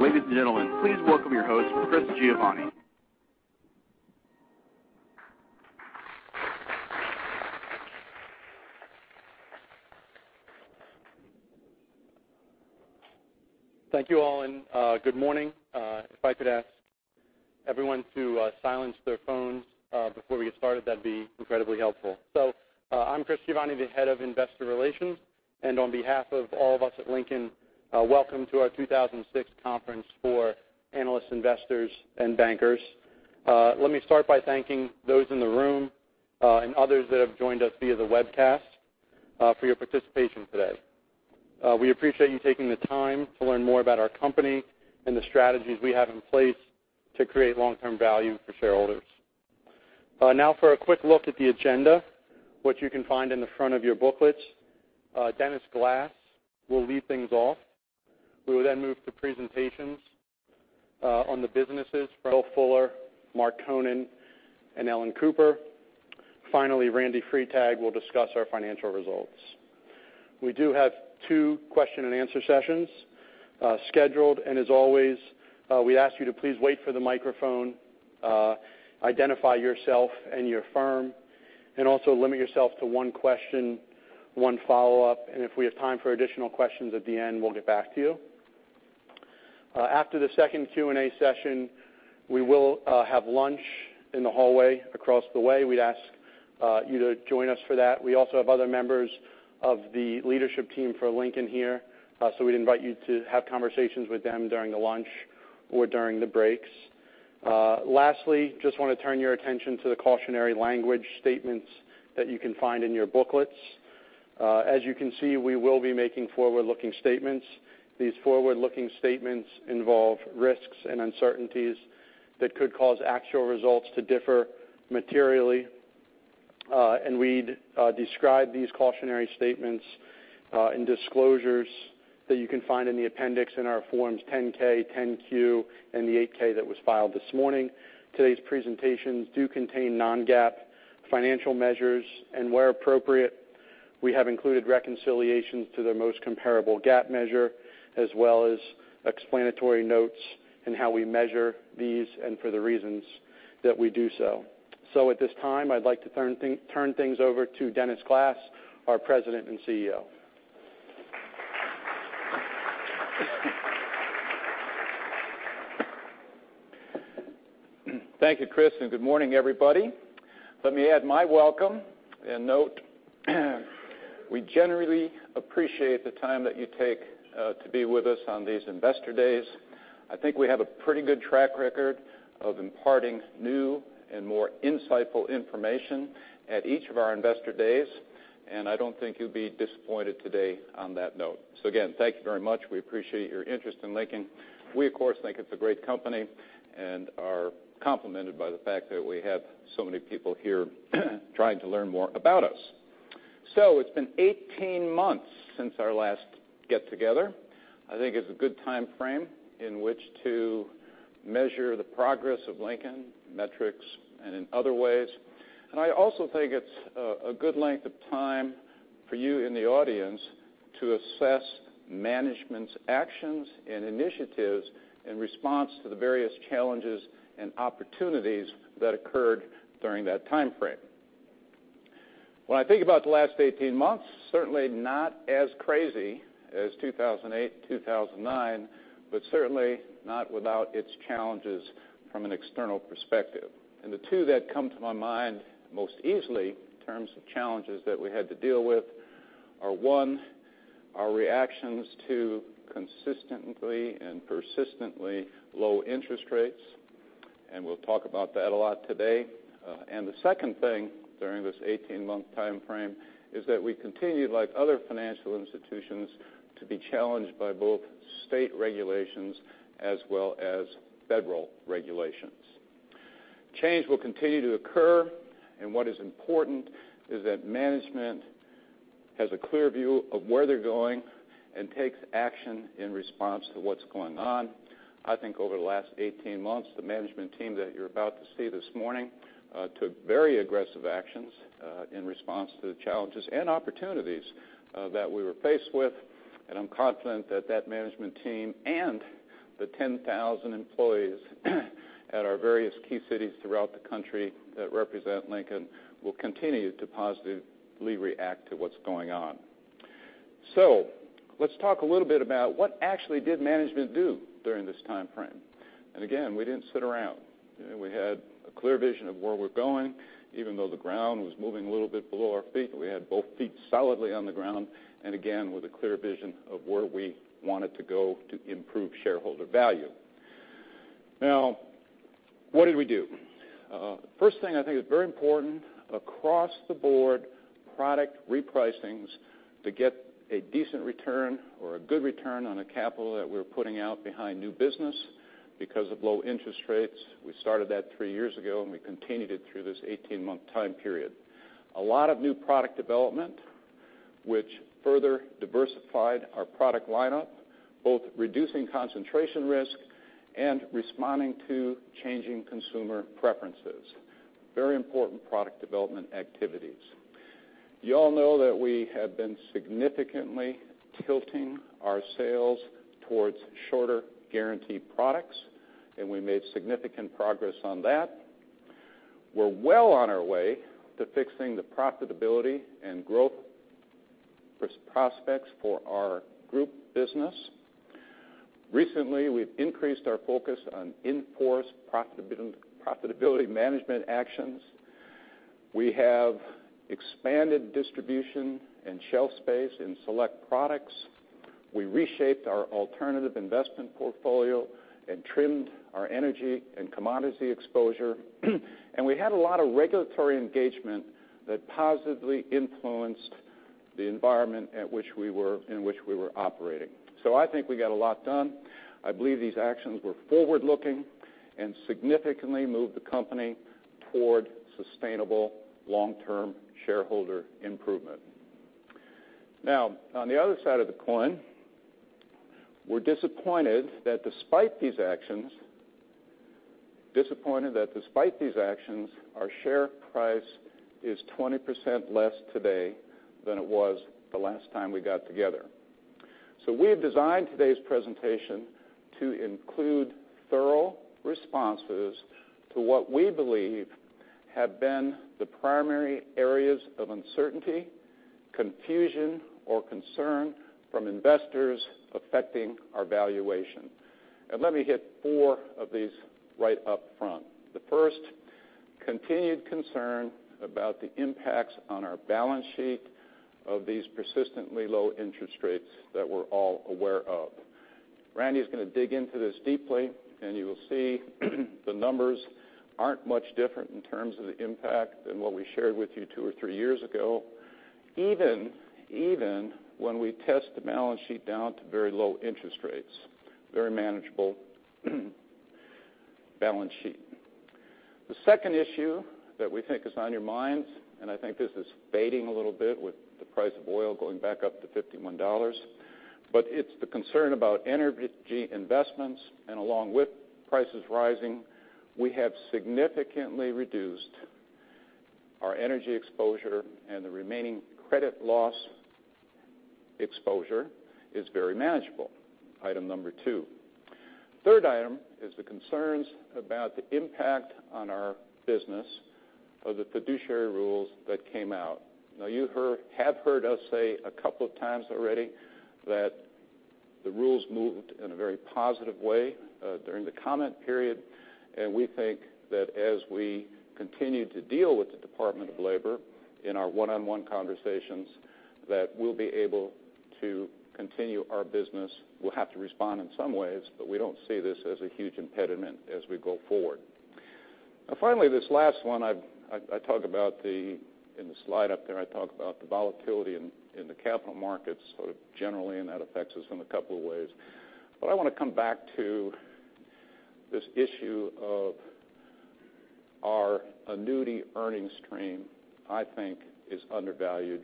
Ladies and gentlemen, please welcome your host, Chris Giovanni. Thank you all, and good morning. If I could ask everyone to silence their phones before we get started, that'd be incredibly helpful. I'm Chris Giovanni, the Head of Investor Relations, and on behalf of all of us at Lincoln, welcome to our 2016 conference for analysts, investors, and bankers. Let me start by thanking those in the room, and others that have joined us via the webcast, for your participation today. We appreciate you taking the time to learn more about our company and the strategies we have in place to create long-term value for shareholders. Now for a quick look at the agenda, which you can find in the front of your booklets. Dennis Glass will lead things off. We will then move to presentations on the businesses, Will Fuller, Mark Konen, and Ellen Cooper. Finally, Randal Freitag will discuss our financial results. We do have two question and answer sessions scheduled. As always, we ask you to please wait for the microphone, identify yourself and your firm, and also limit yourself to one question, one follow-up, and if we have time for additional questions at the end, we'll get back to you. After the second Q&A session, we will have lunch in the hallway across the way. We'd ask you to join us for that. We also have other members of the leadership team for Lincoln here, so we'd invite you to have conversations with them during the lunch or during the breaks. Lastly, just want to turn your attention to the cautionary language statements that you can find in your booklets. As you can see, we will be making forward-looking statements. These forward-looking statements involve risks and uncertainties that could cause actual results to differ materially. We describe these cautionary statements in disclosures that you can find in the appendix in our forms 10-K, 10-Q, and the 8-K that was filed this morning. Today's presentations do contain non-GAAP financial measures, and where appropriate, we have included reconciliations to their most comparable GAAP measure, as well as explanatory notes in how we measure these and for the reasons that we do so. At this time, I'd like to turn things over to Dennis Glass, our President and CEO. Thank you, Chris. Good morning, everybody. Let me add my welcome and note we generally appreciate the time that you take to be with us on these investor days. I think we have a pretty good track record of imparting new and more insightful information at each of our investor days. I don't think you'll be disappointed today on that note. Again, thank you very much. We appreciate your interest in Lincoln. We, of course, think it's a great company and are complimented by the fact that we have so many people here trying to learn more about us. It's been 18 months since our last get-together. I think it's a good time frame in which to measure the progress of Lincoln, metrics, and in other ways. I also think it's a good length of time for you in the audience to assess management's actions and initiatives in response to the various challenges and opportunities that occurred during that time frame. When I think about the last 18 months, certainly not as crazy as 2008 and 2009, but certainly not without its challenges from an external perspective. The two that come to my mind most easily in terms of challenges that we had to deal with are, one, our reactions to consistently and persistently low interest rates. We'll talk about that a lot today. The second thing during this 18-month time frame is that we continued, like other financial institutions, to be challenged by both state regulations as well as federal regulations. Change will continue to occur. What is important is that management has a clear view of where they're going and takes action in response to what's going on. I think over the last 18 months, the management team that you're about to see this morning took very aggressive actions in response to the challenges and opportunities that we were faced with. I'm confident that that management team and the 10,000 employees at our various key cities throughout the country that represent Lincoln will continue to positively react to what's going on. Let's talk a little bit about what actually did management do during this time frame. Again, we didn't sit around. We had a clear vision of where we're going, even though the ground was moving a little bit below our feet. We had both feet solidly on the ground, again, with a clear vision of where we wanted to go to improve shareholder value. Now, what did we do? First thing I think is very important, across the board, product repricings to get a decent return or a good return on the capital that we're putting out behind new business because of low interest rates. We started that three years ago. We continued it through this 18-month time period. A lot of new product development, which further diversified our product lineup, both reducing concentration risk and responding to changing consumer preferences. Very important product development activities. You all know that we have been significantly tilting our sales towards shorter guaranteed products, we made significant progress on that. We're well on our way to fixing the profitability and growth prospects for our group business. Recently, we've increased our focus on in-force profitability management actions. We have expanded distribution and shelf space in select products. We reshaped our alternative investment portfolio and trimmed our energy and commodity exposure. We had a lot of regulatory engagement that positively influenced the environment in which we were operating. I think we got a lot done. I believe these actions were forward-looking and significantly moved the company toward sustainable long-term shareholder improvement. On the other side of the coin, we're disappointed that despite these actions, our share price is 20% less today than it was the last time we got together. We have designed today's presentation to include thorough responses to what we believe have been the primary areas of uncertainty, confusion, or concern from investors affecting our valuation. Let me hit four of these right up front. The first, continued concern about the impacts on our balance sheet of these persistently low interest rates that we're all aware of. Randy's going to dig into this deeply, and you will see the numbers aren't much different in terms of the impact than what we shared with you two or three years ago, even when we test the balance sheet down to very low interest rates. Very manageable balance sheet. The second issue that we think is on your minds, I think this is fading a little bit with the price of oil going back up to $51, it's the concern about energy investments, along with prices rising, we have significantly reduced our energy exposure, the remaining credit loss exposure is very manageable. Item number 2. Third item is the concerns about the impact on our business of the fiduciary rules that came out. You have heard us say a couple of times already that the rules moved in a very positive way during the comment period, we think that as we continue to deal with the Department of Labor in our one-on-one conversations, that we'll be able to continue our business. We'll have to respond in some ways, but we don't see this as a huge impediment as we go forward. Finally, this last one, in the slide up there, I talk about the volatility in the capital markets sort of generally, that affects us in a couple of ways. I want to come back to this issue of our annuity earnings stream, I think is undervalued.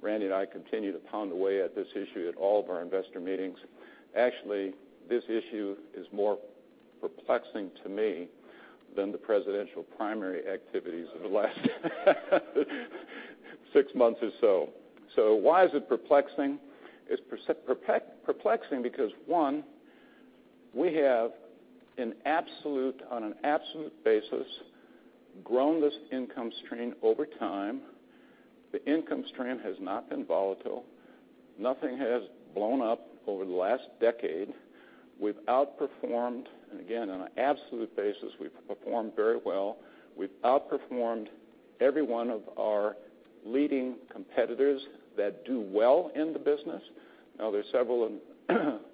Randy and I continue to pound away at this issue at all of our investor meetings. Actually, this issue is more perplexing to me than the presidential primary activities of the last six months or so. Why is it perplexing? It's perplexing because, one, we have, on an absolute basis, grown this income stream over time. The income stream has not been volatile. Nothing has blown up over the last decade. We've outperformed, again, on an absolute basis, we've performed very well. We've outperformed every one of our leading competitors that do well in the business. There's several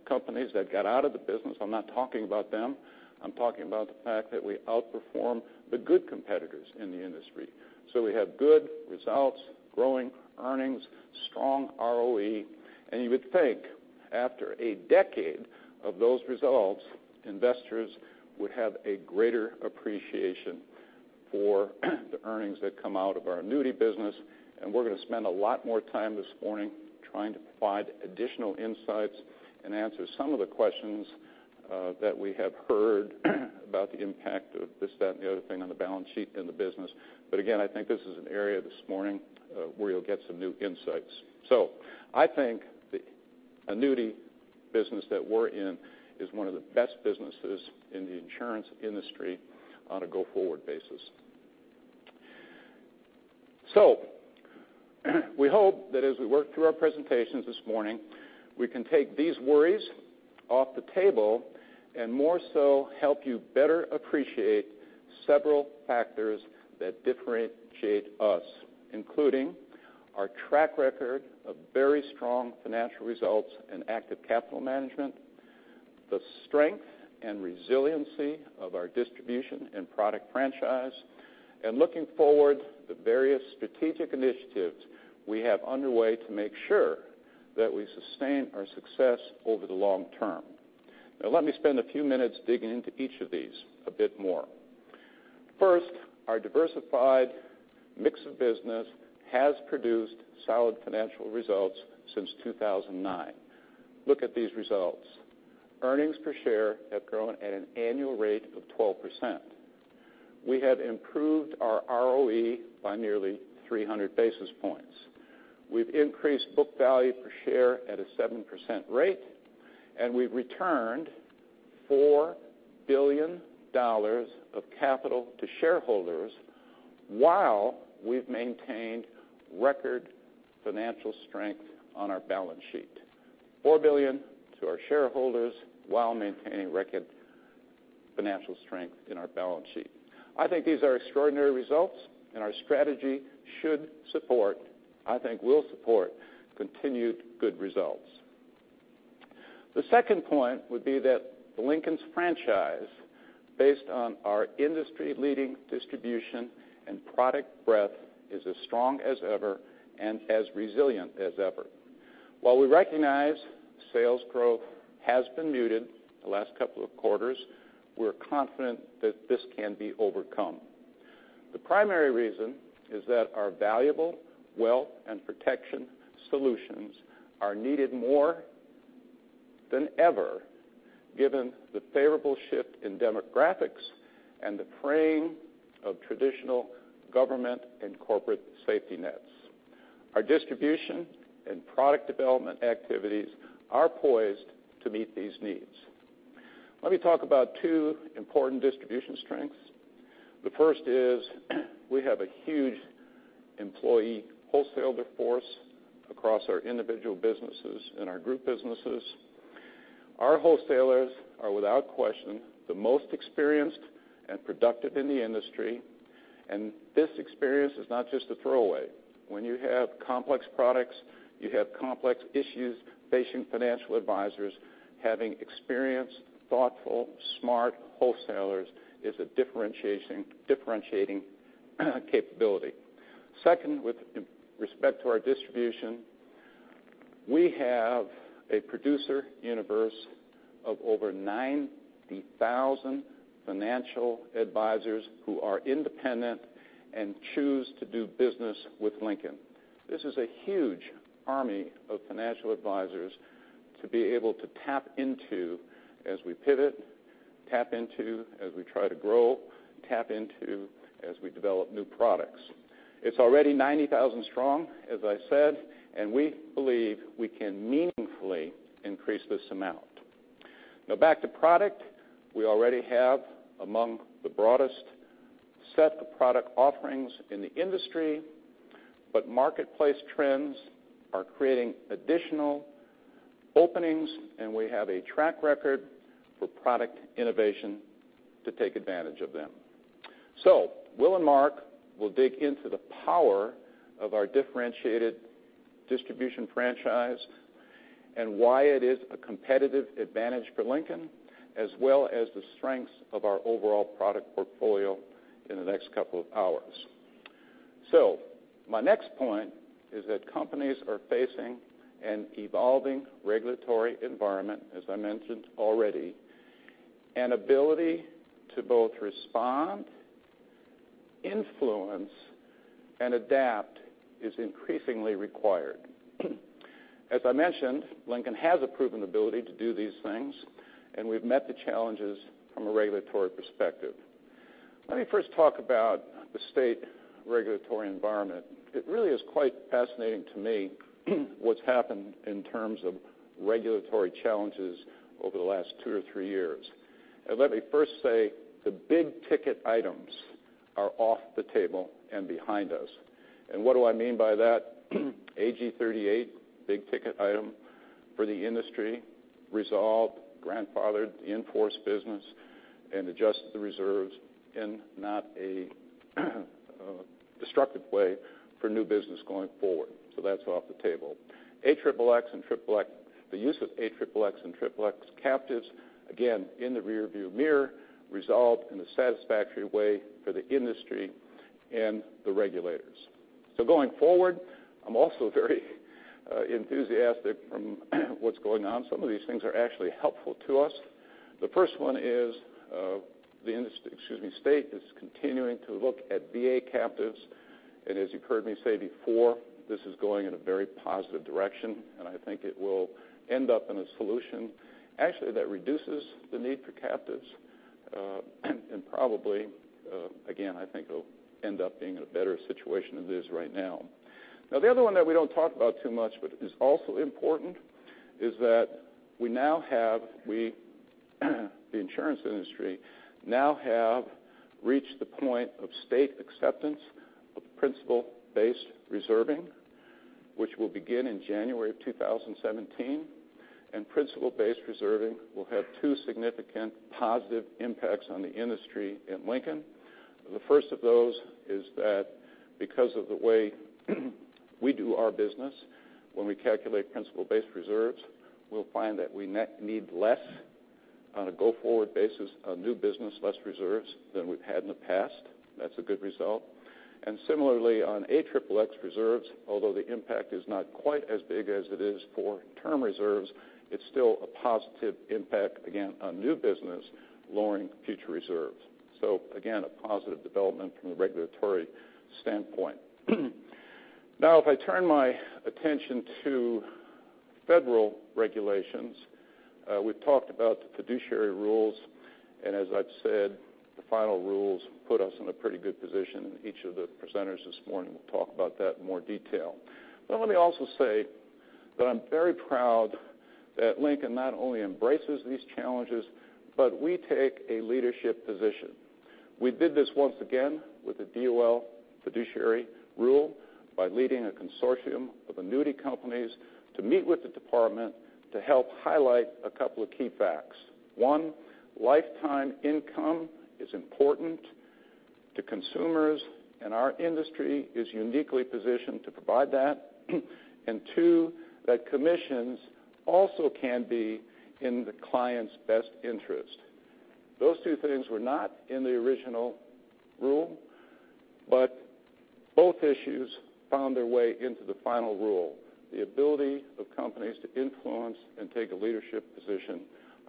companies that got out of the business. I'm not talking about them. I'm talking about the fact that we outperform the good competitors in the industry. We have good results, growing earnings, strong ROE, and you would think after a decade of those results, investors would have a greater appreciation for the earnings that come out of our annuity business. We're going to spend a lot more time this morning trying to provide additional insights and answer some of the questions that we have heard about the impact of this, that, and the other thing on the balance sheet in the business. Again, I think this is an area this morning where you'll get some new insights. I think the annuity business that we're in is one of the best businesses in the insurance industry on a go-forward basis. We hope that as we work through our presentations this morning, we can take these worries off the table and more so help you better appreciate several factors that differentiate us, including our track record of very strong financial results and active capital management, the strength and resiliency of our distribution and product franchise, and looking forward, the various strategic initiatives we have underway to make sure that we sustain our success over the long term. Let me spend a few minutes digging into each of these a bit more. First, our diversified mix of business has produced solid financial results since 2009. Look at these results. Earnings per share have grown at an annual rate of 12%. We have improved our ROE by nearly 300 basis points. We've increased book value per share at a 7% rate, and we've returned $4 billion of capital to shareholders while we've maintained record financial strength on our balance sheet. $4 billion to our shareholders while maintaining record financial strength in our balance sheet. I think these are extraordinary results, our strategy should support, will support continued good results. The second point would be that Lincoln's franchise, based on our industry-leading distribution and product breadth, is as strong as ever and as resilient as ever. We recognize sales growth has been muted the last couple of quarters, we're confident that this can be overcome. The primary reason is that our valuable wealth and protection solutions are needed more than ever, given the favorable shift in demographics and the fraying of traditional government and corporate safety nets. Our distribution and product development activities are poised to meet these needs. Let me talk about two important distribution strengths. The first is we have a huge employee wholesaler force across our individual businesses and our group businesses. Our wholesalers are, without question, the most experienced and productive in the industry, this experience is not just a throwaway. When you have complex products, you have complex issues facing financial advisors, having experienced, thoughtful, smart wholesalers is a differentiating capability. With respect to our distribution, we have a producer universe of over 90,000 financial advisors who are independent and choose to do business with Lincoln. This is a huge army of financial advisors to be able to tap into as we pivot, tap into as we try to grow, tap into as we develop new products. It's already 90,000 strong, as I said, we believe we can meaningfully increase this amount. Back to product. We already have among the broadest set of product offerings in the industry, marketplace trends are creating additional openings, and we have a track record for product innovation to take advantage of them. Will and Mark will dig into the power of our differentiated distribution franchise and why it is a competitive advantage for Lincoln as well as the strengths of our overall product portfolio in the next couple of hours. My next point is that companies are facing an evolving regulatory environment, as I mentioned already. An ability to both respond, influence, and adapt is increasingly required. As I mentioned, Lincoln has a proven ability to do these things, and we've met the challenges from a regulatory perspective. Let me first talk about the state regulatory environment. It really is quite fascinating to me what's happened in terms of regulatory challenges over the last two or three years. Let me first say the big-ticket items are off the table and behind us. What do I mean by that? AG 38, big-ticket item for the industry, resolved, grandfathered the in-force business, and adjusted the reserves in not a destructive way for new business going forward. That's off the table. A triple X and triple X, the use of A triple X and triple X captives, again, in the rear view mirror, resolved in a satisfactory way for the industry and the regulators. Going forward, I'm also very enthusiastic from what's going on. Some of these things are actually helpful to us. The first one is the industry, excuse me, state is continuing to look at VA captives, as you've heard me say before, this is going in a very positive direction, and I think it will end up in a solution actually that reduces the need for captives. Probably again, I think it'll end up being in a better situation than it is right now. The other one that we don't talk about too much but is also important is that we now have, we, the insurance industry now have reached the point of state acceptance of principle-based reserving, which will begin in January of 2017. Principle-based reserving will have two significant positive impacts on the industry and Lincoln. The first of those is that because of the way we do our business, when we calculate principle-based reserves, we'll find that we need less on a go-forward basis on new business, less reserves than we've had in the past. That's a good result. Similarly, on A triple X reserves, although the impact is not quite as big as it is for term reserves, it's still a positive impact, again, on new business lowering future reserves. Again, a positive development from a regulatory standpoint. If I turn my attention to federal regulations, we've talked about the fiduciary rules, as I've said, the final rules put us in a pretty good position. Each of the presenters this morning will talk about that in more detail. Let me also say that I'm very proud that Lincoln not only embraces these challenges, but we take a leadership position. We did this once again with the DOL fiduciary rule by leading a consortium of annuity companies to meet with the department to help highlight a couple of key facts. One, lifetime income is important to consumers, and our industry is uniquely positioned to provide that. Two, that commissions also can be in the client's best interest. Those two things were not in the original rule, but both issues found their way into the final rule. The ability of companies to influence and take a leadership position,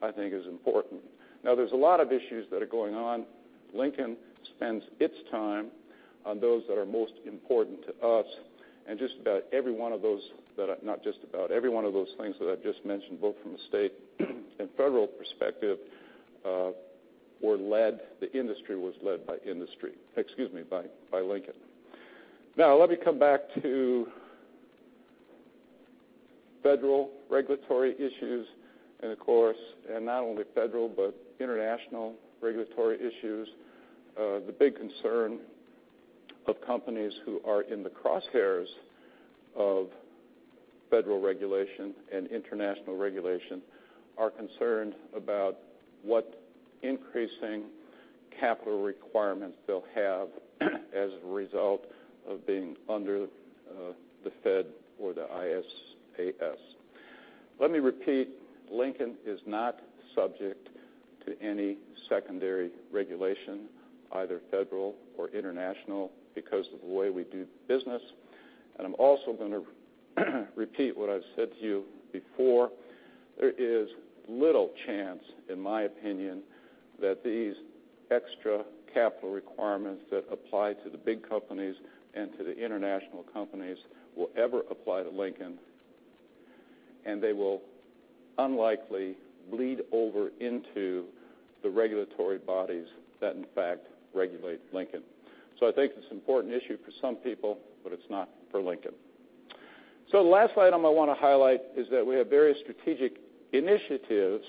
I think, is important. There's a lot of issues that are going on. Lincoln spends its time on those that are most important to us and every one of those things that I've just mentioned, both from the state and federal perspective, the industry was led by industry. Excuse me, by Lincoln. Let me come back to federal regulatory issues and of course, not only federal, but international regulatory issues. The big concern of companies who are in the crosshairs of federal regulation and international regulation are concerned about what increasing capital requirements they'll have as a result of being under the Fed or the IAIS. Let me repeat, Lincoln is not subject to any secondary regulation, either federal or international, because of the way we do business. I'm also going to repeat what I've said to you before. There is little chance, in my opinion, that these extra capital requirements that apply to the big companies and to the international companies will ever apply to Lincoln, and they will unlikely bleed over into the regulatory bodies that in fact, regulate Lincoln. I think it's an important issue for some people, but it's not for Lincoln. The last item I want to highlight is that we have various strategic initiatives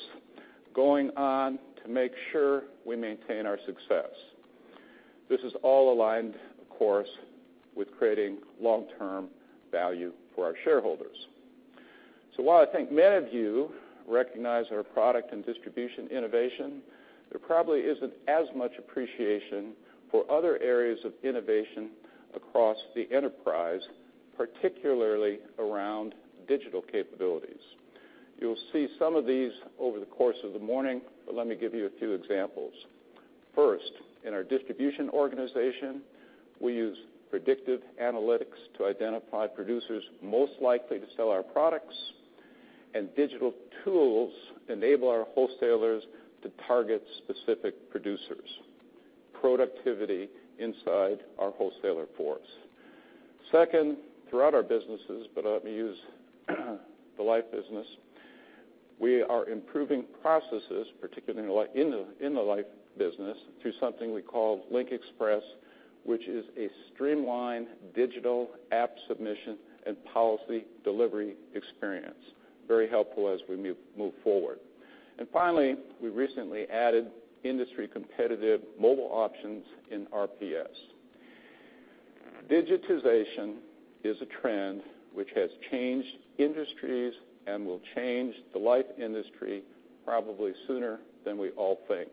going on to make sure we maintain our success. This is all aligned, of course, with creating long-term value for our shareholders. While I think many of you recognize our product and distribution innovation, there probably isn't as much appreciation for other areas of innovation across the enterprise, particularly around digital capabilities. You'll see some of these over the course of the morning, but let me give you a few examples. First, in our distribution organization, we use predictive analytics to identify producers most likely to sell our products, and digital tools enable our wholesalers to target specific producers. Productivity inside our wholesaler force. Second, throughout our businesses, but let me use the life business. We are improving processes, particularly in the life business, through something we call LincXpress, which is a streamlined digital app submission and policy delivery experience. Very helpful as we move forward. Finally, we recently added industry-competitive mobile options in RPS. Digitization is a trend which has changed industries and will change the life industry probably sooner than we all think.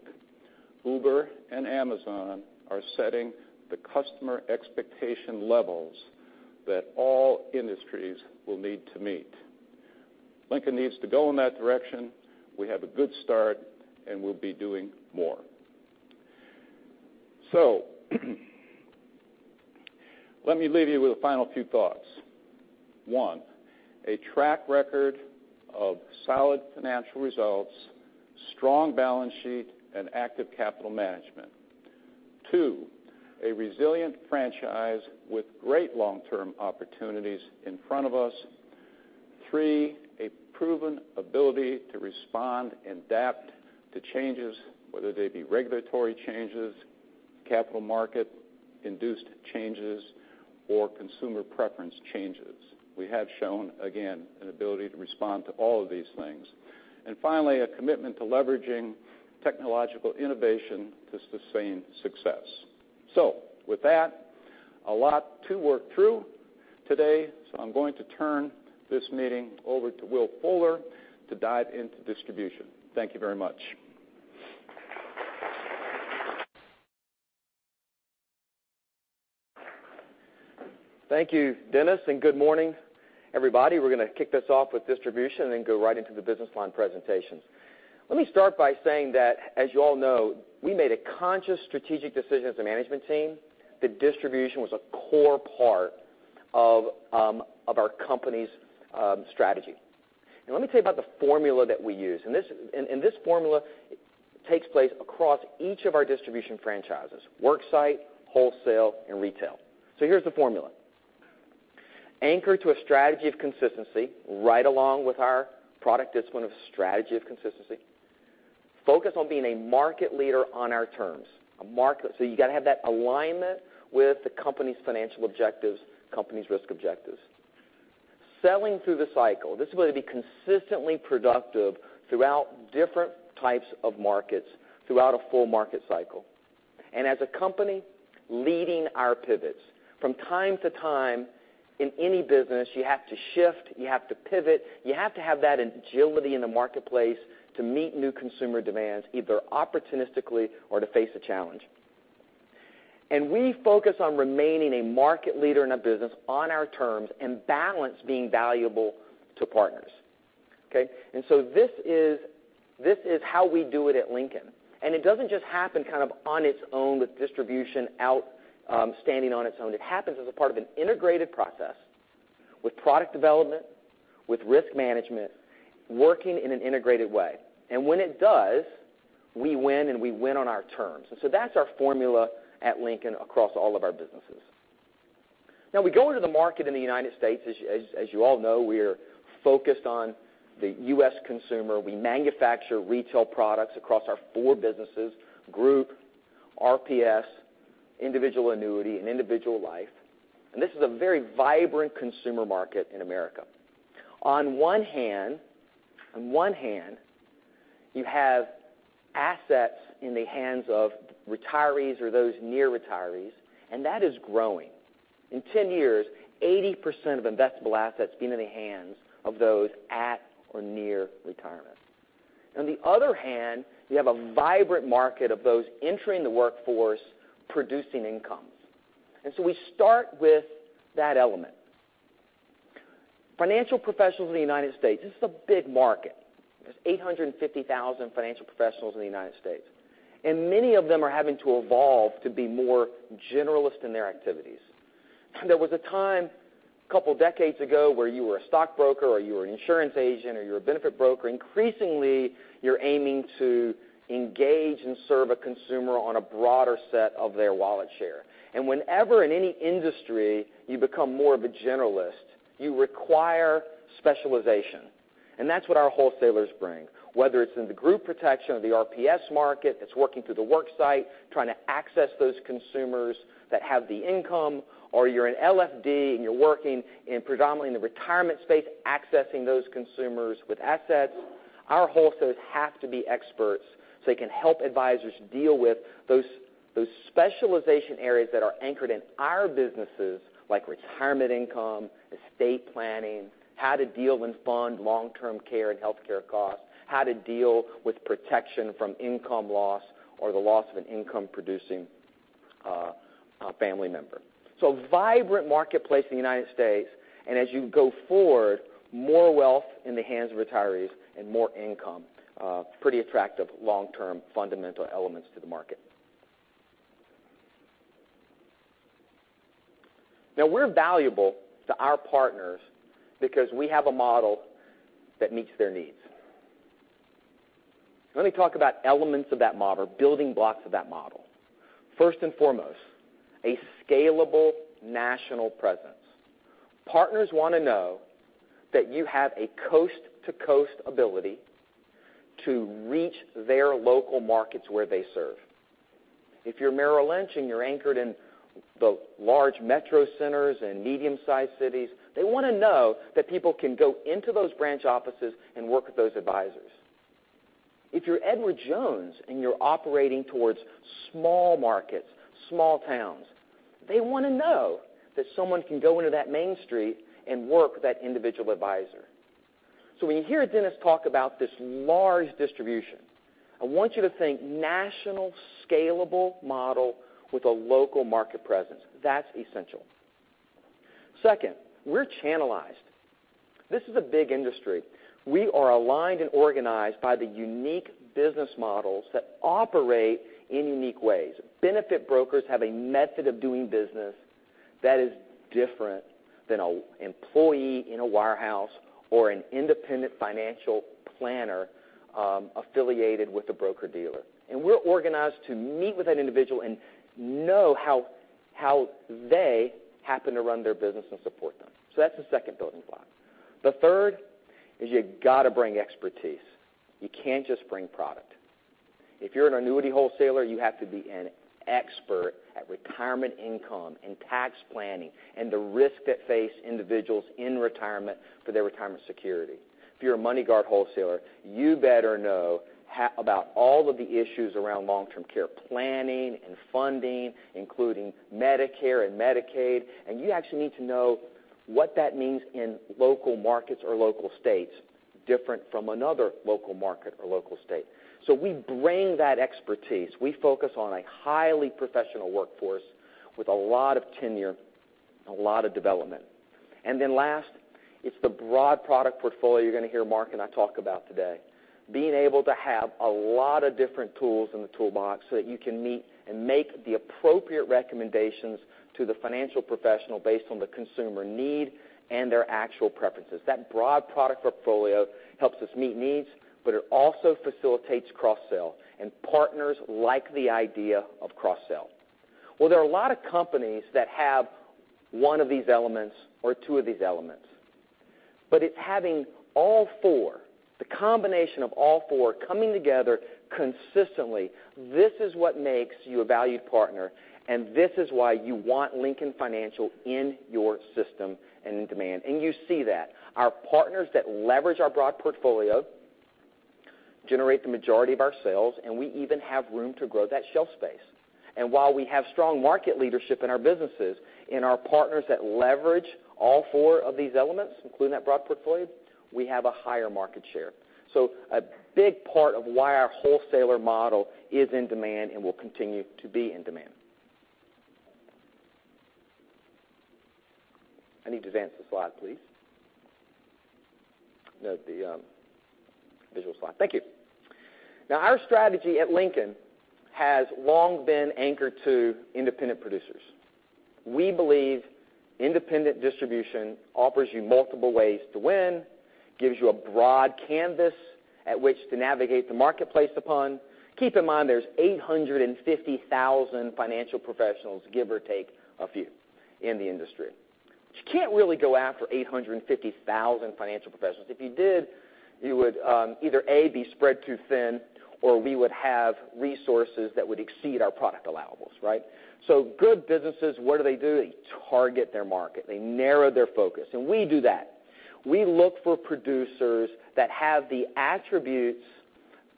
Uber and Amazon are setting the customer expectation levels that all industries will need to meet. Lincoln needs to go in that direction. We have a good start and we'll be doing more. Let me leave you with a final few thoughts. One, a track record of solid financial results, strong balance sheet, and active capital management. Two, a resilient franchise with great long-term opportunities in front of us. Three, a proven ability to respond and adapt to changes, whether they be regulatory changes, capital market-induced changes, or consumer preference changes. We have shown, again, an ability to respond to all of these things. Finally, a commitment to leveraging technological innovation to sustain success. With that, a lot to work through today. I'm going to turn this meeting over to Will Fuller to dive into distribution. Thank you very much. Thank you, Dennis, and good morning, everybody. We're going to kick this off with distribution and then go right into the business line presentations. Let me start by saying that, as you all know, we made a conscious strategic decision as a management team that distribution was a core part of our company's strategy. Now let me tell you about the formula that we use. This formula takes place across each of our distribution franchises, worksite, wholesale, and retail. Here's the formula. Anchored to a strategy of consistency, right along with our product discipline of strategy of consistency. Focus on being a market leader on our terms. You got to have that alignment with the company's financial objectives, company's risk objectives. Selling through the cycle. This ability to be consistently productive throughout different types of markets throughout a full market cycle. As a company, leading our pivots. From time to time, in any business, you have to shift, you have to pivot, you have to have that agility in the marketplace to meet new consumer demands, either opportunistically or to face a challenge. We focus on remaining a market leader in a business on our terms and balance being valuable to partners. Okay? This is how we do it at Lincoln, and it doesn't just happen kind of on its own with distribution out, standing on its own. It happens as a part of an integrated process with product development, with risk management, working in an integrated way. When it does, we win, and we win on our terms. That's our formula at Lincoln across all of our businesses. We go into the market in the U.S., as you all know, we're focused on the U.S. consumer. We manufacture retail products across our four businesses, Group, RPS, Individual Annuity, and Individual Life. This is a very vibrant consumer market in America. On one hand, you have assets in the hands of retirees or those near retirees, and that is growing. In 10 years, 80% of investable assets will be in the hands of those at or near retirement. On the other hand, we have a vibrant market of those entering the workforce, producing income. We start with that element. Financial professionals in the U.S., this is a big market. There's 850,000 financial professionals in the U.S., and many of them are having to evolve to be more generalist in their activities. There was a time a couple of decades ago where you were a stockbroker, or you were an insurance agent, or you were a benefit broker. Increasingly, you're aiming to engage and serve a consumer on a broader set of their wallet share. Whenever in any industry you become more of a generalist, you require specialization. That's what our wholesalers bring, whether it's in the group protection or the RPS market, it's working through the worksite, trying to access those consumers that have the income, or you're an LFD, and you're working predominantly in the retirement space, accessing those consumers with assets. Our wholesalers have to be experts so they can help advisors deal with those specialization areas that are anchored in our businesses, like retirement income, estate planning, how to deal and fund long-term care and healthcare costs, how to deal with protection from income loss, or the loss of an income-producing family member. Vibrant marketplace in the United States, and as you go forward, more wealth in the hands of retirees and more income. Pretty attractive long-term fundamental elements to the market. We're valuable to our partners because we have a model that meets their needs. Let me talk about elements of that model or building blocks of that model. First and foremost, a scalable national presence. Partners want to know that you have a coast-to-coast ability to reach their local markets where they serve. If you're Merrill Lynch and you're anchored in the large metro centers and medium-sized cities, they want to know that people can go into those branch offices and work with those advisors. If you're Edward Jones and you're operating towards small markets, small towns, they want to know that someone can go into that main street and work with that individual advisor. When you hear Dennis talk about this large distribution, I want you to think national scalable model with a local market presence. That's essential. Second, we're channelized. This is a big industry. We are aligned and organized by the unique business models that operate in unique ways. Benefit brokers have a method of doing business that is different than an employee in a wirehouse or an independent financial planner affiliated with a broker-dealer. We're organized to meet with that individual and know how they happen to run their business and support them. That's the second building block. The third is you got to bring expertise. You can't just bring product. If you're an annuity wholesaler, you have to be an expert at retirement income and tax planning and the risks that face individuals in retirement for their retirement security. If you're a MoneyGuard wholesaler, you better know about all of the issues around long-term care planning and funding, including Medicare and Medicaid, and you actually need to know what that means in local markets or local states, different from another local market or local state. We bring that expertise. We focus on a highly professional workforce with a lot of tenure and a lot of development. Last, it's the broad product portfolio you're going to hear Mark and I talk about today. Being able to have a lot of different tools in the toolbox so that you can meet and make the appropriate recommendations to the financial professional based on the consumer need and their actual preferences. That broad product portfolio helps us meet needs, but it also facilitates cross-sell, and partners like the idea of cross-sell. There are a lot of companies that have one of these elements or two of these elements. It's having all four, the combination of all four coming together consistently. This is what makes you a valued partner, and this is why you want Lincoln Financial in your system and in demand. You see that. Our partners that leverage our broad portfolio generate the majority of our sales, and we even have room to grow that shelf space. While we have strong market leadership in our businesses, in our partners that leverage all four of these elements, including that broad portfolio, we have a higher market share. A big part of why our wholesaler model is in demand and will continue to be in demand. I need to advance the slide, please. No, the visual slide. Thank you. Our strategy at Lincoln has long been anchored to independent producers. We believe independent distribution offers you multiple ways to win, gives you a broad canvas at which to navigate the marketplace upon. Keep in mind, there's 850,000 financial professionals, give or take a few, in the industry. You can't really go after 850,000 financial professionals. If you did, you would either, A, be spread too thin, or we would have resources that would exceed our product allowables, right? Good businesses, what do they do? They target their market. They narrow their focus, and we do that. We look for producers that have the attributes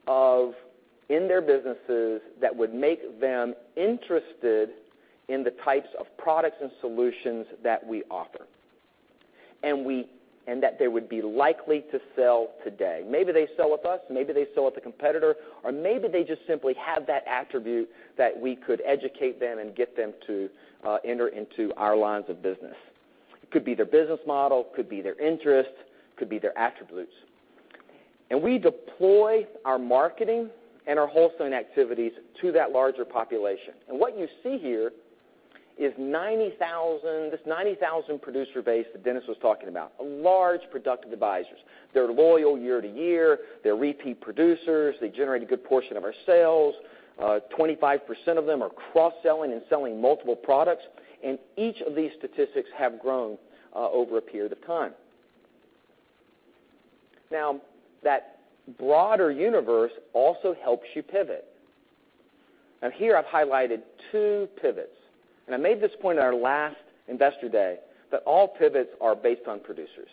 in their businesses that would make them interested in the types of products and solutions that we offer, and that they would be likely to sell today. Maybe they sell with us, maybe they sell with a competitor, or maybe they just simply have that attribute that we could educate them and get them to enter into our lines of business. It could be their business model, could be their interests, could be their attributes. We deploy our marketing and our wholesaling activities to that larger population. What you see here is this 90,000 producer base that Dennis was talking about, large productive advisors. They're loyal year-to-year. They're repeat producers. They generate a good portion of our sales. 25% of them are cross-selling and selling multiple products, and each of these statistics have grown over a period of time. That broader universe also helps you pivot. Here I've highlighted two pivots, and I made this point at our last Investor Day, that all pivots are based on producers.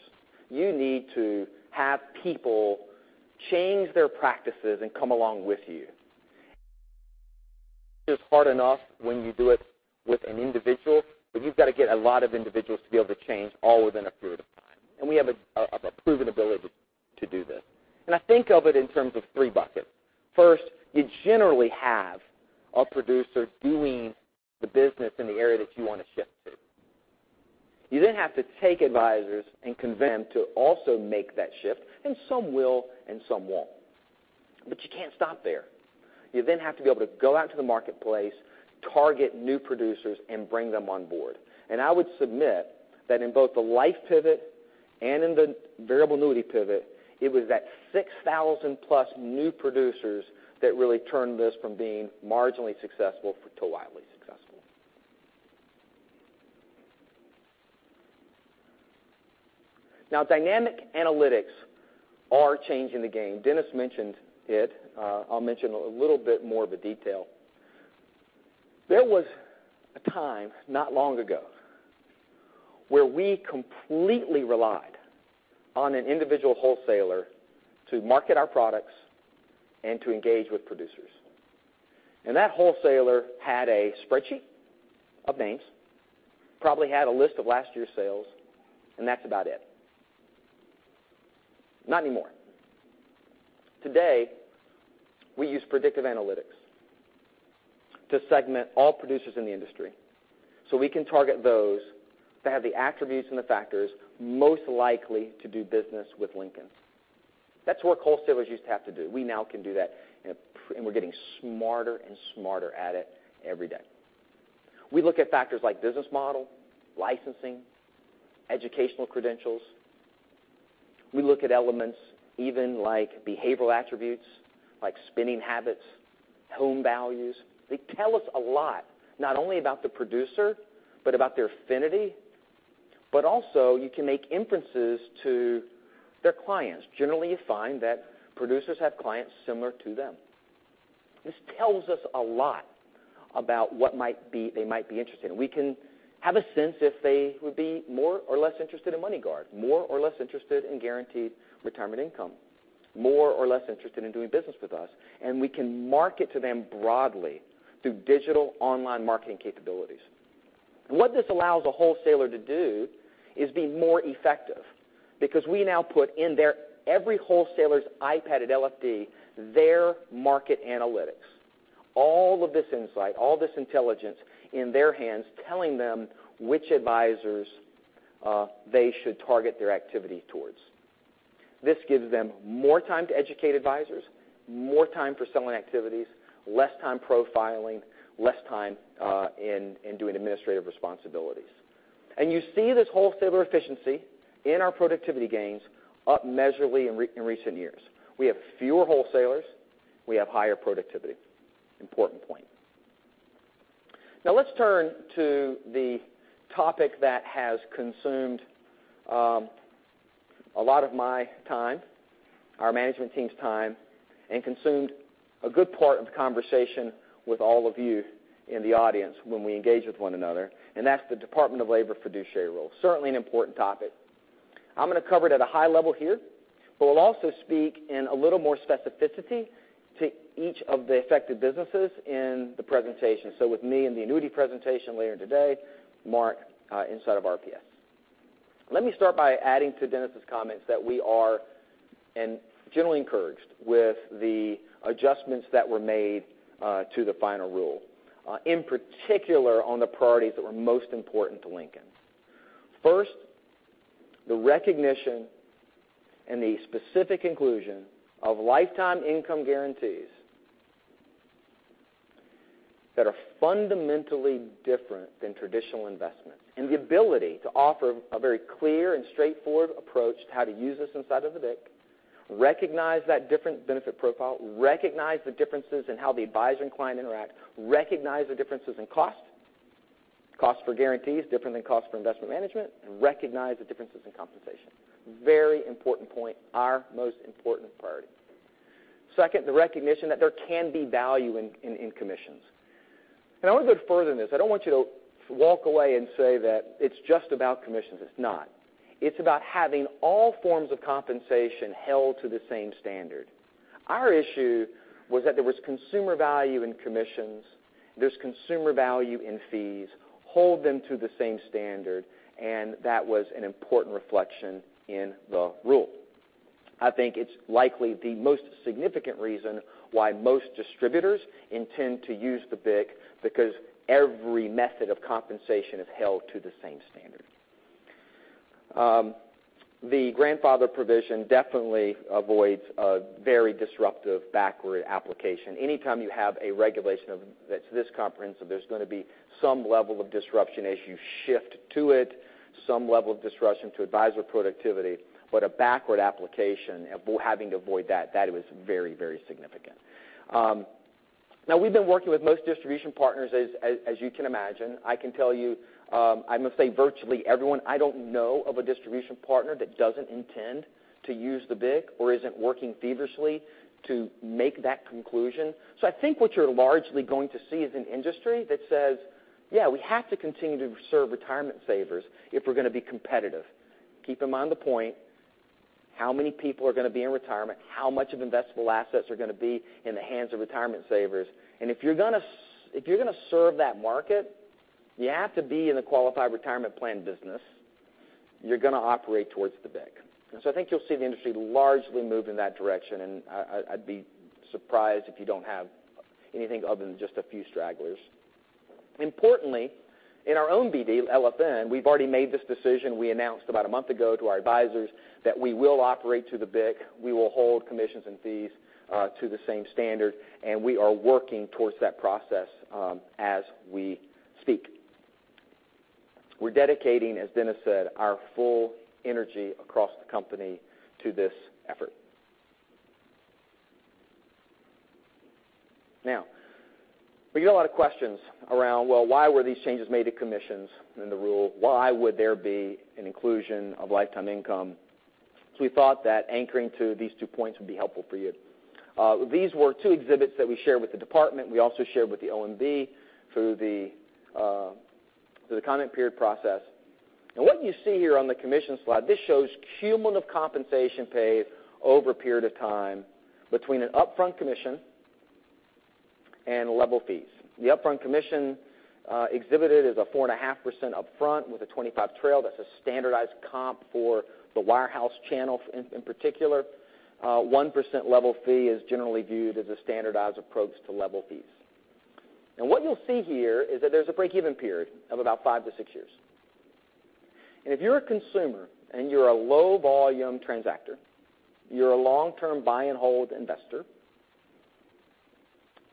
You need to have people change their practices and come along with you. It is hard enough when you do it with an individual, but you've got to get a lot of individuals to be able to change all within a period of time, and we have a proven ability to do this. I think of it in terms of three buckets. First, you generally have a producer doing the business in the area that you want to shift to. You then have to take advisors and convince them to also make that shift, and some will, and some won't. You can't stop there. You then have to be able to go out to the marketplace, target new producers, and bring them on board. I would submit that in both the life pivot and in the variable annuity pivot, it was that 6,000-plus new producers that really turned this from being marginally successful to wildly successful. Dynamic analytics are changing the game. Dennis mentioned it. I'll mention a little bit more of a detail. There was a time not long ago where we completely relied on an individual wholesaler to market our products and to engage with producers. That wholesaler had a spreadsheet of names, probably had a list of last year's sales, and that's about it. Not anymore. Today, we use predictive analytics to segment all producers in the industry, so we can target those that have the attributes and the factors most likely to do business with Lincoln. That's what wholesalers used to have to do. We now can do that, and we're getting smarter and smarter at it every day. We look at factors like business model, licensing, educational credentials. We look at elements even like behavioral attributes, like spending habits, home values. They tell us a lot, not only about the producer, but about their affinity. Also you can make inferences to their clients. Generally, you find that producers have clients similar to them. This tells us a lot about what they might be interested in. We can have a sense if they would be more or less interested in MoneyGuard, more or less interested in guaranteed retirement income, more or less interested in doing business with us, and we can market to them broadly through digital online marketing capabilities. What this allows a wholesaler to do is be more effective because we now put in every wholesaler's iPad at LFD, their market analytics. All of this insight, all this intelligence in their hands telling them which advisors they should target their activity towards. This gives them more time to educate advisors, more time for selling activities, less time profiling, less time in doing administrative responsibilities. You see this wholesaler efficiency in our productivity gains up measurably in recent years. We have fewer wholesalers, we have higher productivity. Important point. Let's turn to the topic that has consumed a lot of my time, our management team's time, and consumed a good part of the conversation with all of you in the audience when we engage with one another, and that's the Department of Labor fiduciary rule. Certainly an important topic. I'm going to cover it at a high level here, we'll also speak in a little more specificity to each of the affected businesses in the presentation. With me in the annuity presentation later today, Mark inside of RPS. Let me start by adding to Dennis's comments that we are generally encouraged with the adjustments that were made to the final rule, in particular on the priorities that were most important to Lincoln. First, the recognition and the specific inclusion of lifetime income guarantees that are fundamentally different than traditional investments and the ability to offer a very clear and straightforward approach to how to use this inside of the BIC, recognize that different benefit profile, recognize the differences in how the advisor and client interact, recognize the differences in cost for guarantees different than cost for investment management, and recognize the differences in compensation. Very important point, our most important priority. Second, the recognition that there can be value in commissions. I want to go further than this. I don't want you to walk away and say that it's just about commissions. It's not. It's about having all forms of compensation held to the same standard. Our issue was that there was consumer value in commissions, there's consumer value in fees, hold them to the same standard, and that was an important reflection in the rule. I think it's likely the most significant reason why most distributors intend to use the BIC, because every method of compensation is held to the same standard. The grandfather provision definitely avoids a very disruptive backward application. Anytime you have a regulation that's this comprehensive, there's going to be some level of disruption as you shift to it, some level of disruption to advisor productivity, but a backward application, having to avoid that was very, very significant. We've been working with most distribution partners, as you can imagine. I can tell you, I must say virtually everyone, I don't know of a distribution partner that doesn't intend to use the BIC or isn't working feverishly to make that conclusion. I think what you're largely going to see is an industry that says, "Yeah, we have to continue to serve retirement savers if we're going to be competitive." Keep in mind the point, how many people are going to be in retirement, how much of investable assets are going to be in the hands of retirement savers. If you're going to serve that market, you have to be in the qualified retirement plan business. You're going to operate towards the BIC. I think you'll see the industry largely move in that direction, and I'd be surprised if you don't have anything other than just a few stragglers. Importantly, in our own BD, LFN, we've already made this decision. We announced about a month ago to our advisors that we will operate to the BIC. We will hold commissions and fees to the same standard, we are working towards that process as we speak. We're dedicating, as Dennis said, our full energy across the company to this effort. We get a lot of questions around, well, why were these changes made to commissions in the rule? Why would there be an inclusion of lifetime income? We thought that anchoring to these two points would be helpful for you. These were two exhibits that we shared with the department. We also shared with the OMB through the comment period process. What you see here on the commission slide, this shows cumulative compensation paid over a period of time between an upfront commission and level fees. The upfront commission exhibited is a 4.5% upfront with a 25 trail. That's a standardized comp for the wirehouse channel in particular. 1% level fee is generally viewed as a standardized approach to level fees. What you'll see here is that there's a break-even period of about five to six years. If you're a consumer and you're a low-volume transactor, you're a long-term buy and hold investor,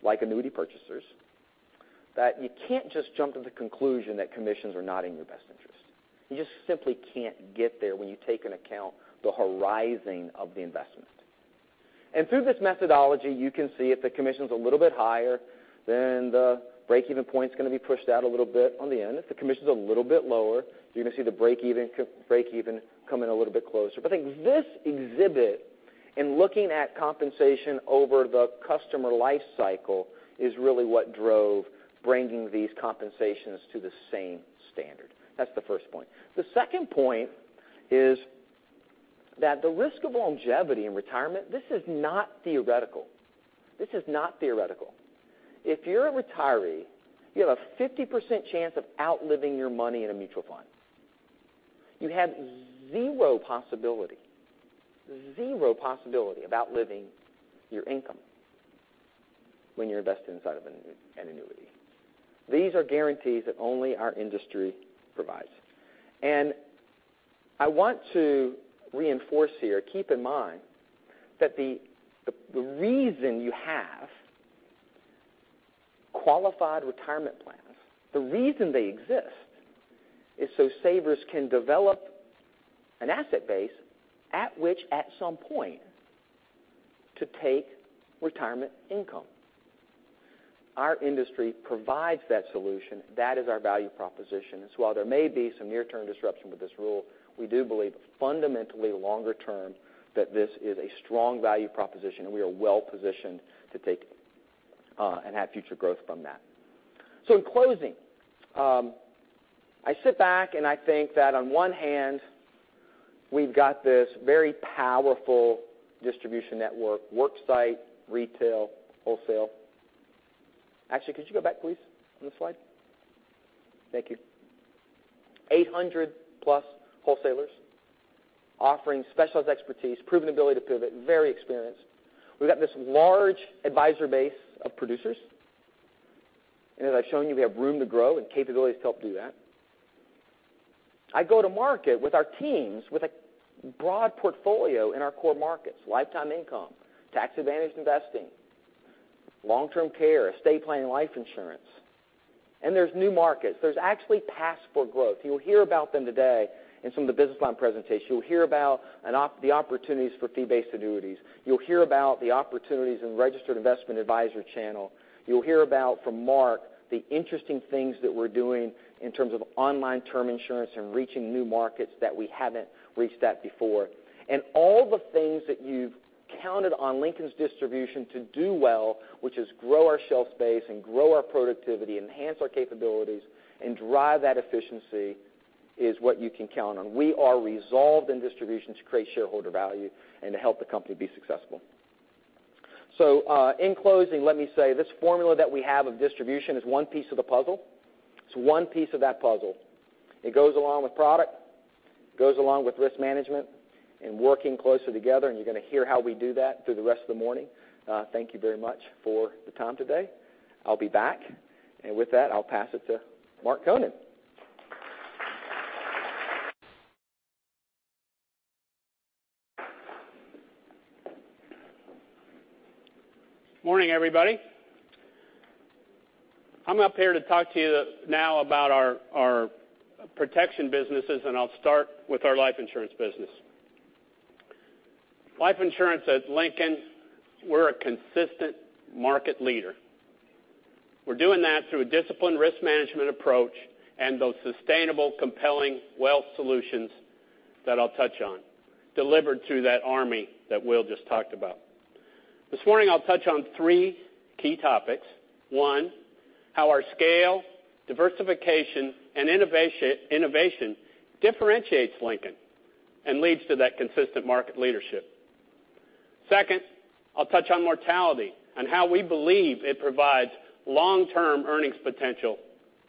like annuity purchasers, that you can't just jump to the conclusion that commissions are not in your best interest. You just simply can't get there when you take into account the horizon of the investment. Through this methodology, you can see if the commission's a little bit higher, then the break-even point's going to be pushed out a little bit on the end. If the commission's a little bit lower, you're going to see the break-even come in a little bit closer. I think this exhibit and looking at compensation over the customer life cycle is really what drove bringing these compensations to the same standard. That's the first point. The second point is that the risk of longevity in retirement, this is not theoretical. This is not theoretical. If you're a retiree, you have a 50% chance of outliving your money in a mutual fund. You have zero possibility, zero possibility of outliving your income when you invest inside of an annuity. These are guarantees that only our industry provides. I want to reinforce here, keep in mind that the reason you have qualified retirement plans, the reason they exist is so savers can develop an asset base at which at some point to take retirement income. Our industry provides that solution. That is our value proposition. While there may be some near-term disruption with this rule, we do believe fundamentally longer term, that this is a strong value proposition, and we are well positioned to take and have future growth from that. In closing, I sit back and I think that on one hand, we've got this very powerful distribution network, worksite, retail, wholesale. Actually, could you go back please on the slide? Thank you. 800-plus wholesalers offering specialized expertise, proven ability to pivot, very experienced. We've got this large advisor base of producers. As I've shown you, we have room to grow and capabilities to help do that. I go to market with our teams with a broad portfolio in our core markets, lifetime income, tax advantage investing, long-term care, estate planning, life insurance. There's new markets. There's actually paths for growth. You'll hear about them today in some of the business line presentations. You'll hear about the opportunities for fee-based annuities. You'll hear about the opportunities in Registered Investment Advisor channel. You'll hear about, from Mark, the interesting things that we're doing in terms of online term insurance and reaching new markets that we haven't reached at before. All the things that you've counted on Lincoln's distribution to do well, which is grow our shelf space and grow our productivity, enhance our capabilities, and drive that efficiency is what you can count on. We are resolved in distribution to create shareholder value and to help the company be successful. In closing, let me say, this formula that we have of distribution is one piece of the puzzle. It's one piece of that puzzle. It goes along with product, goes along with risk management and working closer together, you're going to hear how we do that through the rest of the morning. Thank you very much for the time today. I'll be back. With that, I'll pass it to Mark Konen. Morning, everybody. I'm up here to talk to you now about our protection businesses, I'll start with our life insurance business. Life insurance at Lincoln, we're a consistent market leader. We're doing that through a disciplined risk management approach and those sustainable, compelling wealth solutions that I'll touch on, delivered through that army that Will just talked about. This morning, I'll touch on three key topics. One, how our scale, diversification, and innovation differentiates Lincoln and leads to that consistent market leadership. Second, I'll touch on mortality and how we believe it provides long-term earnings potential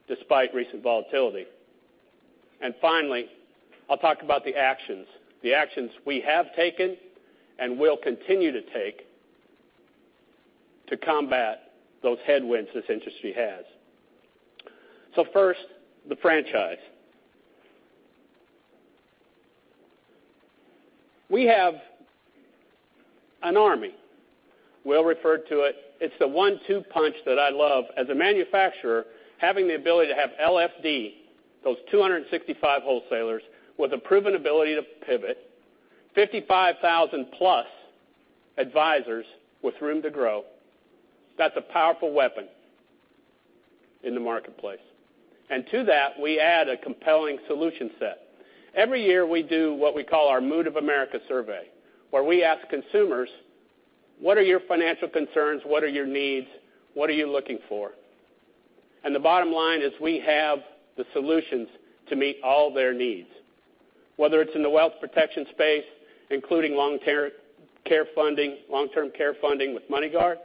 despite recent volatility. Finally, I'll talk about the actions, the actions we have taken and will continue to take to combat those headwinds this industry has. First, the franchise. We have an army. Will referred to it. It's the one-two punch that I love as a manufacturer, having the ability to have LFD, those 265 wholesalers with a proven ability to pivot, 55,000-plus advisors with room to grow. That's a powerful weapon in the marketplace. To that, we add a compelling solution set. Every year, we do what we call our M.O.O.D. of America survey, where we ask consumers, "What are your financial concerns? What are your needs? What are you looking for?" The bottom line is we have the solutions to meet all their needs, whether it's in the wealth protection space, including long-term care funding with MoneyGuard,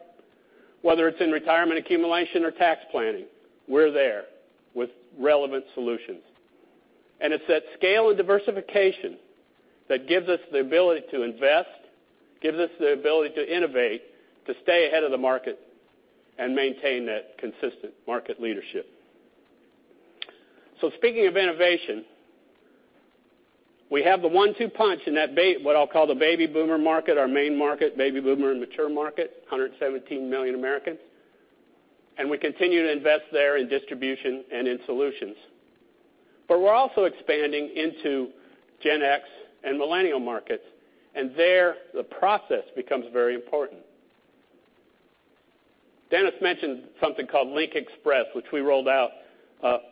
whether it's in retirement accumulation or tax planning, we're there with relevant solutions. It's that scale and diversification that gives us the ability to invest, gives us the ability to innovate, to stay ahead of the market and maintain that consistent market leadership. Speaking of innovation, we have the one-two punch in that what I'll call the baby boomer market, our main market, baby boomer and mature market, 117 million Americans. We continue to invest there in distribution and in solutions. We're also expanding into Gen X and millennial markets. There, the process becomes very important. Dennis mentioned something called LincXpress, which we rolled out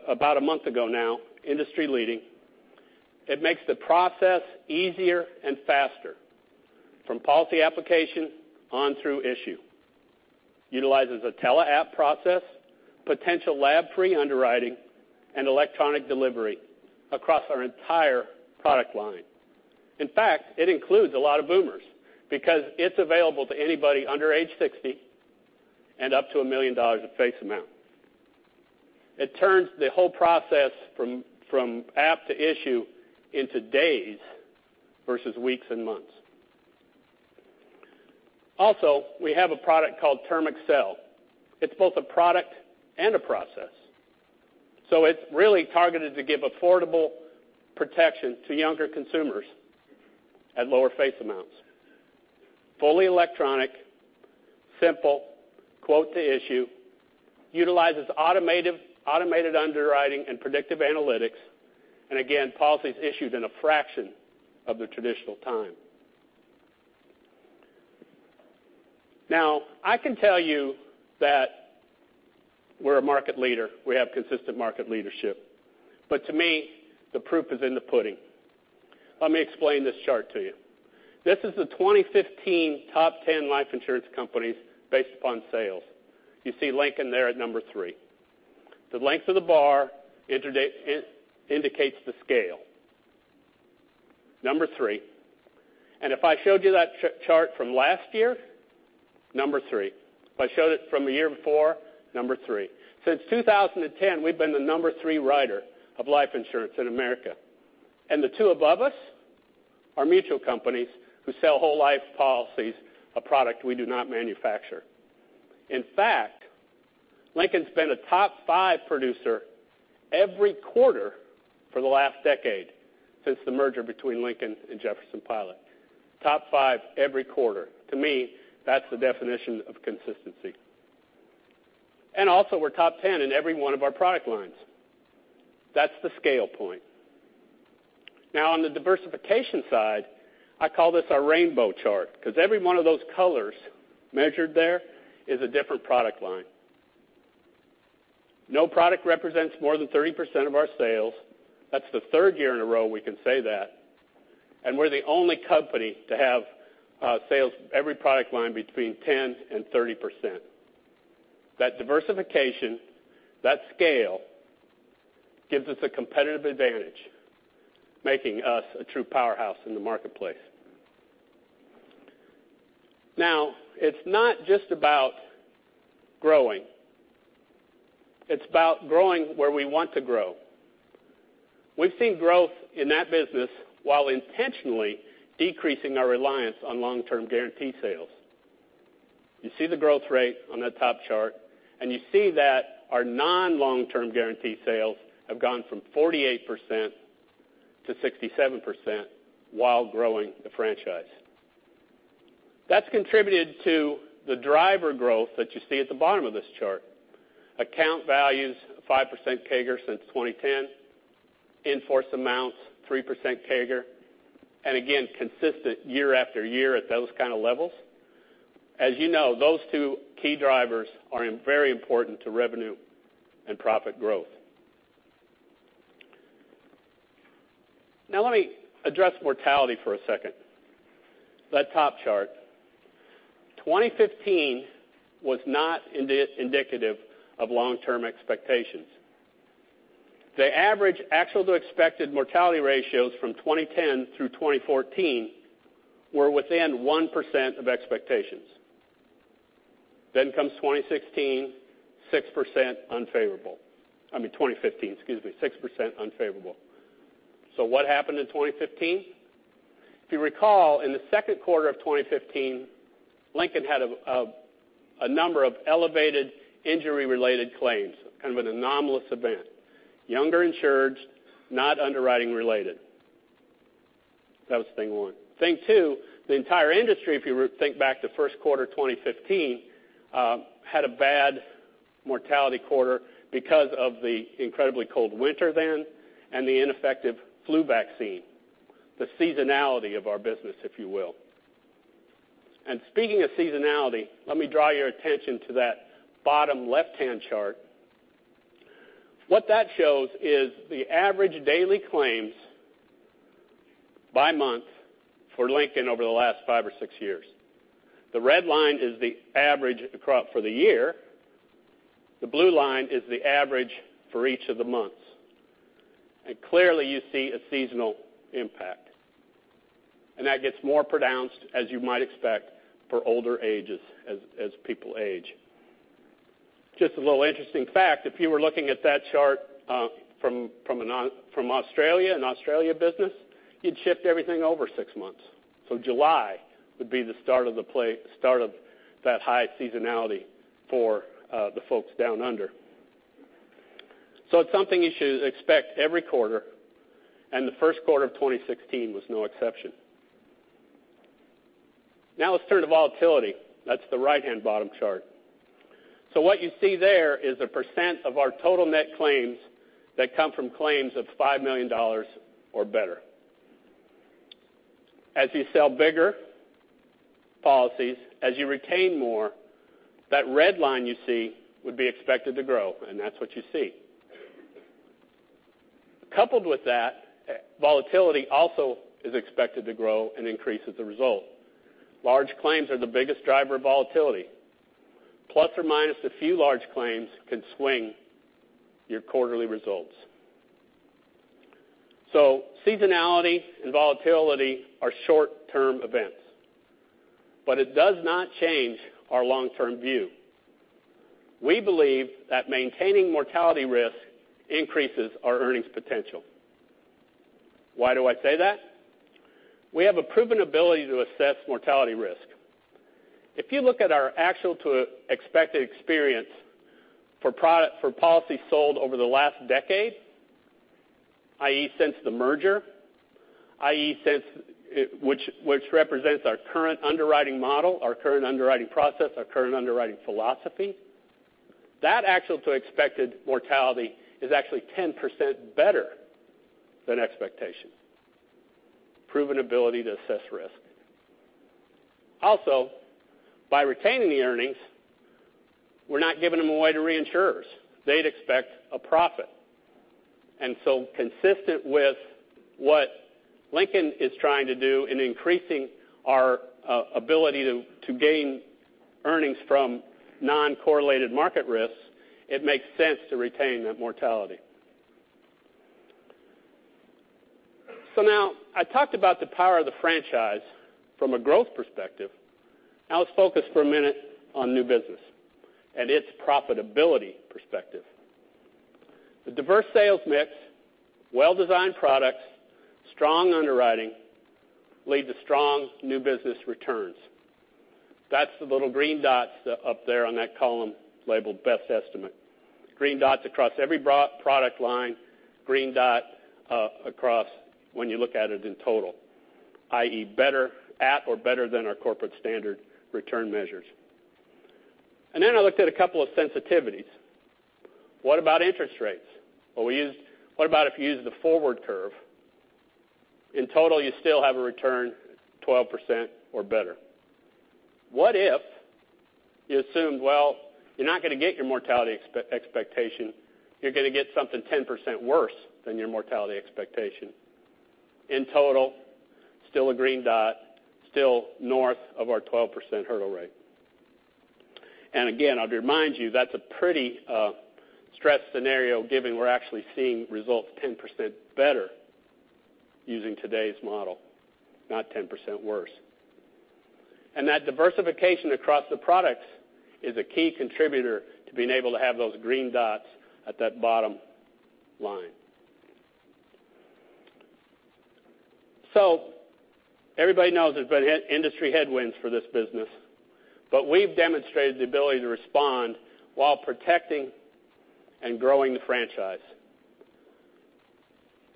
about a month ago now, industry-leading. It makes the process easier and faster, from policy application on through issue. Utilizes a tele app process, potential lab-free underwriting, and electronic delivery across our entire product line. In fact, it includes a lot of boomers because it's available to anybody under age 60 and up to $1 million of face amount. It turns the whole process from app to issue into days versus weeks and months. Also, we have a product called TermAccel. It's both a product and a process. It's really targeted to give affordable protection to younger consumers at lower face amounts. Fully electronic, simple quote to issue, utilizes automated underwriting and predictive analytics. Again, policies issued in a fraction of the traditional time. I can tell you that we're a market leader. We have consistent market leadership. To me, the proof is in the pudding. Let me explain this chart to you. This is the 2015 top 10 life insurance companies based upon sales. You see Lincoln there at number 3. The length of the bar indicates the scale. Number 3. If I showed you that chart from last year, number 3. If I showed it from a year before, number 3. Since 2010, we've been the number 3 writer of life insurance in America. The two above us are mutual companies who sell whole life policies, a product we do not manufacture. In fact, Lincoln's been a top 5 producer every quarter for the last decade since the merger between Lincoln and Jefferson-Pilot. Top 5 every quarter. To me, that's the definition of consistency. Also we're top 10 in every one of our product lines. That's the scale point. On the diversification side, I call this our rainbow chart because every one of those colors measured there is a different product line. No product represents more than 30% of our sales. That's the third year in a row we can say that. We're the only company to have sales every product line between 10% and 30%. That diversification, that scale, gives us a competitive advantage, making us a true powerhouse in the marketplace. It's not just about growing. It's about growing where we want to grow. We've seen growth in that business while intentionally decreasing our reliance on long-term guarantee sales. You see the growth rate on that top chart, you see that our non long-term guarantee sales have gone from 48% to 67% while growing the franchise. That's contributed to the driver growth that you see at the bottom of this chart. Account values, 5% CAGR since 2010. In-force amounts, 3% CAGR. Again, consistent year after year at those kind of levels. As you know, those two key drivers are very important to revenue and profit growth. Let me address mortality for a second. That top chart. 2015 was not indicative of long-term expectations. The average actual to expected mortality ratios from 2010 through 2014 were within 1% of expectations. Comes 2016, 6% unfavorable. 2015, excuse me, 6% unfavorable. What happened in 2015? If you recall, in the second quarter of 2015, Lincoln had a number of elevated injury related claims, kind of an anomalous event. Younger insureds, not underwriting related. That was thing 1. Thing 2, the entire industry, if you think back to first quarter 2015, had a bad mortality quarter because of the incredibly cold winter then and the ineffective flu vaccine, the seasonality of our business, if you will. Speaking of seasonality, let me draw your attention to that bottom left-hand chart. What that shows is the average daily claims by month for Lincoln over the last five or six years. The red line is the average across for the year. The blue line is the average for each of the months. Clearly, you see a seasonal impact. That gets more pronounced as you might expect for older ages as people age. Just a little interesting fact, if you were looking at that chart from Australia and Australia business, you'd shift everything over 6 months. July would be the start of that high seasonality for the folks down under. It's something you should expect every quarter, and the first quarter of 2016 was no exception. Now let's turn to volatility. That's the right-hand bottom chart. What you see there is a % of our total net claims that come from claims of $5 million or better. As you sell bigger policies, as you retain more, that red line you see would be expected to grow, and that's what you see. Coupled with that, volatility also is expected to grow and increase as a result. Large claims are the biggest driver of volatility. Plus or minus a few large claims can swing your quarterly results. Seasonality and volatility are short-term events, but it does not change our long-term view. We believe that maintaining mortality risk increases our earnings potential. Why do I say that? We have a proven ability to assess mortality risk. If you look at our actual to expected experience for policy sold over the last decade i.e., since the merger, which represents our current underwriting model, our current underwriting process, our current underwriting philosophy. That actual to expected mortality is actually 10% better than expectations. Proven ability to assess risk. Also, by retaining the earnings, we're not giving them away to reinsurers. They'd expect a profit. Consistent with what Lincoln is trying to do in increasing our ability to gain earnings from non-correlated market risks, it makes sense to retain that mortality. Now, I talked about the power of the franchise from a growth perspective. Now let's focus for a minute on new business and its profitability perspective. The diverse sales mix, well-designed products, strong underwriting lead to strong new business returns. That's the little green dots up there on that column labeled best estimate. Green dots across every product line, green dot across when you look at it in total, i.e., better at or better than our corporate standard return measures. Then I looked at a couple of sensitivities. What about interest rates? What about if you use the forward curve? In total, you still have a return 12% or better. What if you assumed, well, you're not going to get your mortality expectation, you're going to get something 10% worse than your mortality expectation. In total, still a green dot, still north of our 12% hurdle rate. Again, I'll remind you, that's a pretty stressed scenario given we're actually seeing results 10% better using today's model, not 10% worse. That diversification across the products is a key contributor to being able to have those green dots at that bottom line. Everybody knows there's been industry headwinds for this business, but we've demonstrated the ability to respond while protecting and growing the franchise.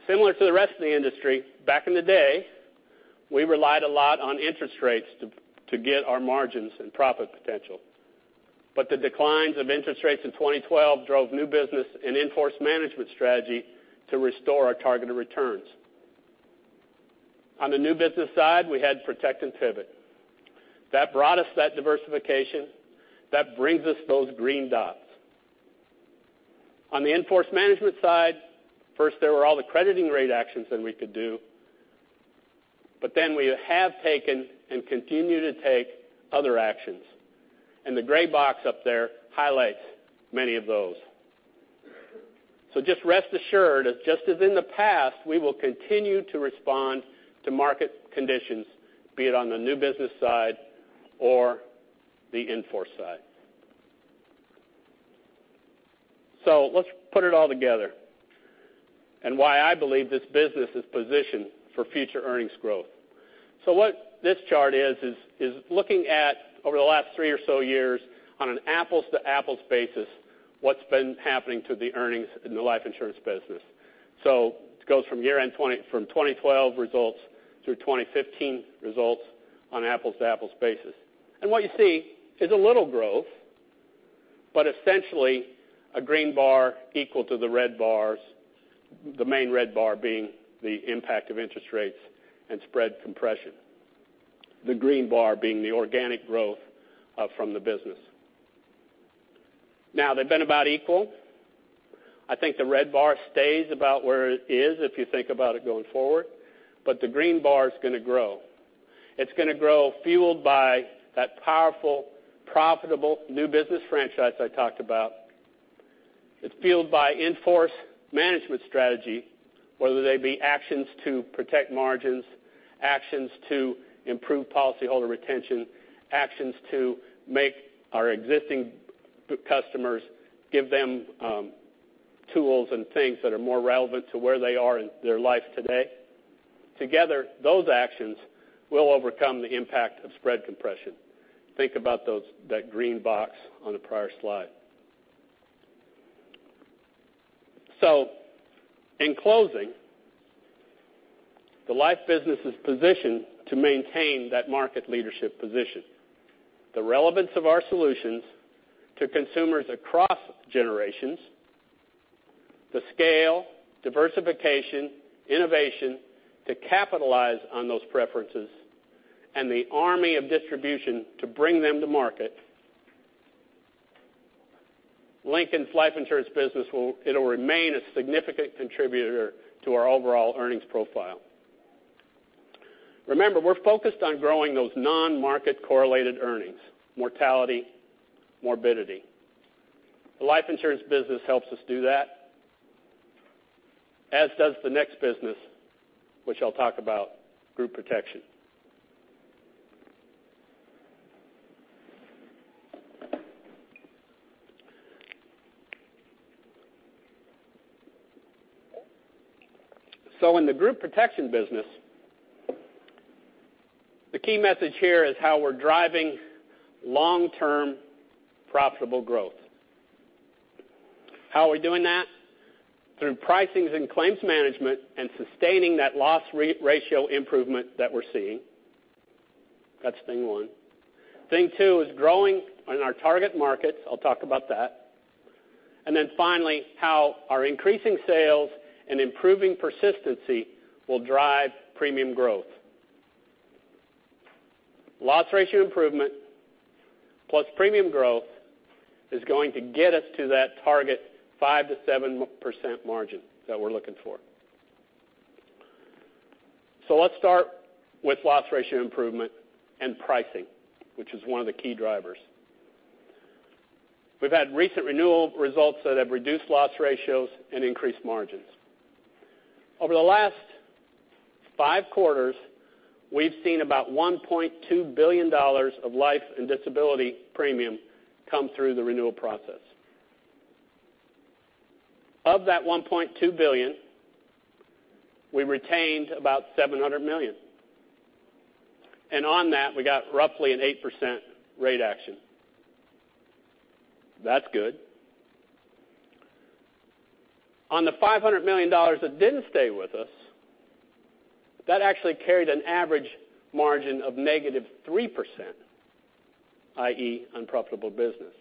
Similar to the rest of the industry, back in the day, we relied a lot on interest rates to get our margins and profit potential. But the declines of interest rates in 2012 drove new business and in-force management strategy to restore our targeted returns. On the new business side, we had protect and pivot. That brought us that diversification. That brings us those green dots. On the in-force management side, first there were all the crediting rate actions that we could do, we have taken and continue to take other actions. The gray box up there highlights many of those. Just rest assured, just as in the past, we will continue to respond to market conditions, be it on the new business side or the in-force side. Let's put it all together and why I believe this business is positioned for future earnings growth. What this chart is looking at over the last three or so years on an apples-to-apples basis, what's been happening to the earnings in the life insurance business. It goes from year-end 2012 results through 2015 results on apples-to-apples basis. What you see is a little growth, but essentially a green bar equal to the red bars, the main red bar being the impact of interest rates and spread compression, the green bar being the organic growth from the business. They've been about equal. I think the red bar stays about where it is if you think about it going forward, but the green bar is going to grow. It's going to grow fueled by that powerful, profitable new business franchise I talked about. It's fueled by in-force management strategy, whether they be actions to protect margins, actions to improve policyholder retention, actions to make our existing customers give them tools and things that are more relevant to where they are in their life today. Together, those actions will overcome the impact of spread compression. Think about that green box on the prior slide. In closing, the life business is positioned to maintain that market leadership position. The relevance of our solutions to consumers across generations, the scale, diversification, innovation to capitalize on those preferences, and the army of distribution to bring them to market. Lincoln's life insurance business it'll remain a significant contributor to our overall earnings profile. Remember, we're focused on growing those non-market correlated earnings, mortality, morbidity. The life insurance business helps us do that, as does the next business, which I'll talk about, group protection. In the group protection business The key message here is how we're driving long-term profitable growth. How are we doing that? Through pricings and claims management and sustaining that loss ratio improvement that we're seeing. That's Thing one. Thing two is growing in our target markets. I'll talk about that. Finally, how our increasing sales and improving persistency will drive premium growth. Loss ratio improvement plus premium growth is going to get us to that target 5%-7% margin that we're looking for. Let's start with loss ratio improvement and pricing, which is one of the key drivers. We've had recent renewal results that have reduced loss ratios and increased margins. Over the last five quarters, we've seen about $1.2 billion of life and disability premium come through the renewal process. Of that $1.2 billion, we retained about $700 million. On that, we got roughly an 8% rate action. That's good. On the $500 million that didn't stay with us, that actually carried an average margin of -3%, i.e., unprofitable business.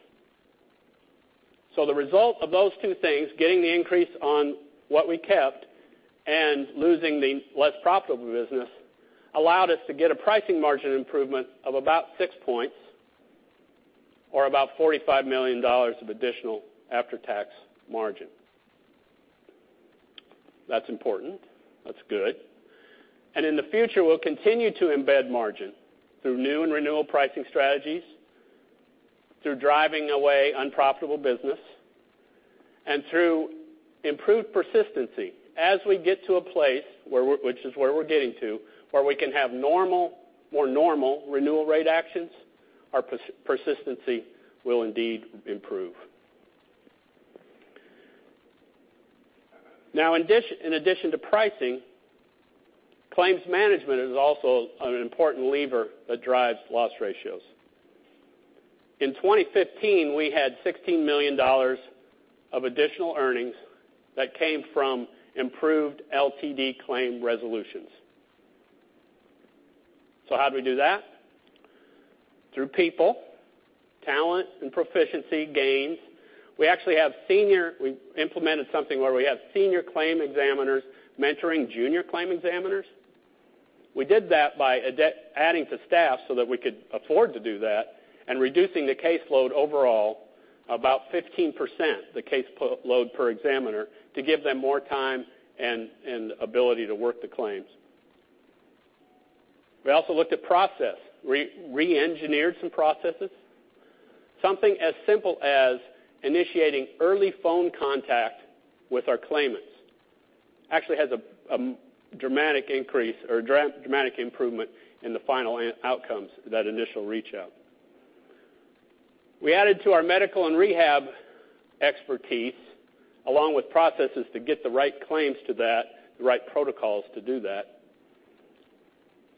The result of those two things, getting the increase on what we kept and losing the less profitable business, allowed us to get a pricing margin improvement of about six points or about $45 million of additional after-tax margin. That's important. That's good. In the future, we'll continue to embed margin through new and renewal pricing strategies, through driving away unprofitable business, and through improved persistency. As we get to a place, which is where we're getting to, where we can have more normal renewal rate actions, our persistency will indeed improve. In addition to pricing, claims management is also an important lever that drives loss ratios. In 2015, we had $16 million of additional earnings that came from improved LTD claim resolutions. How do we do that? Through people, talent, and proficiency gains. We implemented something where we have senior claim examiners mentoring junior claim examiners. We did that by adding to staff so that we could afford to do that and reducing the caseload overall about 15%, the caseload per examiner, to give them more time and ability to work the claims. We also looked at process. We re-engineered some processes. Something as simple as initiating early phone contact with our claimants actually has a dramatic improvement in the final outcomes of that initial reach out. We added to our medical and rehab expertise, along with processes to get the right claims to that, the right protocols to do that.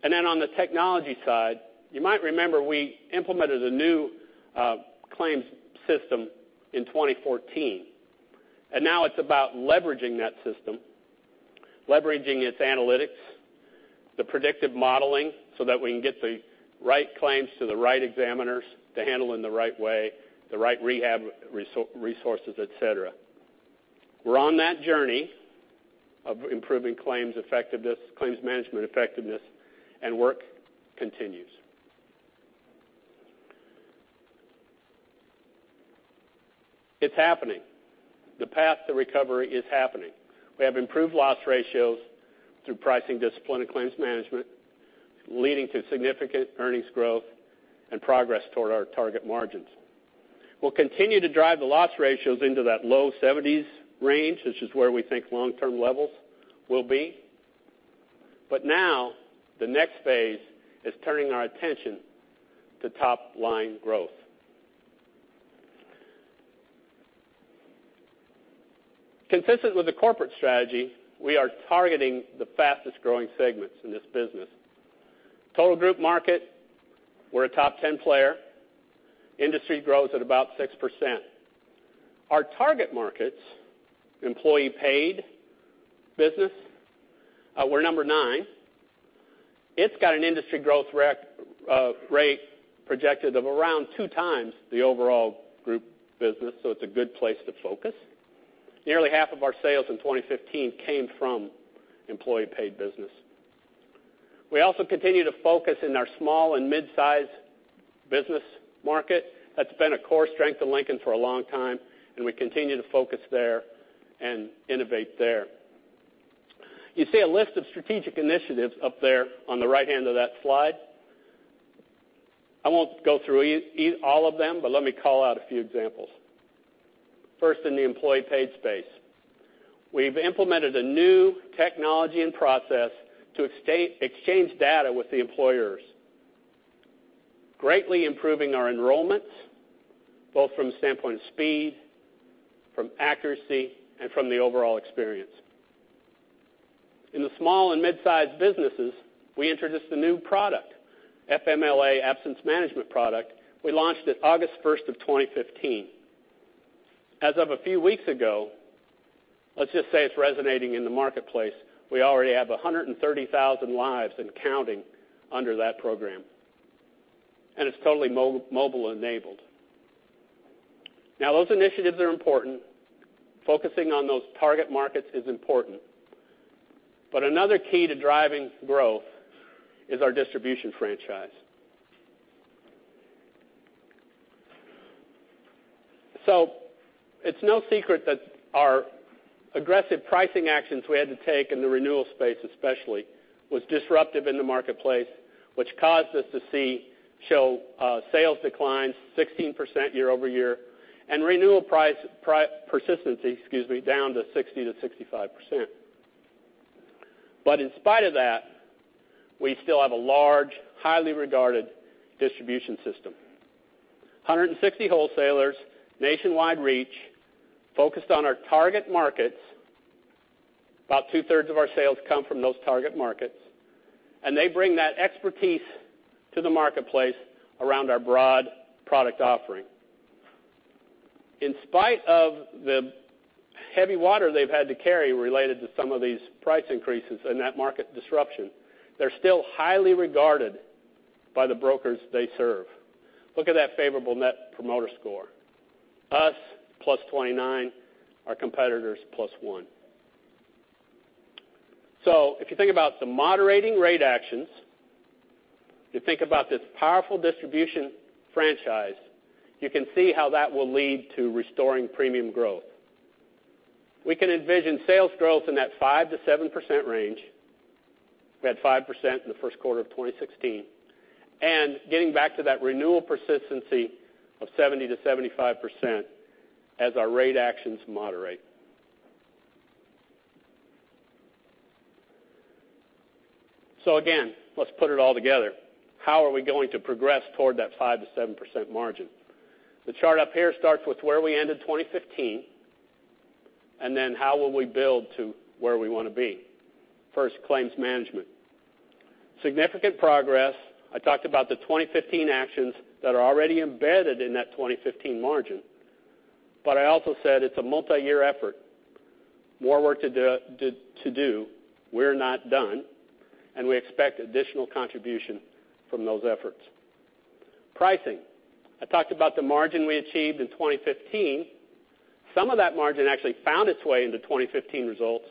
On the technology side, you might remember we implemented a new claims system in 2014, now it's about leveraging that system, leveraging its analytics, the predictive modeling, so that we can get the right claims to the right examiners to handle in the right way, the right rehab resources, et cetera. We're on that journey of improving claims management effectiveness, work continues. It's happening. The path to recovery is happening. We have improved loss ratios through pricing discipline and claims management, leading to significant earnings growth and progress toward our target margins. We'll continue to drive the loss ratios into that low 70s range, which is where we think long-term levels will be. The next phase is turning our attention to top-line growth. Consistent with the corporate strategy, we are targeting the fastest-growing segments in this business. Total group market, we're a top 10 player. Industry grows at about 6%. Our target markets, employee paid business, we're number nine. It's got an industry growth rate projected of around two times the overall group business, it's a good place to focus. Nearly half of our sales in 2015 came from employee paid business. We also continue to focus in our small and mid-size business market. That's been a core strength of Lincoln for a long time, we continue to focus there and innovate there. You see a list of strategic initiatives up there on the right-hand of that slide. I won't go through all of them, but let me call out a few examples. First, in the employee paid space. We've implemented a new technology and process to exchange data with the employers. Greatly improving our enrollments, both from the standpoint of speed, from accuracy, and from the overall experience. In the small and mid-size businesses, we introduced a new product, FMLA absence management product. We launched it August 1st of 2015. As of a few weeks ago, let's just say it's resonating in the marketplace. We already have 130,000 lives and counting under that program, and it's totally mobile enabled. Those initiatives are important. Focusing on those target markets is important. Another key to driving growth is our distribution franchise. It's no secret that our aggressive pricing actions we had to take in the renewal space especially was disruptive in the marketplace, which caused us to see sales declines 16% year-over-year and renewal persistency, excuse me, down to 60%-65%. In spite of that, we still have a large, highly regarded distribution system. 160 wholesalers, nationwide reach focused on our target markets. About two-thirds of our sales come from those target markets, and they bring that expertise to the marketplace around our broad product offering. In spite of the heavy water they've had to carry related to some of these price increases and that market disruption, they're still highly regarded by the brokers they serve. Look at that favorable Net Promoter Score. Us, +29, our competitors, +1. If you think about the moderating rate actions, you think about this powerful distribution franchise, you can see how that will lead to restoring premium growth. We can envision sales growth in that 5%-7% range. We had 5% in the first quarter of 2016, and getting back to that renewal persistency of 70%-75% as our rate actions moderate. Again, let's put it all together. How are we going to progress toward that 5%-7% margin? The chart up here starts with where we ended 2015, then how will we build to where we want to be. First, claims management. Significant progress. I talked about the 2015 actions that are already embedded in that 2015 margin, but I also said it's a multi-year effort. More work to do. We're not done, and we expect additional contribution from those efforts. Pricing. I talked about the margin we achieved in 2015. Some of that margin actually found its way into 2015 results.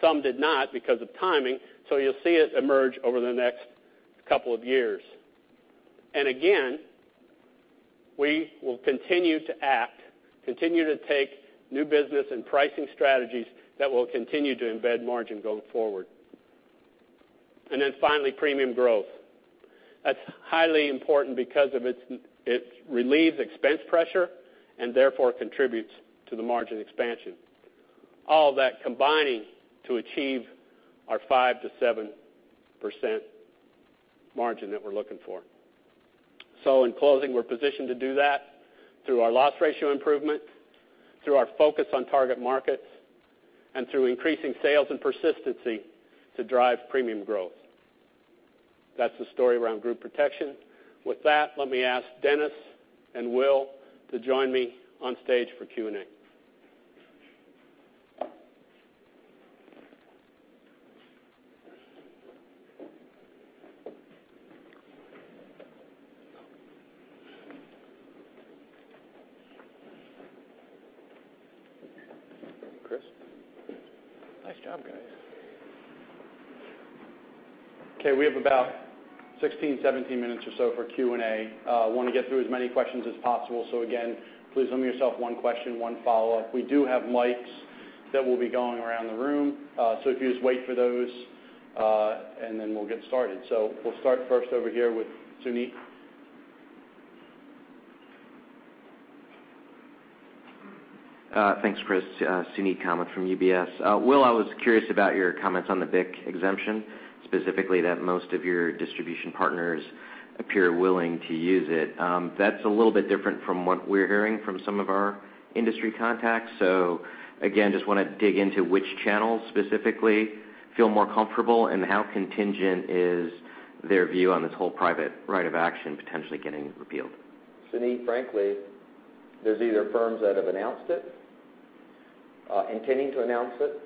Some did not because of timing, so you'll see it emerge over the next couple of years. Again, we will continue to act, continue to take new business and pricing strategies that will continue to embed margin going forward. Finally, premium growth. That's highly important because it relieves expense pressure and therefore contributes to the margin expansion. All that combining to achieve our 5%-7% margin that we're looking for. In closing, we're positioned to do that through our loss ratio improvement, through our focus on target markets, and through increasing sales and persistency to drive premium growth. That's the story around group protection. With that, let me ask Dennis and Will to join me on stage for Q&A. Chris. Nice job, guys. Okay. We have about 16, 17 minutes or so for Q&A. Want to get through as many questions as possible. Again, please limit yourself one question, one follow-up. We do have mics that will be going around the room, so if you just wait for those, and then we'll get started. We'll start first over here with Suneet. Thanks, Chris. Suneet Kamath from UBS. Will, I was curious about your comments on the BIC exemption, specifically that most of your distribution partners appear willing to use it. That's a little bit different from what we're hearing from some of our industry contacts. Again, just want to dig into which channels specifically feel more comfortable, and how contingent is their view on this whole private right of action potentially getting repealed? Suneet, frankly, there's either firms that have announced it, intending to announce it,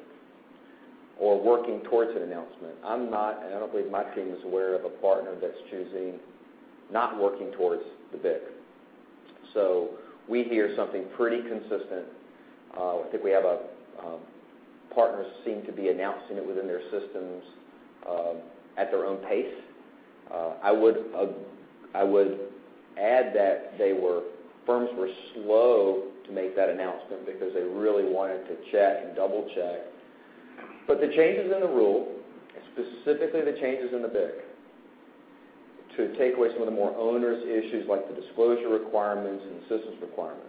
or working towards an announcement. I'm not, and I don't believe my team is aware of a partner that's choosing not working towards the BIC. We hear something pretty consistent. I think we have partners seem to be announcing it within their systems at their own pace. I would add that firms were slow to make that announcement because they really wanted to check and double check. The changes in the rule, specifically the changes in the BIC, to take away some of the more onerous issues like the disclosure requirements and assistance requirements.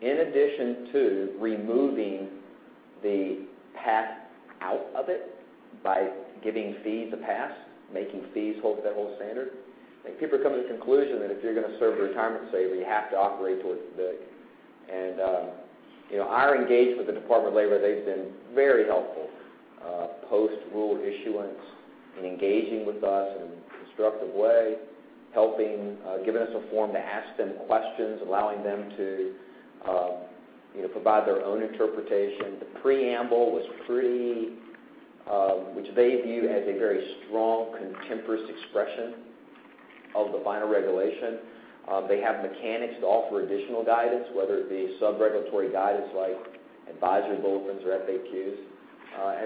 In addition to removing the path out of it by giving fees a pass, making fees hold to that whole standard. People are coming to the conclusion that if you're going to serve the retirement saver, you have to operate towards the BIC. Our engagement with the Department of Labor, they've been very helpful post-rule issuance in engaging with us in a constructive way, giving us a forum to ask them questions, allowing them to provide their own interpretation. The preamble was pretty, which they view as a very strong, contemporaneous expression of the final regulation. They have mechanics to offer additional guidance, whether it be sub-regulatory guidance like advisory bulletins or FAQs.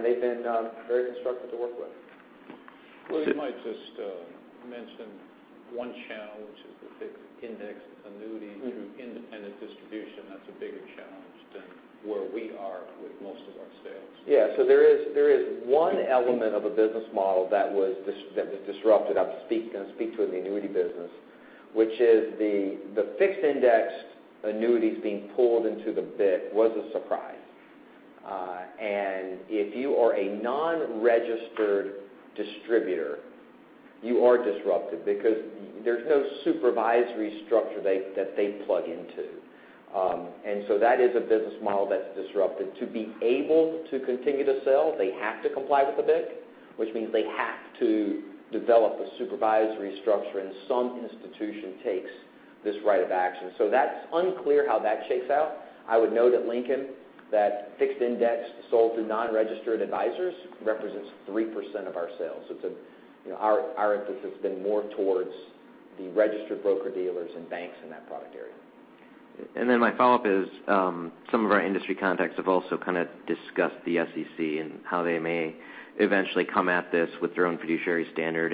They've been very constructive to work with. Will, you might just mention one challenge is the fixed indexed annuity through independent distribution. That's a bigger challenge than where we are with most of our sales. Yeah. There is one element of a business model that was disrupted. I'm going to speak to in the annuity business, which is the fixed indexed annuities being pulled into the BIC was a surprise. If you are a non-registered distributor, you are disrupted because there's no supervisory structure that they plug into. That is a business model that's disrupted. To be able to continue to sell, they have to comply with the BIC, which means they have to develop a supervisory structure, and some institution takes this right of action. That's unclear how that shakes out. I would note at Lincoln that fixed indexed sold through non-registered advisors represents 3% of our sales. Our emphasis has been more towards the registered broker-dealers and banks in that product area. My follow-up is some of our industry contacts have also kind of discussed the SEC and how they may eventually come at this with their own fiduciary standard.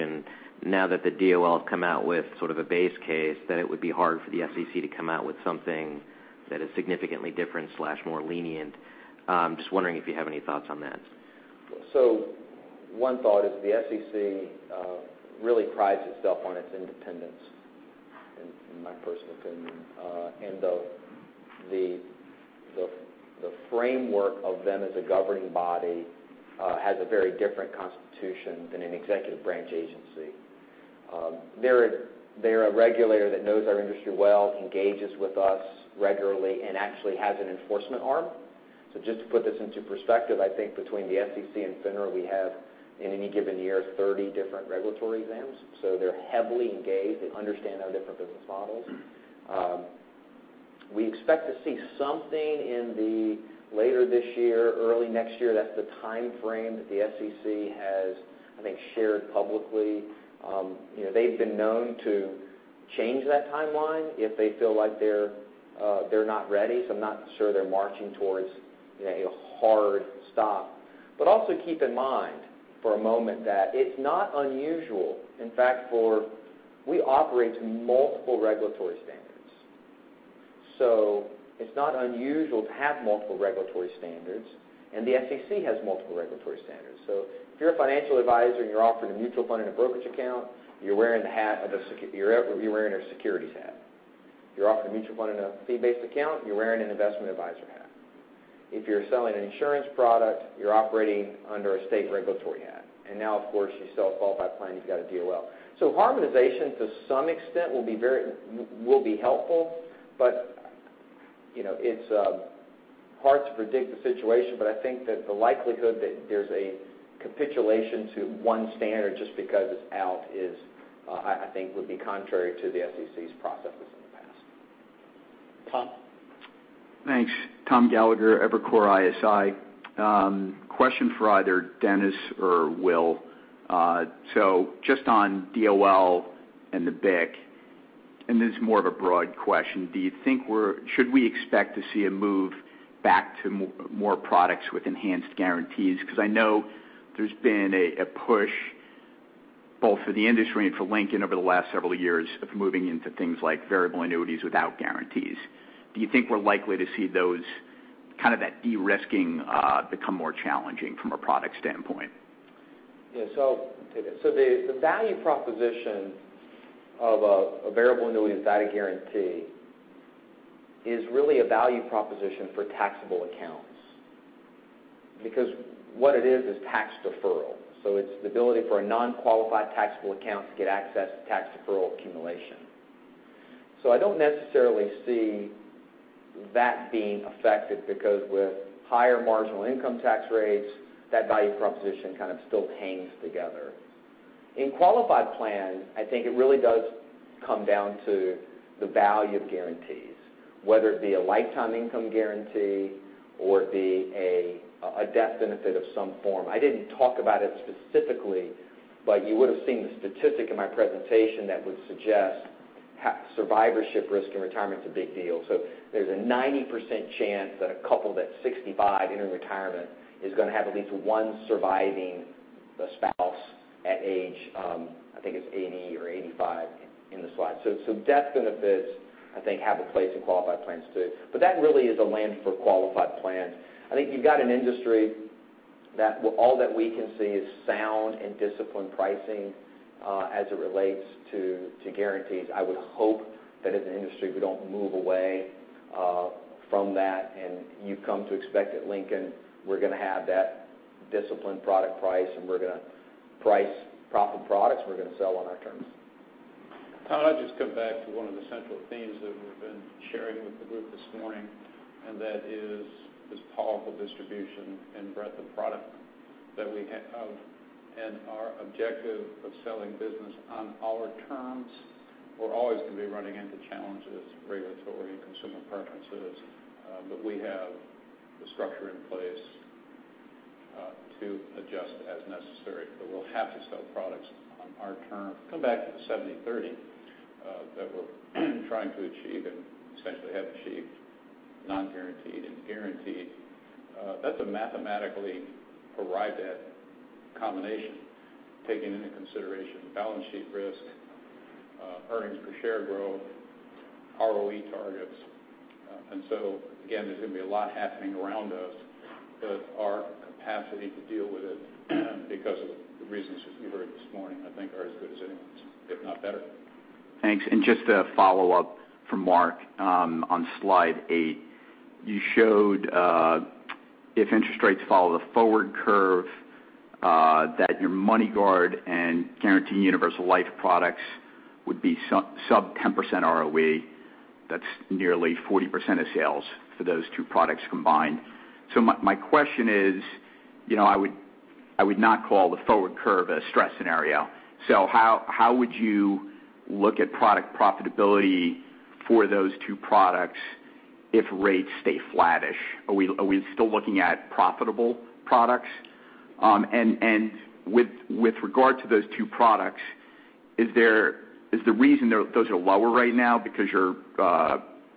Now that the DOL come out with sort of a base case, that it would be hard for the SEC to come out with something that is significantly different/more lenient. I'm just wondering if you have any thoughts on that. One thought is the SEC really prides itself on its independence, in my personal opinion. The framework of them as a governing body has a very different constitution than an executive branch agency. They're a regulator that knows our industry well, engages with us regularly and actually has an enforcement arm. Just to put this into perspective, I think between the SEC and FINRA, we have, in any given year, 30 different regulatory exams. They're heavily engaged. They understand our different business models. We expect to see something in the later this year, early next year. That's the time frame that the SEC has, I think, shared publicly. They've been known to change that timeline if they feel like they're not ready. I'm not sure they're marching towards a hard stop. Also keep in mind for a moment that it's not unusual. In fact, we operate to multiple regulatory standards. It's not unusual to have multiple regulatory standards. The SEC has multiple regulatory standards. If you're a financial advisor and you're offered a mutual fund in a brokerage account, you're wearing a securities hat. If you're offered a mutual fund in a fee-based account, you're wearing an investment advisor hat. If you're selling an insurance product, you're operating under a state regulatory hat. Now, of course, you sell a qualified plan, you've got a DOL. Harmonization to some extent will be helpful, but it's hard to predict the situation. I think that the likelihood that there's a capitulation to one standard just because it's out, I think would be contrary to the SEC's processes in the past. Tom. Thanks. Tom Gallagher, Evercore ISI. Question for either Dennis or Will. Just on DOL and the BIC, and this is more of a broad question. Should we expect to see a move back to more products with enhanced guarantees? I know there's been a push both for the industry and for Lincoln over the last several years of moving into things like variable annuities without guarantees. Do you think we're likely to see those kind of that de-risking become more challenging from a product standpoint? Yeah. The value proposition of a variable annuity without a guarantee is really a value proposition for taxable accounts because what it is is tax deferral. It's the ability for a non-qualified taxable account to get access to tax deferral accumulation. I don't necessarily see that being affected because with higher marginal income tax rates, that value proposition kind of still hangs together. In qualified plans, I think it really does come down to the value of guarantees, whether it be a lifetime income guarantee or it be a death benefit of some form. I didn't talk about it specifically, but you would've seen the statistic in my presentation that would suggest survivorship risk in retirement is a big deal. There's a 90% chance that a couple that's 65 entering retirement is going to have at least one surviving spouse at age, I think it's 80 or 85 in the slide. Death benefits, I think, have a place in qualified plans, too. That really is a land for qualified plans. I think you've got an industry All that we can see is sound and disciplined pricing, as it relates to guarantees. I would hope that as an industry, we don't move away from that, and you've come to expect at Lincoln, we're going to have that disciplined product price, and we're going to price profitable products we're going to sell on our terms. Tom, I'll just come back to one of the central themes that we've been sharing with the group this morning, that is this powerful distribution and breadth of product that we have, and our objective of selling business on our terms. We're always going to be running into challenges, regulatory and consumer preferences, but we have the structure in place to adjust as necessary. We'll have to sell products on our terms. Come back to the 70/30 that we're trying to achieve and essentially have achieved, non-guaranteed and guaranteed. That's a mathematically arrived at combination, taking into consideration balance sheet risk, earnings per share growth, ROE targets. Again, there's going to be a lot happening around us, but our capacity to deal with it, because of the reasons you heard this morning, I think are as good as anyone's, if not better. Thanks. Just a follow-up from Mark Konen. On slide eight, you showed if interest rates follow the forward curve, that your MoneyGuard and Guaranteed Universal Life products would be sub 10% ROE. That's nearly 40% of sales for those two products combined. My question is, I would not call the forward curve a stress scenario. How would you look at product profitability for those two products if rates stay flattish? Are we still looking at profitable products? With regard to those two products, is the reason those are lower right now because you're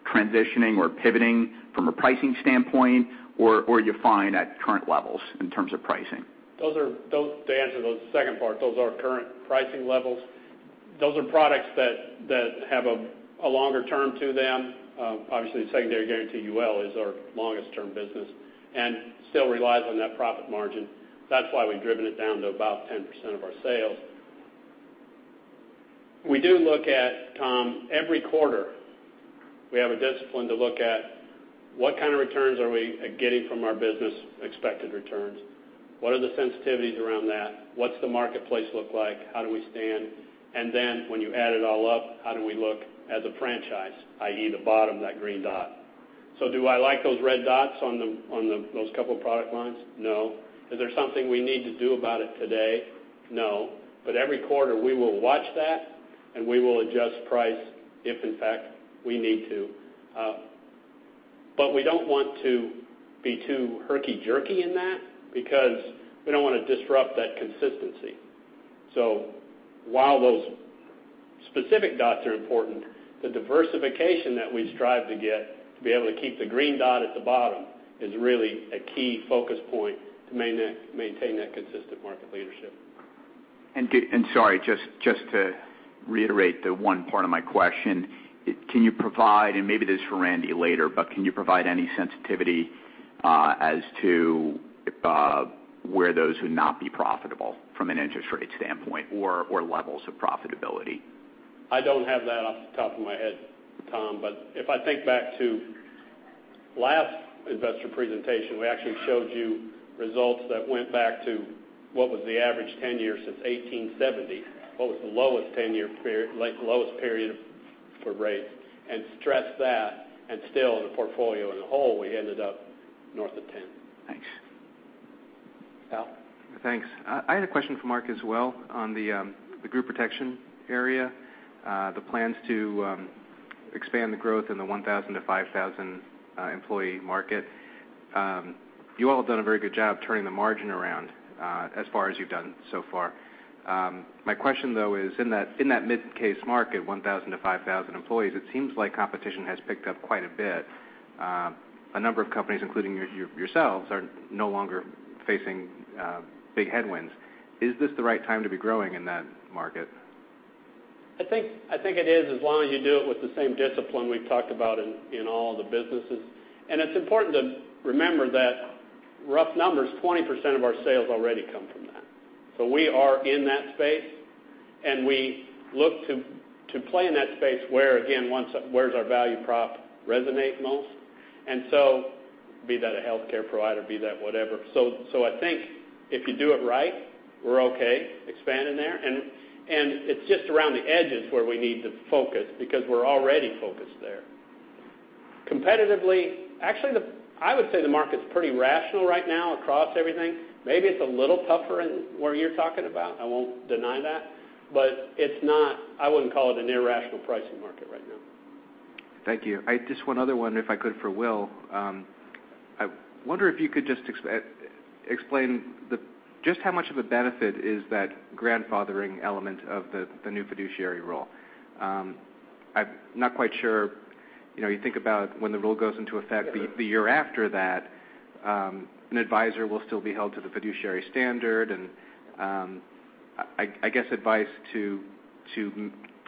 transitioning or pivoting from a pricing standpoint, or you're fine at current levels in terms of pricing? To answer the second part, those are current pricing levels. Those are products that have a longer term to them. Obviously, Secondary Guarantee UL is our longest term business and still relies on that profit margin. That's why we've driven it down to about 10% of our sales. We do look at, Tom, every quarter, we have a discipline to look at what kind of returns are we getting from our business, expected returns. What are the sensitivities around that? What's the marketplace look like? How do we stand? Then when you add it all up, how do we look as a franchise, i.e., the bottom, that green dot. Do I like those red dots on those couple of product lines? No. Is there something we need to do about it today? No. Every quarter we will watch that, we will adjust price if in fact we need to. We don't want to be too herky-jerky in that because we don't want to disrupt that consistency. While those specific dots are important, the diversification that we strive to get to be able to keep the green dot at the bottom is really a key focus point to maintain that consistent market leadership. Sorry, just to reiterate the one part of my question, can you provide, and maybe this is for Randy later, but can you provide any sensitivity as to where those would not be profitable from an interest rate standpoint or levels of profitability? I don't have that off the top of my head, Tom. If I think back to last investor presentation, we actually showed you results that went back to what was the average 10 years since 1870, what was the lowest period for rates, and stressed that, and still the portfolio as a whole, we ended up north of 10. Thanks. Al? Thanks. I had a question for Mark as well on the group protection area, the plans to expand the growth in the 1,000 to 5,000 employee market. You all have done a very good job turning the margin around, as far as you've done so far. My question, though, is in that mid case market, 1,000 to 5,000 employees, it seems like competition has picked up quite a bit. A number of companies, including yourselves, are no longer facing big headwinds. Is this the right time to be growing in that market? I think it is, as long as you do it with the same discipline we've talked about in all the businesses. It's important to remember that rough numbers, 20% of our sales already come from that. We are in that space, and we look to play in that space where again, where's our value prop resonate most. Be that a healthcare provider, be that whatever. I think if you do it right, we're okay expanding there. It's just around the edges where we need to focus because we're already focused there. Competitively, actually, I would say the market's pretty rational right now across everything. Maybe it's a little tougher in where you're talking about. I won't deny that, but I wouldn't call it an irrational pricing market right now. Thank you. I just one other one, if I could, for Will. I wonder if you could just explain just how much of a benefit is that grandfathering element of the new fiduciary rule. I'm not quite sure. You think about when the rule goes into effect the year after that, an advisor will still be held to the fiduciary standard and I guess, advice to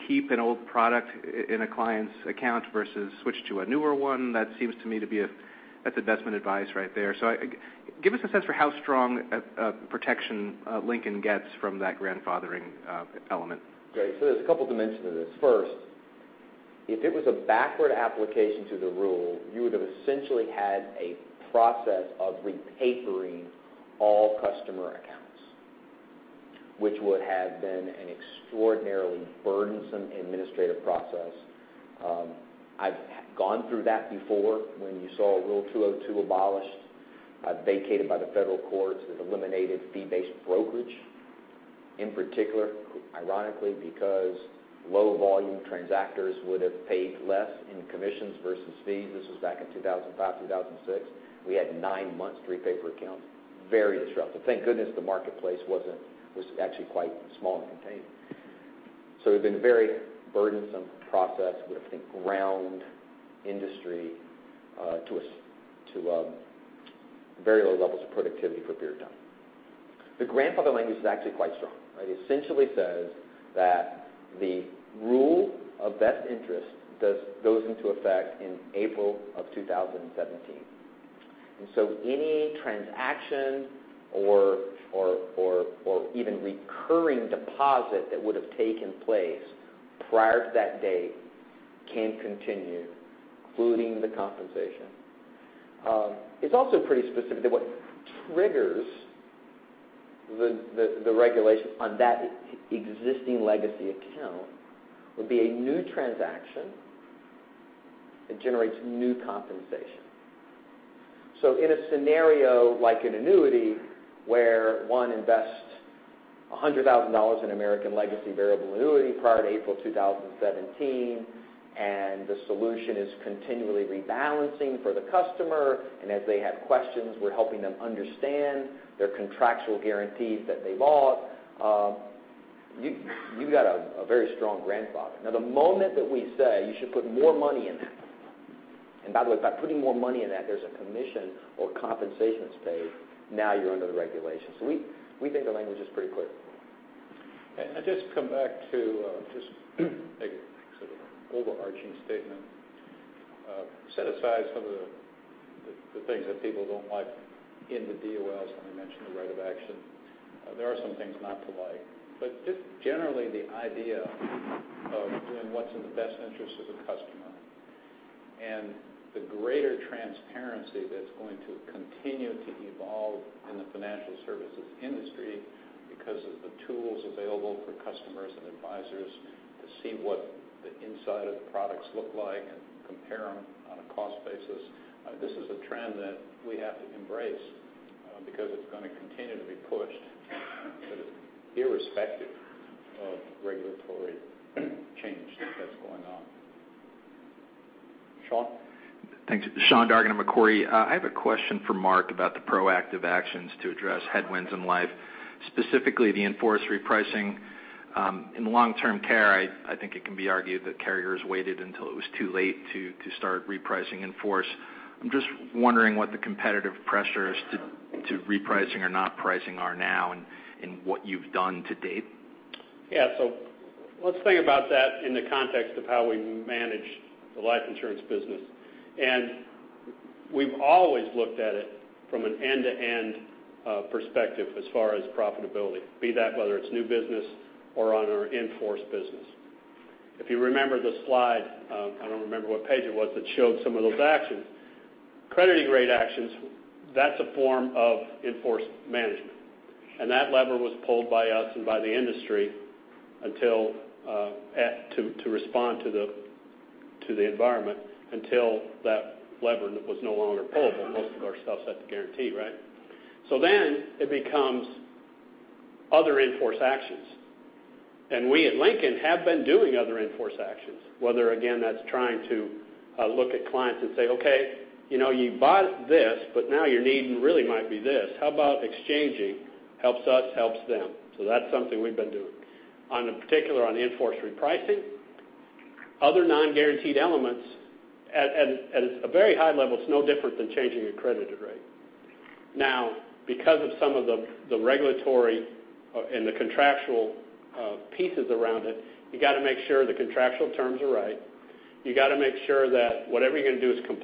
keep an old product in a client's account versus switch to a newer one. That seems to me to be investment advice right there. Give us a sense for how strong a protection Lincoln gets from that grandfathering element. Great. There's a couple dimensions of this. First, if it was a backward application to the rule, you would've essentially had a process of repapering all customer accounts, which would have been an extraordinarily burdensome administrative process. I've gone through that before when you saw Rule 202 abolished, vacated by the federal courts. It eliminated fee-based brokerage. In particular, ironically, because low volume transactors would've paid less in commissions versus fees. This was back in 2005, 2006. We had nine months to repaper accounts, very disruptive. Thank goodness the marketplace was actually quite small and contained. It would've been a very burdensome process, would've, I think, ground industry to very low levels of productivity for a period of time. The grandfather language is actually quite strong. It essentially says that the rule of best interest goes into effect in April of 2017. Any transaction or even recurring deposit that would've taken place prior to that date can continue, including the compensation. It's also pretty specific that what triggers the regulation on that existing legacy account would be a new transaction that generates new compensation. In a scenario like an annuity where one invests $100,000 in American Legacy Variable Annuity prior to April 2017, and the solution is continually rebalancing for the customer, and as they have questions, we're helping them understand their contractual guarantees that they bought, you've got a very strong grandfather. Now, the moment that we say you should put more money in that, and by the way, by putting more money in that, there's a commission or compensation that's paid, now you're under the regulation. We think the language is pretty clear. I just come back to just make sort of an overarching statement. Set aside some of the things that people don't like in the DOL, and I mentioned the right of action. There are some things not to like, but just generally the idea of doing what's in the best interest of the customer and the greater transparency that's going to continue to evolve in the financial services industry because of the tools available for customers and advisors to see what the inside of the products look like and compare them on a cost basis. This is a trend that we have to embrace, because it's going to continue to be pushed, but irrespective of regulatory change that's going on. Sean? Thanks. Sean Dargan at Macquarie. I have a question for Mark about the proactive actions to address headwinds in life, specifically the in-force repricing. In long-term care, I think it can be argued that carriers waited until it was too late to start repricing in-force. I am just wondering what the competitive pressures to repricing or not pricing are now, and what you've done to date. Let's think about that in the context of how we manage the life insurance business. We've always looked at it from an end-to-end perspective as far as profitability, be that whether it's new business or on our in-force business. If you remember the slide, I don't remember what page it was, that showed some of those actions. Crediting rate actions, that's a form of in-force management, and that lever was pulled by us and by the industry to respond to the environment until that lever was no longer pulled when most of our stuff is set to guarantee, right? It becomes other in-force actions, and we at Lincoln have been doing other in-force actions. Whether again, that's trying to look at clients and say, "Okay, you bought this, but now your need really might be this. How about exchanging?" Helps us, helps them. That's something we've been doing. On in-force repricing, other non-guaranteed elements at a very high level, it's no different than changing a credited rate. Now, because of some of the regulatory and the contractual pieces around it, you got to make sure the contractual terms are right. You got to make sure that whatever you're going to do is going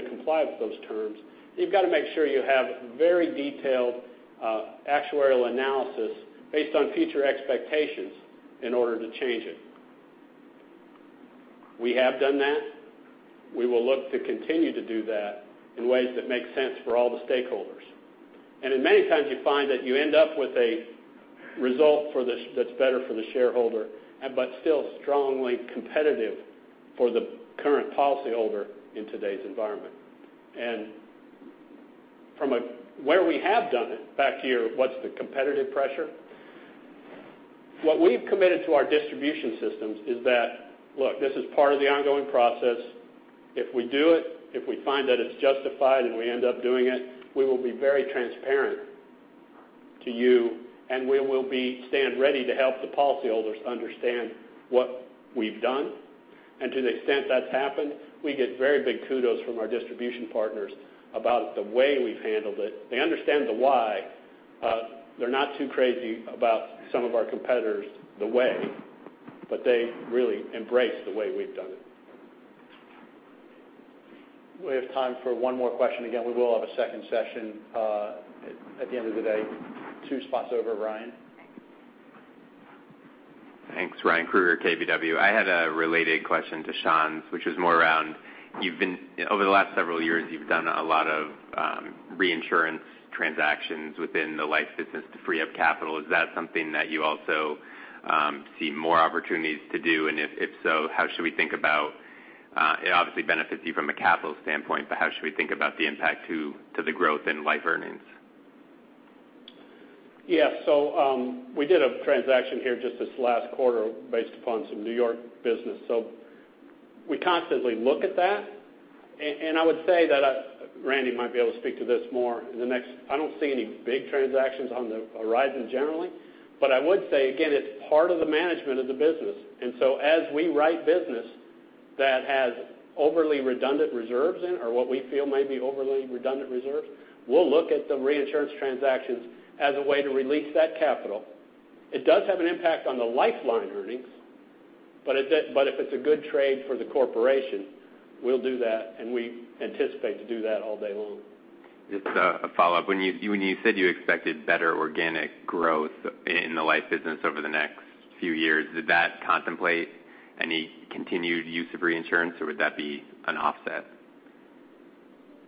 to comply with those terms. You've got to make sure you have very detailed actuarial analysis based on future expectations in order to change it. We have done that. We will look to continue to do that in ways that make sense for all the stakeholders. In many times, you find that you end up with a result that's better for the shareholder, but still strongly competitive for the current policyholder in today's environment. From where we have done it, back to your what's the competitive pressure, what we've committed to our distribution systems is that, look, this is part of the ongoing process. If we do it, if we find that it's justified and we end up doing it, we will be very transparent to you, and we will stand ready to help the policyholders understand what we've done. To the extent that's happened, we get very big kudos from our distribution partners about the way we've handled it. They understand the why. They're not too crazy about some of our competitors the way, but they really embrace the way we've done it. We have time for one more question. Again, we will have a second session at the end of the day. Two spots over, Ryan. Thanks. Ryan Krueger, KBW. I had a related question to Sean's, which is more around, over the last several years, you've done a lot of reinsurance transactions within the life business to free up capital. Is that something that you also see more opportunities to do? If so, how should we think about it obviously benefits you from a capital standpoint, but how should we think about the impact to the growth in life earnings? Yeah. We did a transaction here just this last quarter based upon some New York business. We constantly look at that. I would say that, Randy might be able to speak to this more in the next. I don't see any big transactions on the horizon generally. I would say, again, it's part of the management of the business. As we write business that has overly redundant reserves in, or what we feel might be overly redundant reserves, we'll look at the reinsurance transactions as a way to release that capital. It does have an impact on the life earnings, but if it's a good trade for the corporation, we'll do that, and we anticipate to do that all day long. Just a follow-up. When you said you expected better organic growth in the life business over the next few years, did that contemplate any continued use of reinsurance, or would that be an offset?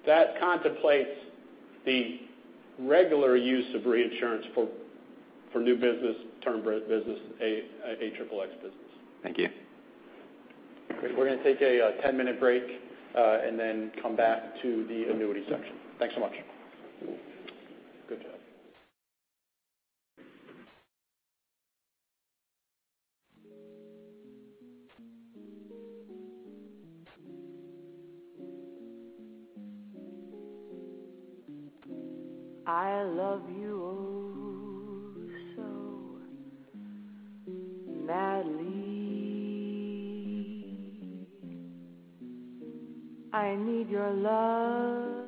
That contemplates the regular use of reinsurance for new business, term business, XXX business. Thank you. Great. We're going to take a 10-minute break and then come back to the annuity section. Thanks so much. Good job. I love you oh so madly. I need your love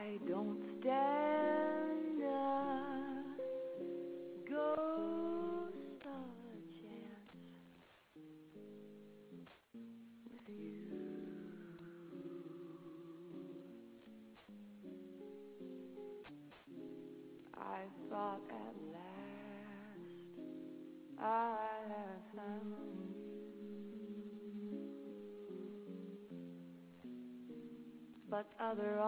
so badly. I don't stand a ghost of a chance with you. I thought at last I had found you. Other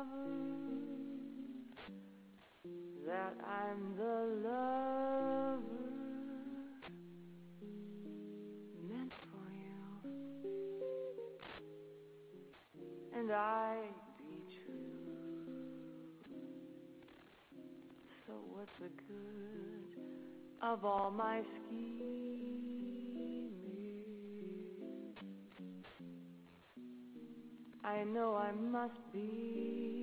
arms surround you. I don't stand a ghost of a chance with you. If you'd surrender just for a tender kiss or two. You might discover that I'm the lover meant for you. I'd be true. What's the good of all my scheming? I know I must be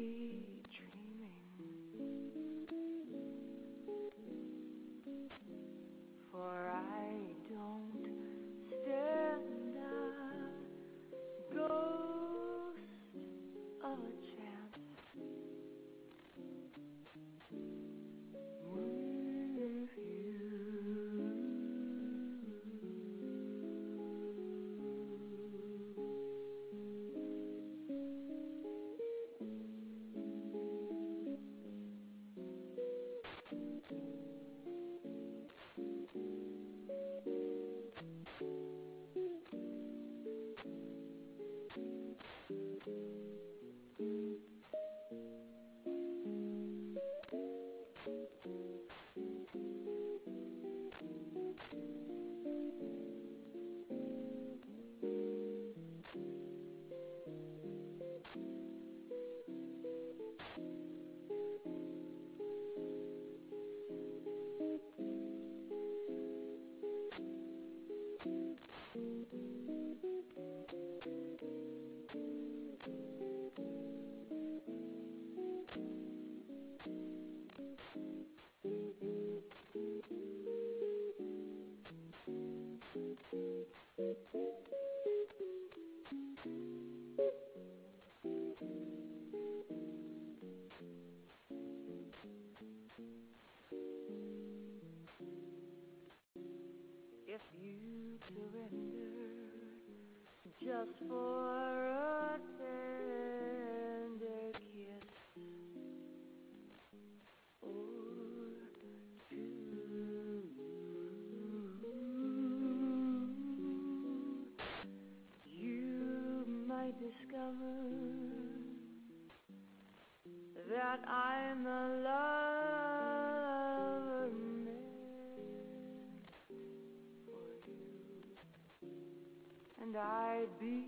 be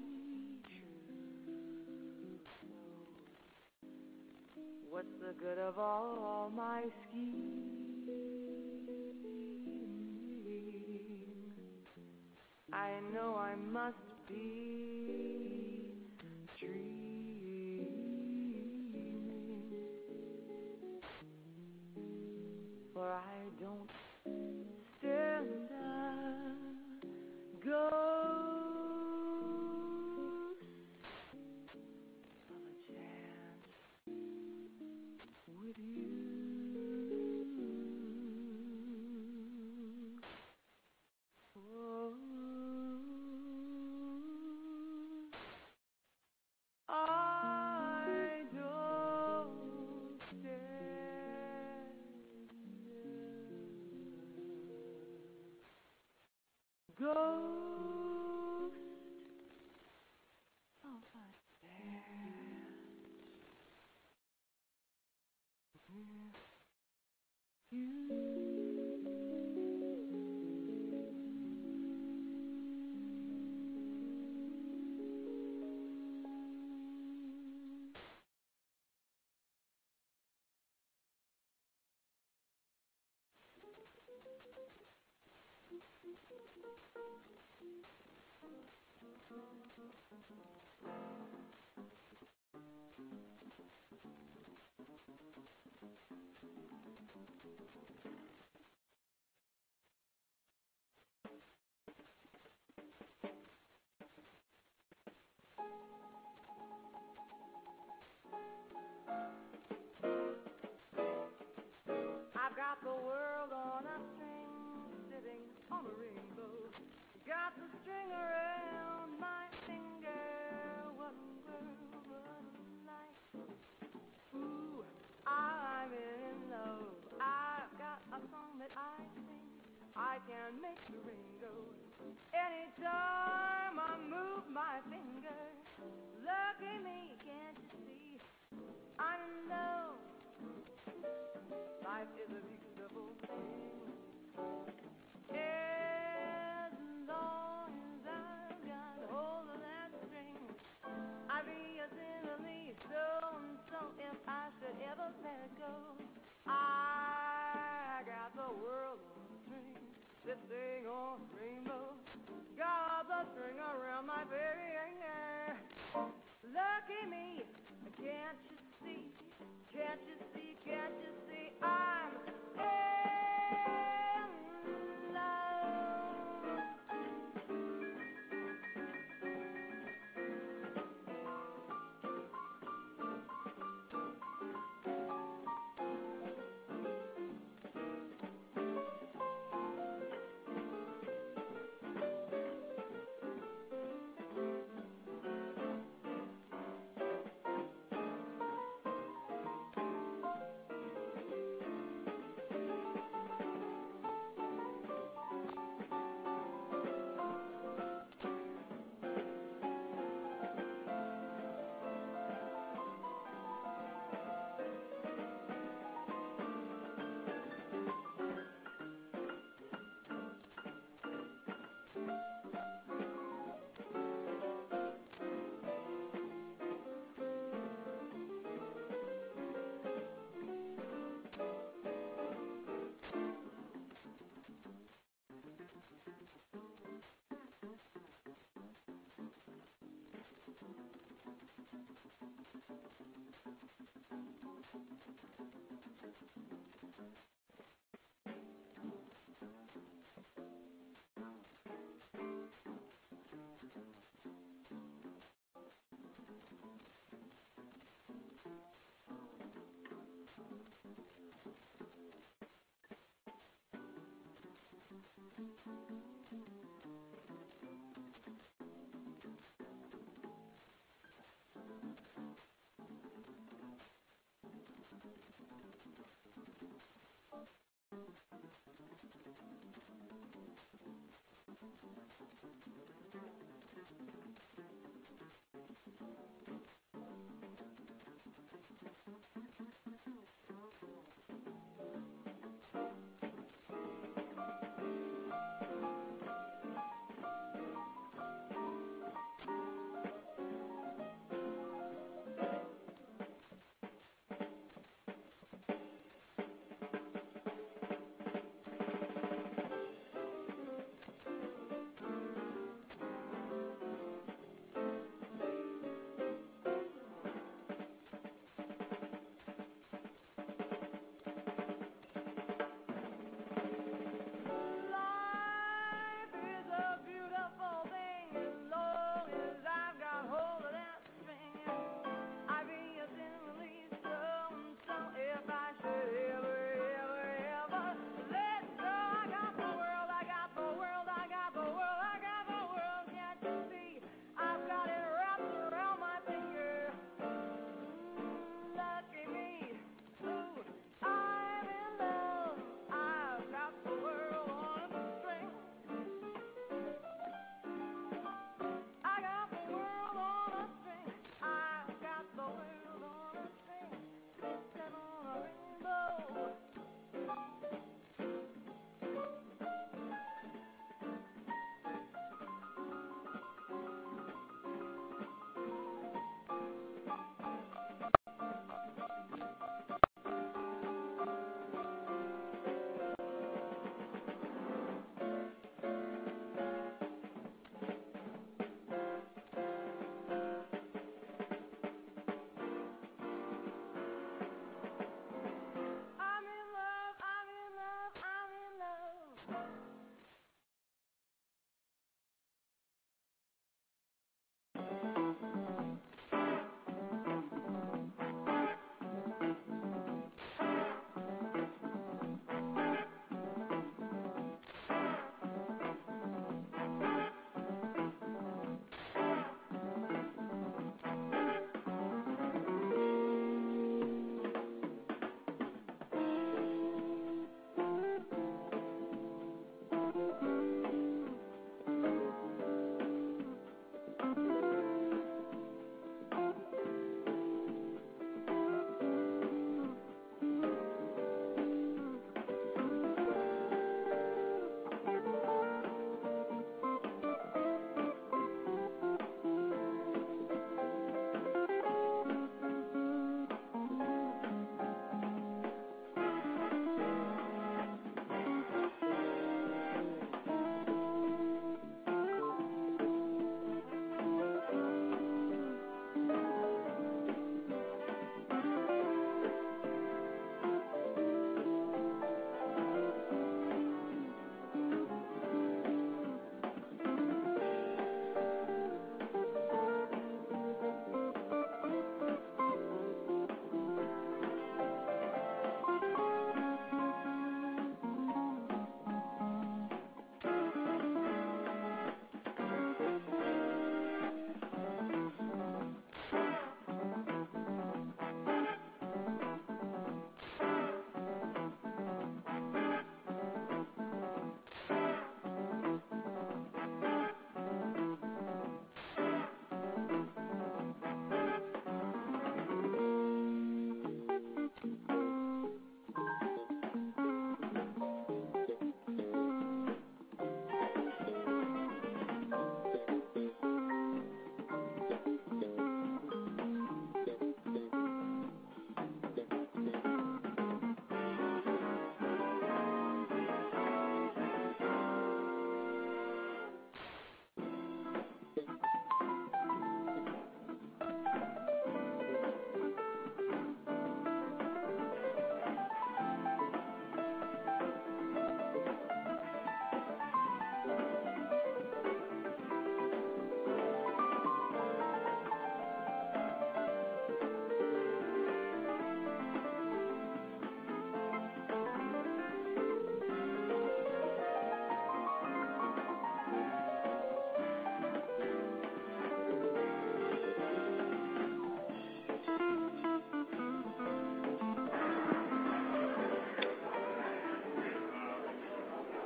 true. What's the good of all my schemes? I know I must I've got the world on a string, sitting on a rainbow. Got the string around my finger. What a world, what a life. I'm in love. I've got a song that I sing. I can make the rain go anytime I move my finger. Lucky me, can't you see? I'm in love. Life is a beautiful thing. As long as I've got a hold of that string, I'll be a sinner, be a stone. If I should ever let go, I got the world on a string, sitting on a rainbow. Got the string around my finger. Lucky me, can't you see? in love. I've got the world on a string. I've got the world on a string. I've got the world on a string. Sitting on a rainbow. I'm in love. I'm in love. I'm in love.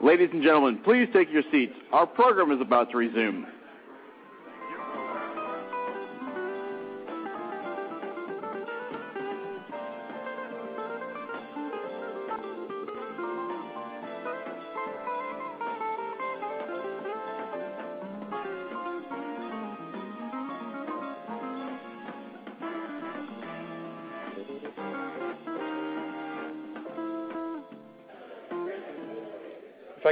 Ladies and gentlemen, please take your seats. Our program is about to resume. If I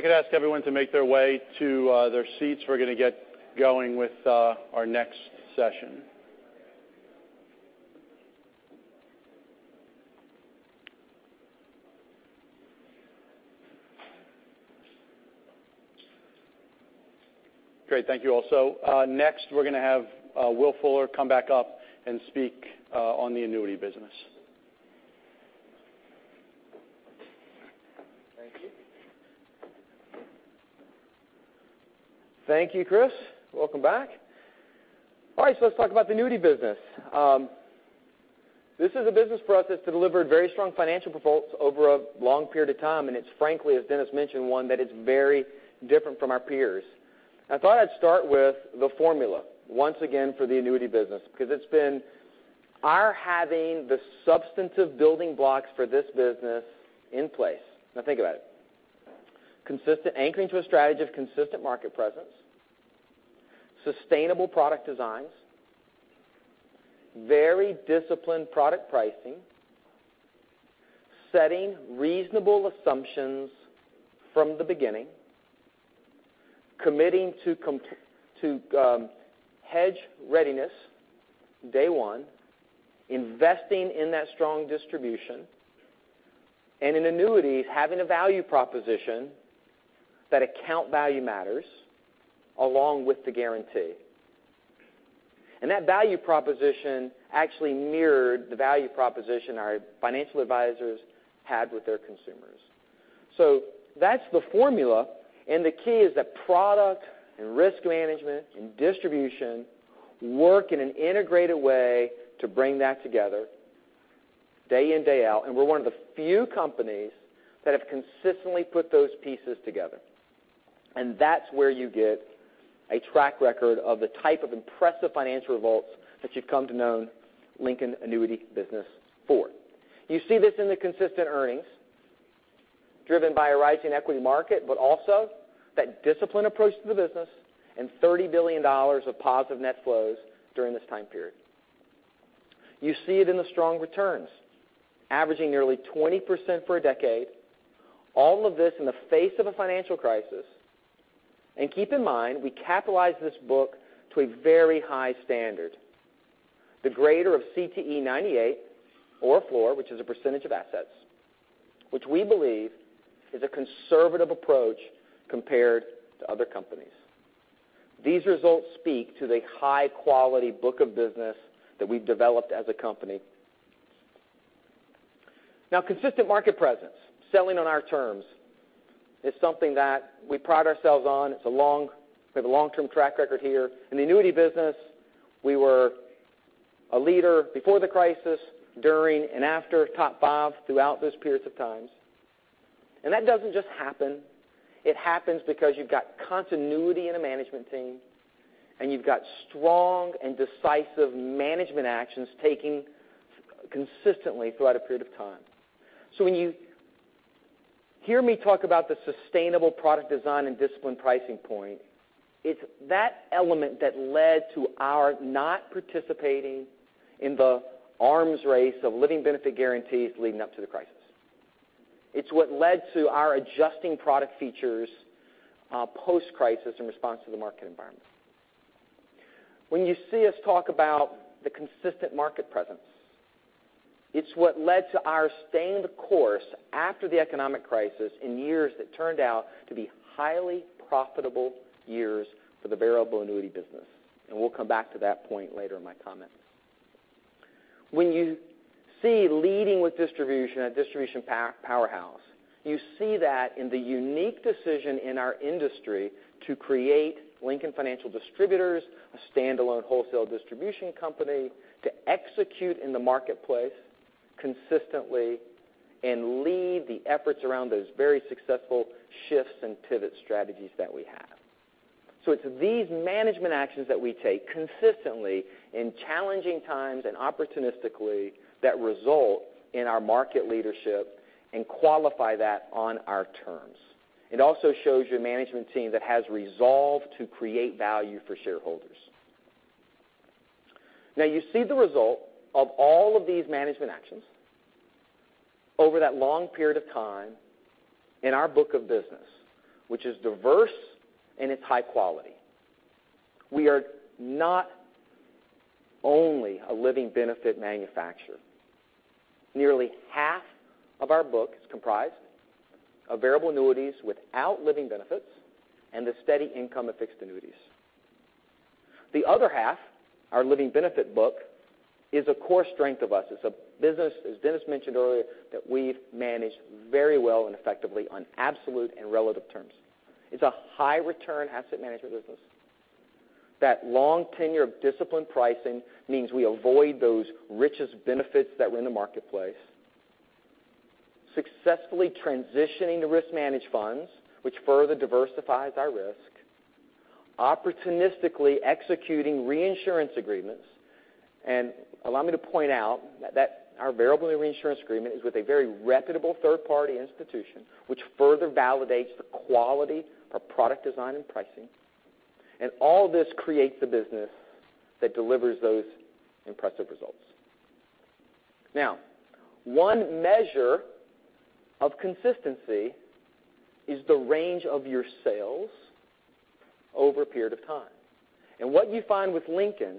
could ask everyone to make their way to their seats, we're going to get going with our next session. Great. Thank you all. Next, we're going to have Will Fuller come back up and speak on the annuity business. Thank you. Thank you, Chris. Welcome back. All right. Let's talk about the annuity business. This is a business for us that's delivered very strong financial results over a long period of time, and it's frankly, as Dennis mentioned, one that is very different from our peers. I thought I'd start with the formula, once again, for the annuity business, because it's been our having the substantive building blocks for this business in place. Think about it. Anchoring to a strategy of consistent market presence, sustainable product designs, very disciplined product pricing, setting reasonable assumptions from the beginning, committing to hedge readiness day one, investing in that strong distribution. In annuities, having a value proposition that account value matters along with the guarantee. That value proposition actually mirrored the value proposition our financial advisors had with their consumers. That's the formula. The key is that product and risk management and distribution work in an integrated way to bring that together day in, day out. We're one of the few companies that have consistently put those pieces together. That's where you get a track record of the type of impressive financial results that you've come to know Lincoln Annuity business for. You see this in the consistent earnings driven by a rise in equity market, but also that disciplined approach to the business and $30 billion of positive net flows during this time period. You see it in the strong returns, averaging nearly 20% for a decade, all of this in the face of a financial crisis. Keep in mind, we capitalize this book to a very high standard, the greater of CTE 98 or floor, which is a percentage of assets, which we believe is a conservative approach compared to other companies. These results speak to the high-quality book of business that we've developed as a company. Consistent market presence, selling on our terms, is something that we pride ourselves on. We have a long-term track record here. In the annuity business, we were a leader before the crisis, during and after top 5 throughout those periods of times. That doesn't just happen. It happens because you've got continuity in a management team, and you've got strong and decisive management actions taken consistently throughout a period of time. When you hear me talk about the sustainable product design and discipline pricing point, it's that element that led to our not participating in the arms race of living benefit guarantees leading up to the crisis. It's what led to our adjusting product features post-crisis in response to the market environment. When you see us talk about the consistent market presence, it's what led to our staying the course after the economic crisis in years that turned out to be highly profitable years for the variable annuity business. We'll come back to that point later in my comments. When you see leading with distribution at distribution powerhouse, you see that in the unique decision in our industry to create Lincoln Financial Distributors, a standalone wholesale distribution company, to execute in the marketplace consistently and lead the efforts around those very successful shifts and pivot strategies that we have. It's these management actions that we take consistently in challenging times and opportunistically that result in our market leadership and qualify that on our terms. It also shows you a management team that has resolved to create value for shareholders. You see the result of all of these management actions over that long period of time in our book of business, which is diverse and it's high quality. We are not only a living benefit manufacturer. Nearly half of our book is comprised of variable annuities without living benefits and the steady income of fixed annuities. The other half, our living benefit book, is a core strength of us. It's a business, as Dennis mentioned earlier, that we've managed very well and effectively on absolute and relative terms. It's a high return asset management business. That long tenure of disciplined pricing means we avoid those richest benefits that were in the marketplace, successfully transitioning to risk-managed funds, which further diversifies our risk, opportunistically executing reinsurance agreements. Allow me to point out that our variable reinsurance agreement is with a very reputable third-party institution, which further validates the quality of product design and pricing. All this creates a business that delivers those impressive results. One measure of consistency is the range of your sales over a period of time. What you find with Lincoln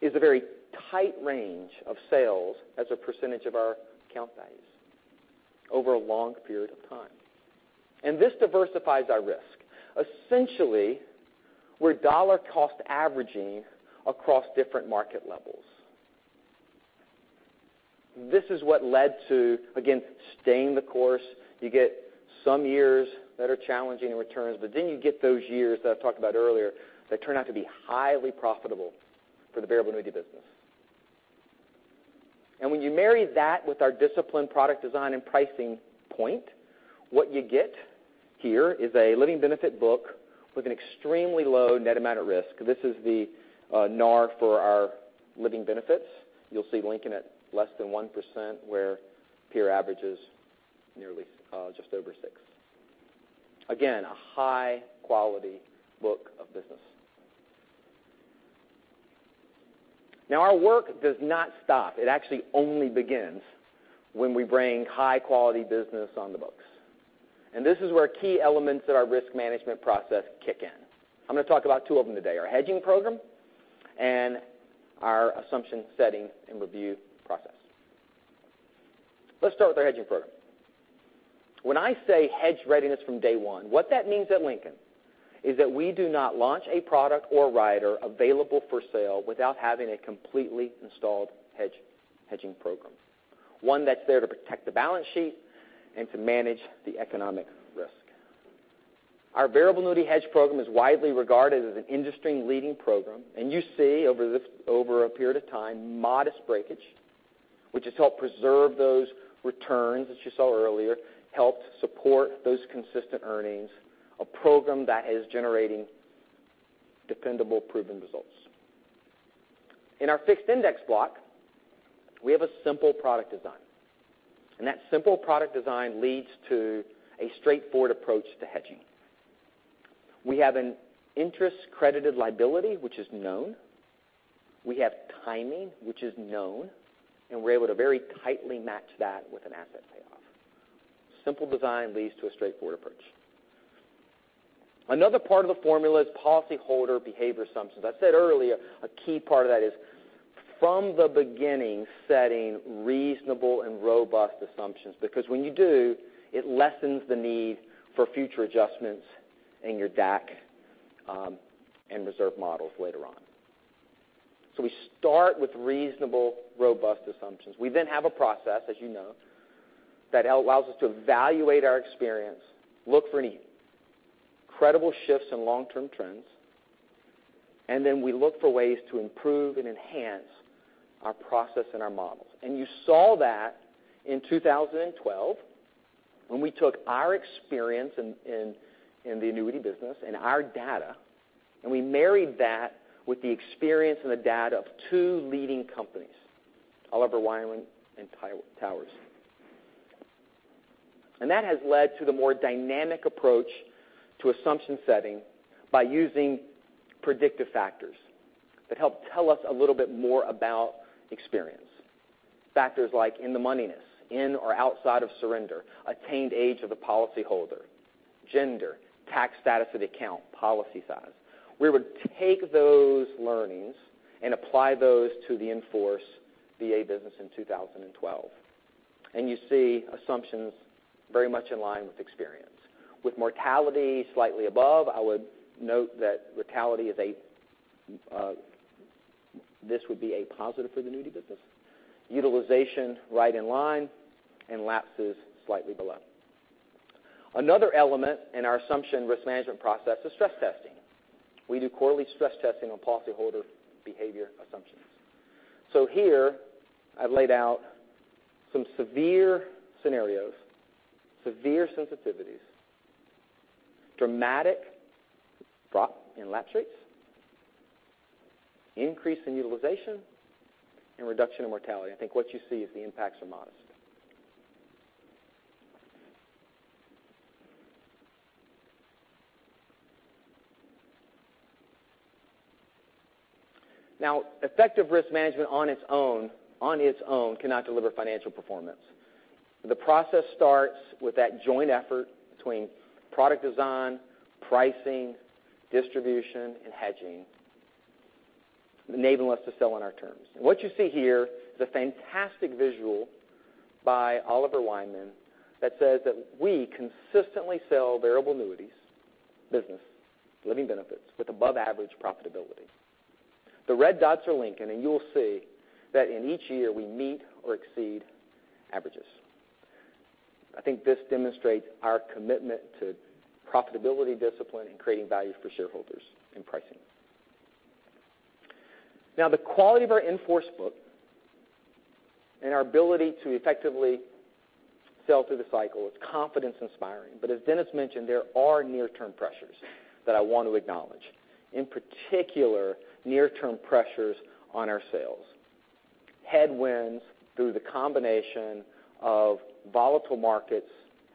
is a very tight range of sales as a percentage of our account values over a long period of time. This diversifies our risk. Essentially, we're dollar cost averaging across different market levels. This is what led to, again, staying the course. You get some years that are challenging in returns, you get those years that I talked about earlier that turn out to be highly profitable for the variable annuity business. When you marry that with our disciplined product design and pricing point, what you get here is a living benefit book with an extremely low net amount at risk. This is the NAR for our living benefits. You'll see Lincoln at less than 1%, where peer average is nearly just over six. A high-quality book of business. Our work does not stop. It actually only begins when we bring high-quality business on the books. This is where key elements of our risk management process kick in. I'm going to talk about two of them today, our hedging program and our assumption setting and review process. Let's start with our hedging program. When I say hedge readiness from day one, what that means at Lincoln is that we do not launch a product or rider available for sale without having a completely installed hedging program, one that's there to protect the balance sheet and to manage the economic risk. Our variable annuity hedge program is widely regarded as an industry-leading program, and you see over a period of time, modest breakage, which has helped preserve those returns that you saw earlier, helped support those consistent earnings, a program that is generating dependable, proven results. In our fixed index block, we have a simple product design. That simple product design leads to a straightforward approach to hedging. We have an interest credited liability, which is known. We have timing, which is known, and we're able to very tightly match that with an asset payoff. Simple design leads to a straightforward approach. Another part of the formula is policyholder behavior assumptions. I said earlier, a key part of that is from the beginning, setting reasonable and robust assumptions, because when you do, it lessens the need for future adjustments in your DAC and reserve models later on. We start with reasonable, robust assumptions. We then have a process, as you know, that allows us to evaluate our experience, look for any credible shifts in long-term trends, and then we look for ways to improve and enhance our process and our models. You saw that in 2012, when we took our experience in the annuity business and our data, and we married that with the experience and the data of two leading companies, Oliver Wyman and Towers. That has led to the more dynamic approach to assumption setting by using predictive factors that help tell us a little bit more about experience. Factors like in-the-moneyness, in or outside of surrender, attained age of the policyholder, gender, tax status of the account, policy size. We would take those learnings and apply those to the in-force VA business in 2012. You see assumptions very much in line with experience. With mortality slightly above, I would note that this would be a positive for the annuity business. Utilization right in line and lapses slightly below. Another element in our assumption risk management process is stress testing. We do quarterly stress testing on policyholder behavior assumptions. Here I've laid out some severe scenarios, severe sensitivities, dramatic drop in lapse rates, increase in utilization, and reduction in mortality. I think what you see is the impacts are modest. Effective risk management on its own cannot deliver financial performance. The process starts with that joint effort between product design, pricing, distribution, and hedging, enabling us to sell on our terms. What you see here is a fantastic visual by Oliver Wyman that says that we consistently sell variable annuities business, living benefits with above average profitability. The red dots are Lincoln, you will see that in each year we meet or exceed averages. I think this demonstrates our commitment to profitability discipline and creating value for shareholders in pricing. As Dennis mentioned, there are near-term pressures that I want to acknowledge. In particular, near-term pressures on our sales. Headwinds through the combination of volatile markets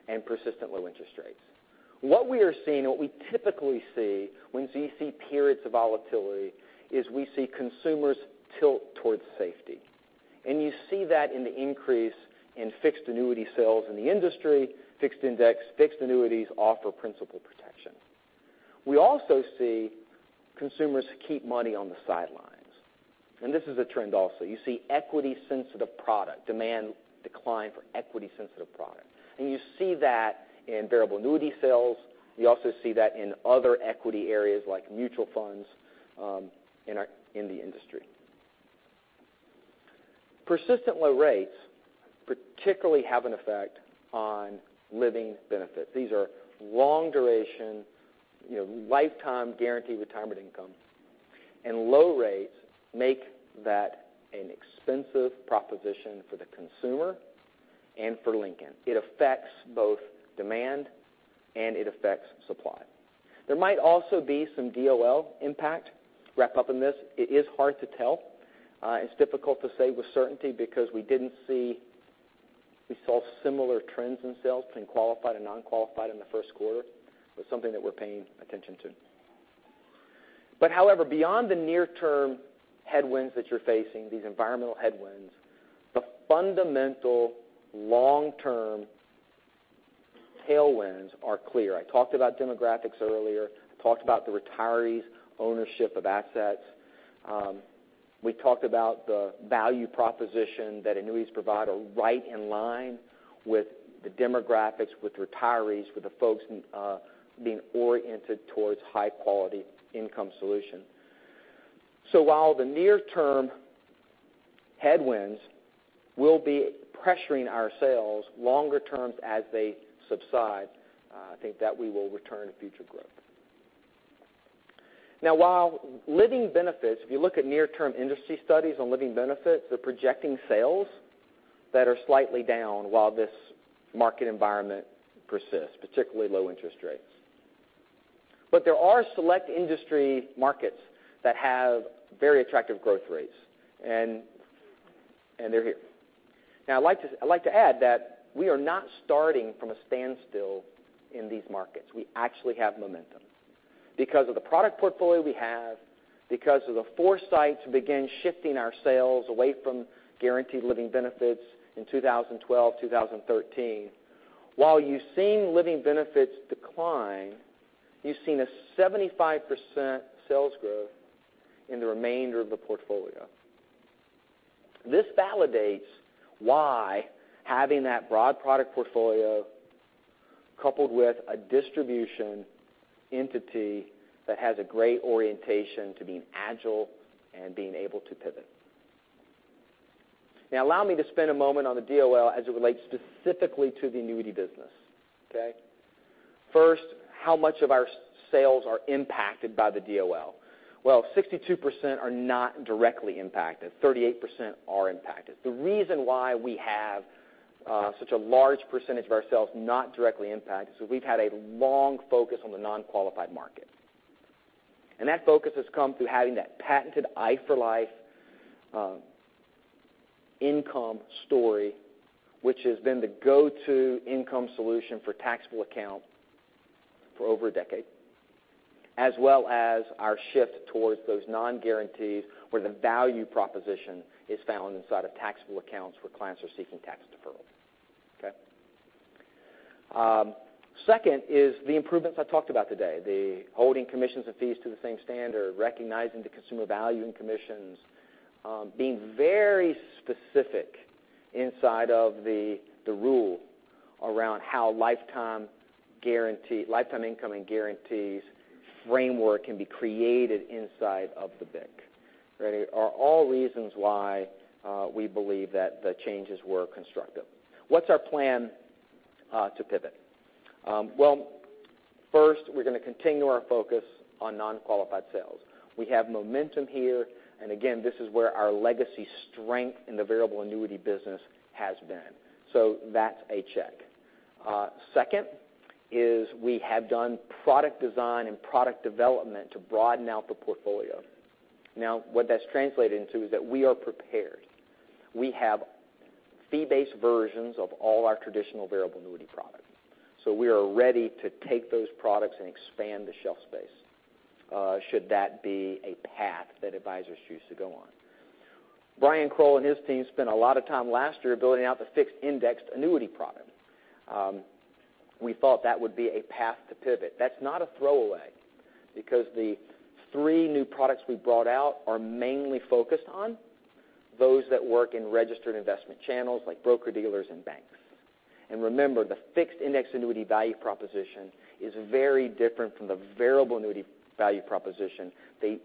and persistent low interest rates. What we are seeing, what we typically see when you see periods of volatility is we see consumers tilt towards safety. You see that in the increase in fixed annuity sales in the industry. Fixed index, fixed annuities offer principal protection. We also see consumers keep money on the sidelines. This is a trend also. You see equity sensitive product, demand decline for equity sensitive product. You see that in variable annuity sales. You also see that in other equity areas like mutual funds in the industry. Persistent low rates particularly have an effect on living benefits. These are long duration, lifetime guaranteed retirement income. Low rates make that an expensive proposition for the consumer and for Lincoln. It affects both demand and it affects supply. There might also be some DOL impact wrapped up in this. It is hard to tell. It's difficult to say with certainty because we saw similar trends in sales between qualified and non-qualified in the first quarter. It's something that we're paying attention to. However, beyond the near-term headwinds that you're facing, these environmental headwinds, the fundamental long-term tailwinds are clear. I talked about demographics earlier. I talked about the retirees' ownership of assets. We talked about the value proposition that annuities provide are right in line with the demographics, with retirees, with the folks being oriented towards high-quality income solution. While the near-term headwinds will be pressuring our sales longer term as they subside, I think that we will return to future growth. While living benefits, if you look at near-term industry studies on living benefits, they're projecting sales that are slightly down while this market environment persists, particularly low interest rates. There are select industry markets that have very attractive growth rates, and they're here. I'd like to add that we are not starting from a standstill in these markets. We actually have momentum because of the product portfolio we have, because of the foresight to begin shifting our sales away from guaranteed living benefits in 2012, 2013. While you've seen living benefits decline, you've seen a 75% sales growth in the remainder of the portfolio. This validates why having that broad product portfolio coupled with a distribution entity that has a great orientation to being agile and being able to pivot. Allow me to spend a moment on the DOL as it relates specifically to the annuity business. Okay? First, how much of our sales are impacted by the DOL? Well, 62% are not directly impacted. 38% are impacted. The reason why we have such a large percentage of our sales not directly impacted is we've had a long focus on the non-qualified market. That focus has come through having that patented i4Life income story, which has been the go-to income solution for taxable accounts for over a decade, as well as our shift towards those non-guarantees where the value proposition is found inside of taxable accounts where clients are seeking tax deferral. Okay? Second is the improvements I talked about today, the holding commissions and fees to the same standard, recognizing the consumer value in commissions, being very specific inside of the rule around how lifetime income and guarantees framework can be created inside of the BIC. Ready? Are all reasons why we believe that the changes were constructive. What's our plan to pivot? Well, first, we're going to continue our focus on non-qualified sales. We have momentum here, and again, this is where our legacy strength in the variable annuity business has been. That's a check. Second is we have done product design and product development to broaden out the portfolio. What that's translated into is that we are prepared. We have fee-based versions of all our traditional variable annuity products. We are ready to take those products and expand the shelf space, should that be a path that advisors choose to go on. Brian Kroll and his team spent a lot of time last year building out the fixed indexed annuity product. We thought that would be a path to pivot. That's not a throwaway because the three new products we brought out are mainly focused on those that work in registered investment channels like broker-dealers and banks. Remember, the fixed indexed annuity value proposition is very different from the variable annuity value proposition. They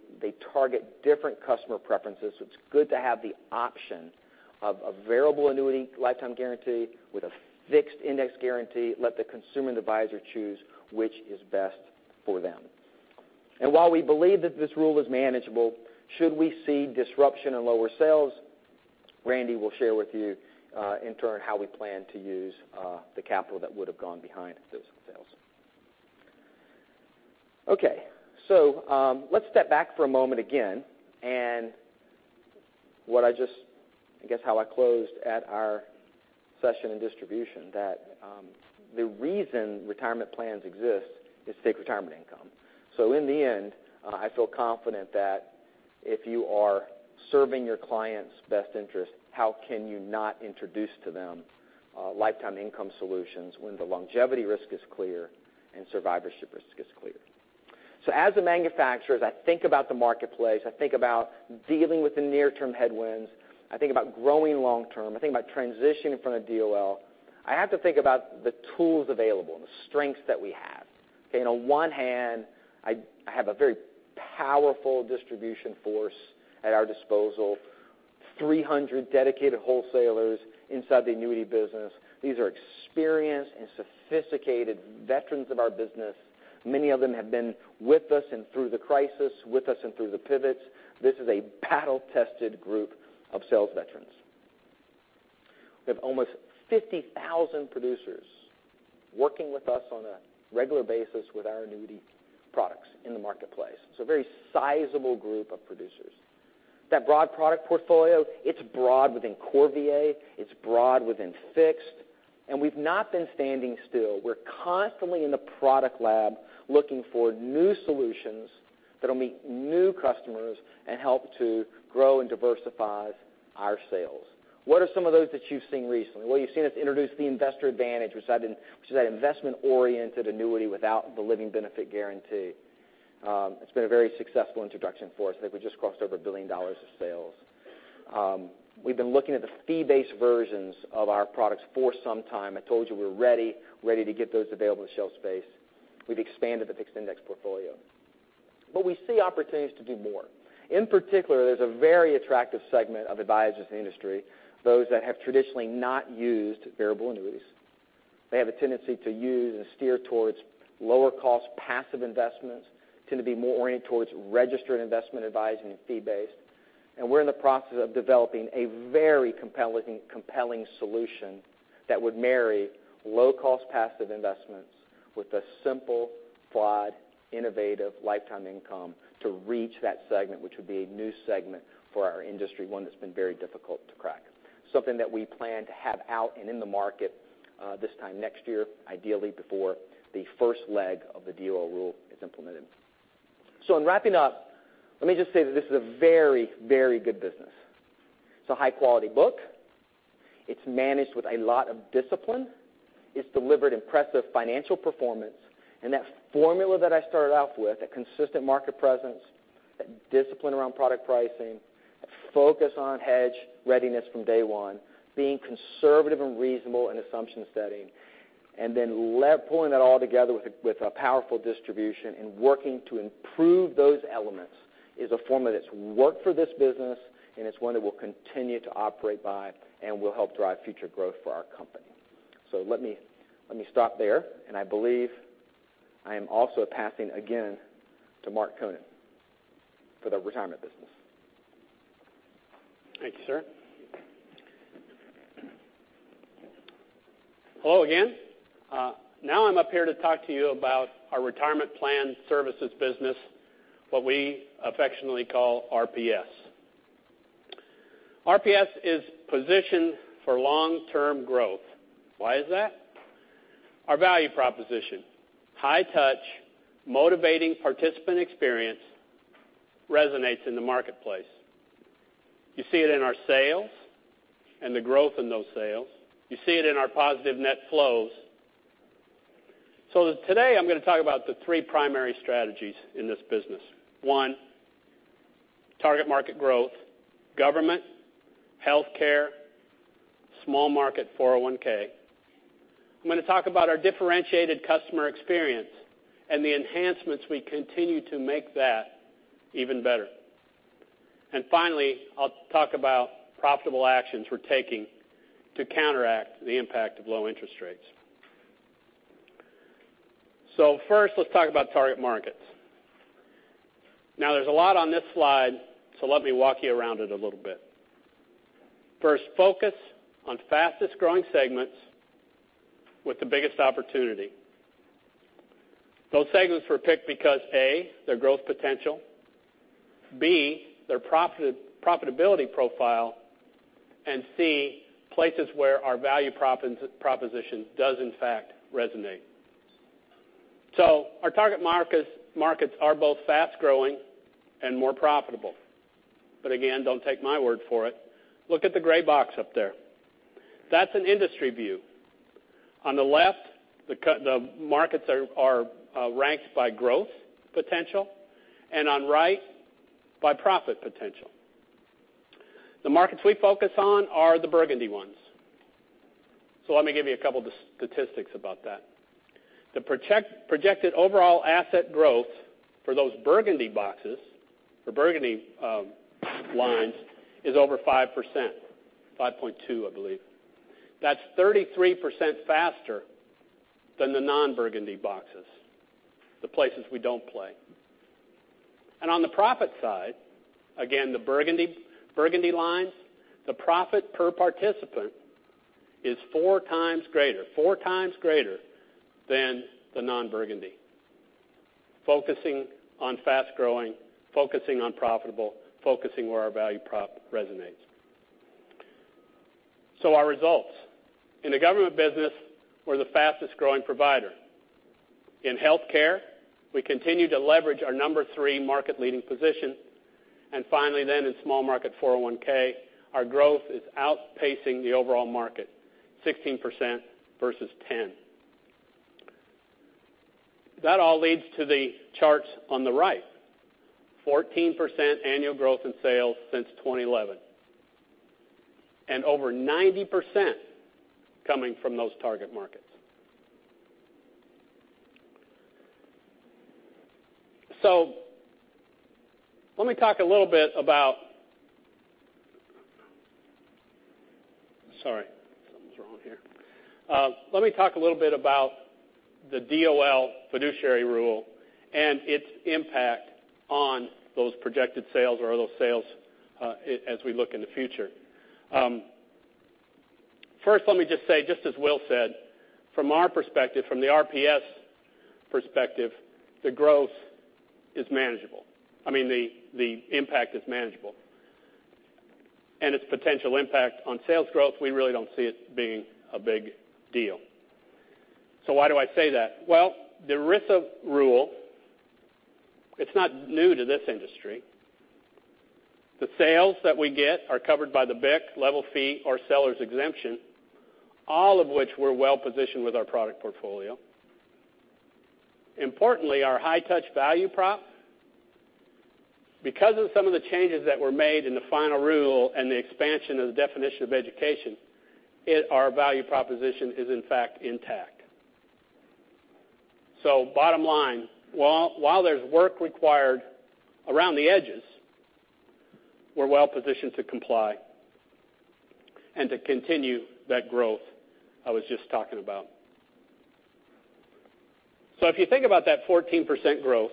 target different customer preferences. It's good to have the option of a variable annuity lifetime guarantee with a fixed indexed guarantee, let the consumer and the advisor choose which is best for them. While we believe that this rule is manageable, should we see disruption in lower sales, Randy will share with you in turn how we plan to use the capital that would have gone behind those sales. Let's step back for a moment again and what I guess how I closed at our session in distribution, that the reason retirement plans exist is to take retirement income. In the end, I feel confident that if you are serving your client's best interest, how can you not introduce to them lifetime income solutions when the longevity risk is clear and survivorship risk is clear? As a manufacturer, as I think about the marketplace, I think about dealing with the near-term headwinds, I think about growing long term, I think about transitioning from the DOL. I have to think about the tools available and the strengths that we have. On one hand, I have a very powerful distribution force at our disposal, 300 dedicated wholesalers inside the annuity business. These are experienced and sophisticated veterans of our business. Many of them have been with us and through the crisis, with us and through the pivots. This is a battle-tested group of sales veterans. We have almost 50,000 producers working with us on a regular basis with our annuity products in the marketplace. It's a very sizable group of producers. That broad product portfolio, it's broad within core VA, it's broad within fixed, and we've not been standing still. We're constantly in the product lab looking for new solutions that will meet new customers and help to grow and diversify our sales. What are some of those that you've seen recently? Well, you've seen us introduce the Investor Advantage, which is that investment-oriented annuity without the living benefit guarantee. It's been a very successful introduction for us. I think we just crossed over $1 billion of sales. We've been looking at the fee-based versions of our products for some time. I told you we're ready to get those available to shelf space. We've expanded the fixed indexed portfolio. We see opportunities to do more. In particular, there's a very attractive segment of advisors in the industry, those that have traditionally not used variable annuities. They have a tendency to use and steer towards lower cost passive investments, tend to be more oriented towards registered investment advising and fee-based. We're in the process of developing a very compelling solution that would marry low-cost passive investments with a simple, broad, innovative lifetime income to reach that segment, which would be a new segment for our industry, one that's been very difficult to crack. Something that we plan to have out and in the market this time next year, ideally before the first leg of the DOL rule is implemented. In wrapping up, let me just say that this is a very good business. It's a high-quality book. It's managed with a lot of discipline. It's delivered impressive financial performance. That formula that I started out with, that consistent market presence, that discipline around product pricing, a focus on hedge readiness from day one, being conservative and reasonable in assumption setting, then pulling that all together with a powerful distribution and working to improve those elements is a formula that's worked for this business, and it's one that we'll continue to operate by and will help drive future growth for our company. Let me stop there, and I believe I am also passing again to Mark Konen for the retirement business. Thank you, sir. Hello again. I'm up here to talk to you about our Retirement Plan Services business, what we affectionately call RPS. RPS is positioned for long-term growth. Why is that? Our value proposition. High touch, motivating participant experience resonates in the marketplace. You see it in our sales and the growth in those sales. You see it in our positive net flows. Today, I'm going to talk about the three primary strategies in this business. One, target market growth, government, healthcare, small market 401(k). I'm going to talk about our differentiated customer experience and the enhancements we continue to make that even better. Finally, I'll talk about profitable actions we're taking to counteract the impact of low interest rates. First, let's talk about target markets. There's a lot on this slide, so let me walk you around it a little bit. First, focus on fastest-growing segments with the biggest opportunity. Those segments were picked because, A, their growth potential, B, their profitability profile, and C, places where our value proposition does in fact resonate. Our target markets are both fast-growing and more profitable. Again, don't take my word for it. Look at the gray box up there. That's an industry view. On the left, the markets are ranked by growth potential, and on right, by profit potential. The markets we focus on are the burgundy ones. Let me give you a couple of statistics about that. The projected overall asset growth for those burgundy lines is over 5%, 5.2%, I believe. That's 33% faster than the non-burgundy boxes, the places we don't play. On the profit side, again, the burgundy lines, the profit per participant is four times greater than the non-burgundy. Focusing on fast-growing, focusing on profitable, focusing where our value prop resonates. Our results. In the government business, we're the fastest growing provider. In healthcare, we continue to leverage our number three market leading position. Finally then in small market 401(k), our growth is outpacing the overall market, 16% versus 10%. That all leads to the charts on the right, 14% annual growth in sales since 2011, and over 90% coming from those target markets. Let me talk a little bit about the DOL fiduciary rule and its impact on those projected sales or those sales as we look in the future. First, let me just say, just as Will said, from our perspective, from the RPS perspective, the growth is manageable. I mean, the impact is manageable. Its potential impact on sales growth, we really don't see it being a big deal. Why do I say that? The ERISA rule, it's not new to this industry. The sales that we get are covered by the BIC, level fee, or seller's exemption, all of which we're well-positioned with our product portfolio. Importantly, our high-touch value prop, because of some of the changes that were made in the final rule and the expansion of the definition of education, our value proposition is in fact intact. Bottom line, while there's work required around the edges, we're well-positioned to comply and to continue that growth I was just talking about. If you think about that 14% growth,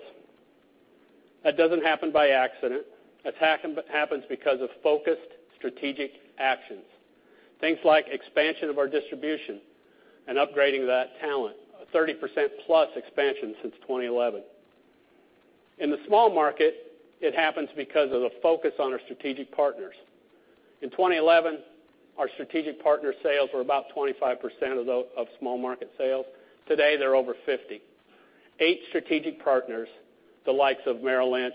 that doesn't happen by accident. That happens because of focused strategic actions, things like expansion of our distribution and upgrading that talent, a 30%-plus expansion since 2011. In the small market, it happens because of the focus on our strategic partners. In 2011, our strategic partner sales were about 25% of small market sales. Today, they're over 50%. Eight strategic partners, the likes of Merrill Lynch,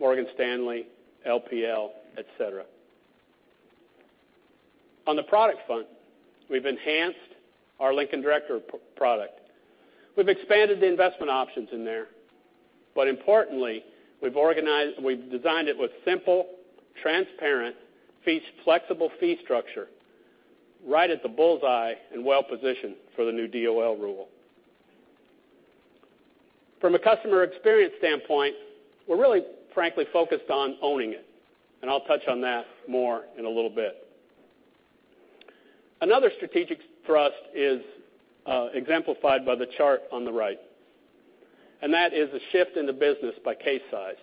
Morgan Stanley, LPL, et cetera. On the product front, we've enhanced our Lincoln Director product. We've expanded the investment options in there. Importantly, we've designed it with simple, transparent, flexible fee structure, right at the bullseye and well-positioned for the new DOL rule. From a customer experience standpoint, we're really frankly focused on owning it, and I'll touch on that more in a little bit. Another strategic thrust is exemplified by the chart on the right, that is a shift in the business by case size.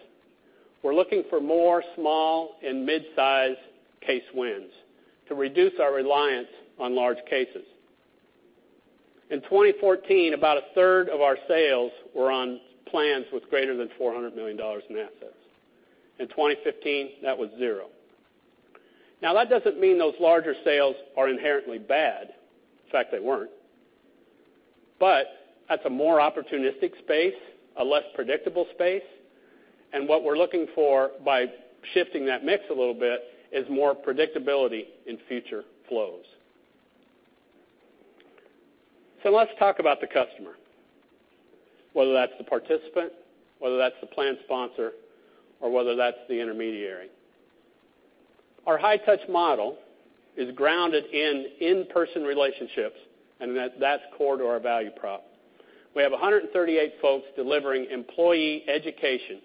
We're looking for more small and midsize case wins to reduce our reliance on large cases. In 2014, about a third of our sales were on plans with greater than $400 million in assets. In 2015, that was zero. That doesn't mean those larger sales are inherently bad. In fact, they weren't. That's a more opportunistic space, a less predictable space, what we're looking for by shifting that mix a little bit is more predictability in future flows. Let's talk about the customer, whether that's the participant, whether that's the plan sponsor, or whether that's the intermediary. Our high-touch model is grounded in in-person relationships, that's core to our value prop. We have 138 folks delivering employee education.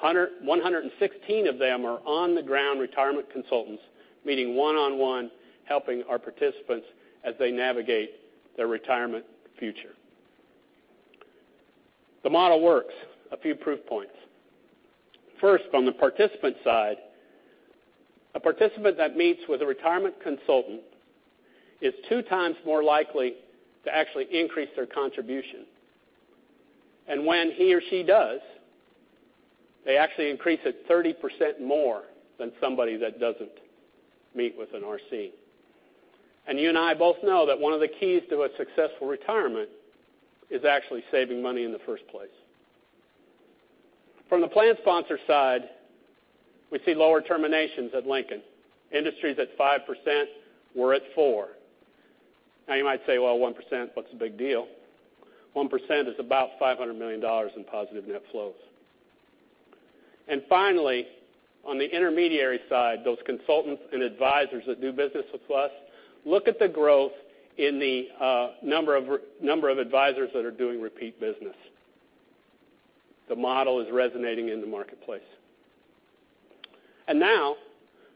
116 of them are on-the-ground retirement consultants meeting one-on-one, helping our participants as they navigate their retirement future. The model works. A few proof points. First, from the participant side, a participant that meets with a retirement consultant is two times more likely to actually increase their contribution. When he or she does, they actually increase it 30% more than somebody that doesn't meet with an RC. You and I both know that one of the keys to a successful retirement is actually saving money in the first place. From the plan sponsor side, we see lower terminations at Lincoln. Industry's at 5%, we're at 4%. You might say, "1%, what's the big deal?" 1% is about $500 million in positive net flows. Finally, on the intermediary side, those consultants and advisors that do business with us, look at the growth in the number of advisors that are doing repeat business. The model is resonating in the marketplace. Now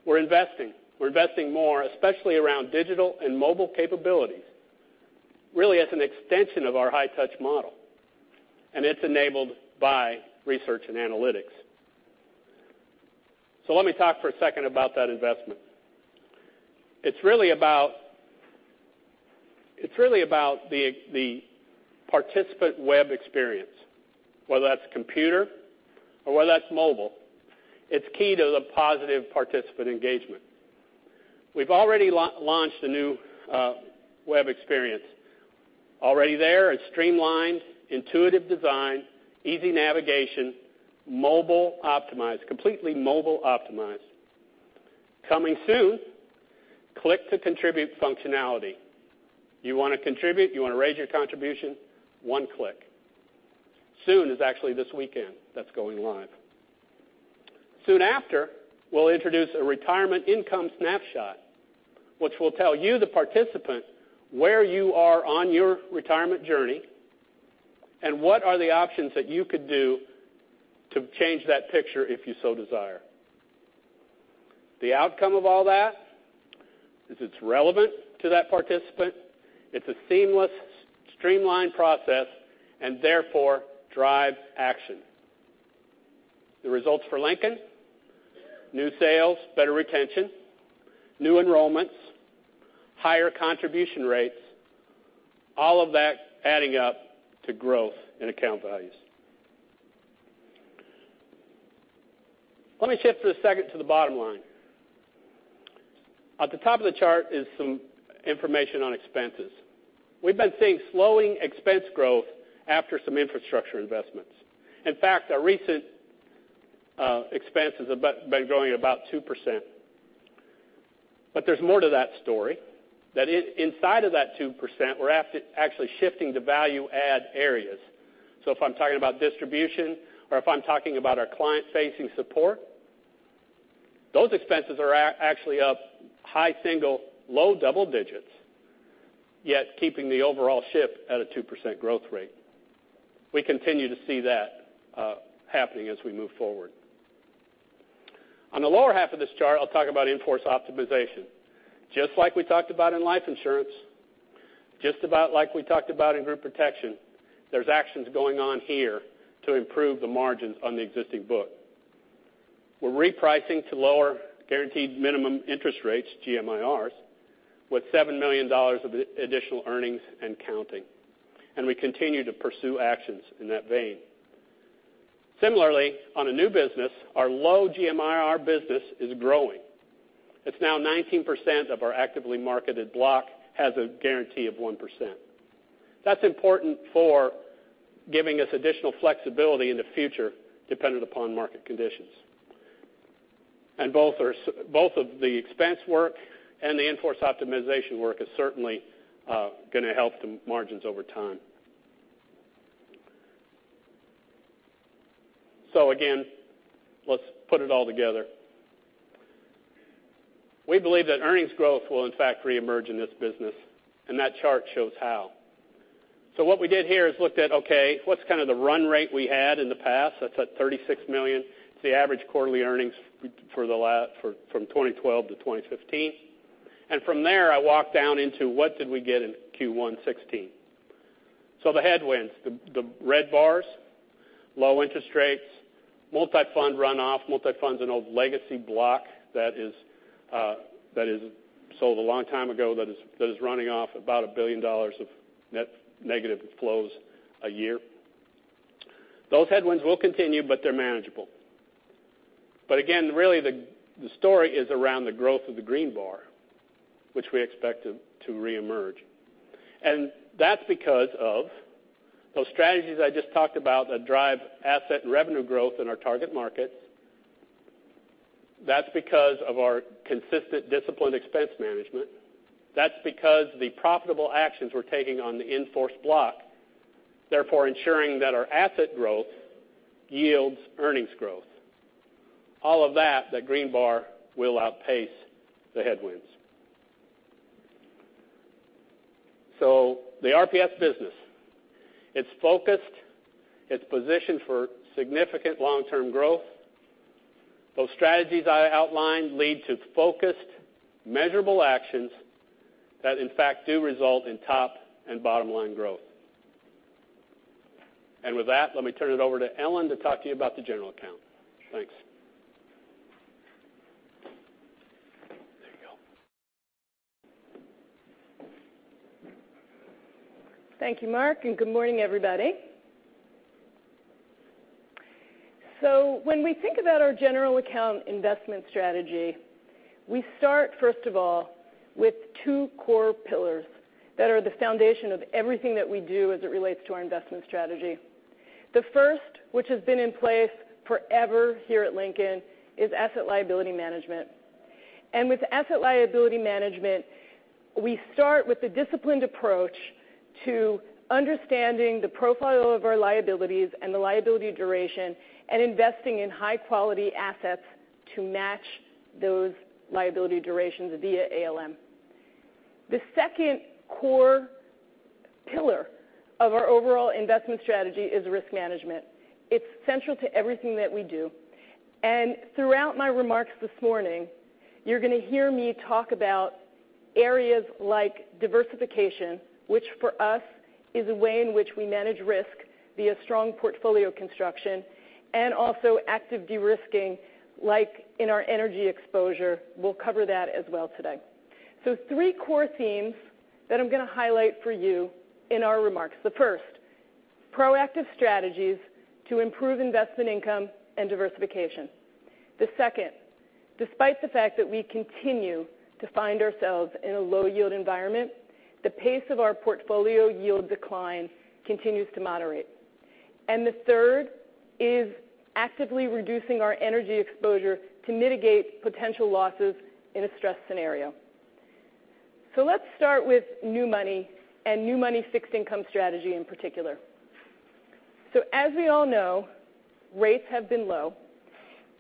we're investing. We're investing more, especially around digital and mobile capabilities, really as an extension of our high-touch model, it's enabled by research and analytics. Let me talk for a second about that investment. It's really about the participant web experience, whether that's computer or whether that's mobile. It's key to the positive participant engagement. We've already launched a new web experience. Already there, it's streamlined, intuitive design, easy navigation, mobile optimized, completely mobile optimized. Coming soon, click to contribute functionality. You want to contribute, you want to raise your contribution, one click. Soon is actually this weekend that's going live. Soon after, we'll introduce a retirement income snapshot, which will tell you, the participant, where you are on your retirement journey and what are the options that you could do to change that picture if you so desire. The outcome of all that is it's relevant to that participant. It's a seamless, streamlined process and therefore drives action. The results for Lincoln, new sales, better retention, new enrollments, higher contribution rates, all of that adding up to growth in account values. Let me shift for a second to the bottom line. At the top of the chart is some information on expenses. We've been seeing slowing expense growth after some infrastructure investments. In fact, our recent expenses have been growing about 2%. There's more to that story, that inside of that 2%, we're actually shifting to value add areas. If I'm talking about distribution or if I'm talking about our client-facing support, those expenses are actually up high single, low double digits, yet keeping the overall shift at a 2% growth rate. We continue to see that happening as we move forward. On the lower half of this chart, I'll talk about in-force optimization. Just like we talked about in life insurance, just about like we talked about in group protection, there's actions going on here to improve the margins on the existing book. We're repricing to lower guaranteed minimum interest rates, GMIRs, with $7 million of additional earnings and counting. We continue to pursue actions in that vein. Similarly, on a new business, our low GMIR business is growing. It's now 19% of our actively marketed block has a guarantee of 1%. That's important for giving us additional flexibility in the future, dependent upon market conditions. Both of the expense work and the in-force optimization work is certainly going to help the margins over time. Again, let's put it all together. We believe that earnings growth will in fact reemerge in this business, and that chart shows how. What we did here is looked at, okay, what's kind of the run rate we had in the past? That's at $36 million. It's the average quarterly earnings from 2012 to 2015. From there, I walk down into what did we get in Q1 2016. The headwinds, the red bars, low interest rates, Multi-Fund runoff. Multi-Fund's an old legacy block that is sold a long time ago that is running off about $1 billion of net negative flows a year. Those headwinds will continue, they're manageable. Again, really the story is around the growth of the green bar, which we expect to reemerge. That's because of those strategies I just talked about that drive asset and revenue growth in our target markets. That's because of our consistent disciplined expense management. That's because the profitable actions we're taking on the in-force block, therefore ensuring that our asset growth yields earnings growth. All of that, the green bar will outpace the headwinds. The RPS business, it's focused, it's positioned for significant long-term growth. Those strategies I outlined lead to focused, measurable actions that in fact do result in top and bottom-line growth. With that, let me turn it over to Ellen to talk to you about the general account. Thanks. There you go. Thank you, Mark, and good morning, everybody. When we think about our general account investment strategy, we start, first of all, with two core pillars that are the foundation of everything that we do as it relates to our investment strategy. The first, which has been in place forever here at Lincoln, is asset liability management. With asset liability management, we start with the disciplined approach to understanding the profile of our liabilities and the liability duration and investing in high-quality assets to match those liability durations via ALM. The second core pillar of our overall investment strategy is risk management. It's central to everything that we do. Throughout my remarks this morning, you're going to hear me talk about areas like diversification, which for us is a way in which we manage risk via strong portfolio construction and also active de-risking like in our energy exposure. We'll cover that as well today. Three core themes that I'm going to highlight for you in our remarks. The first, proactive strategies to improve investment income and diversification. The second, despite the fact that we continue to find ourselves in a low-yield environment, the pace of our portfolio yield decline continues to moderate. The third is actively reducing our energy exposure to mitigate potential losses in a stress scenario. Let's start with new money and new money fixed income strategy in particular. As we all know, rates have been low,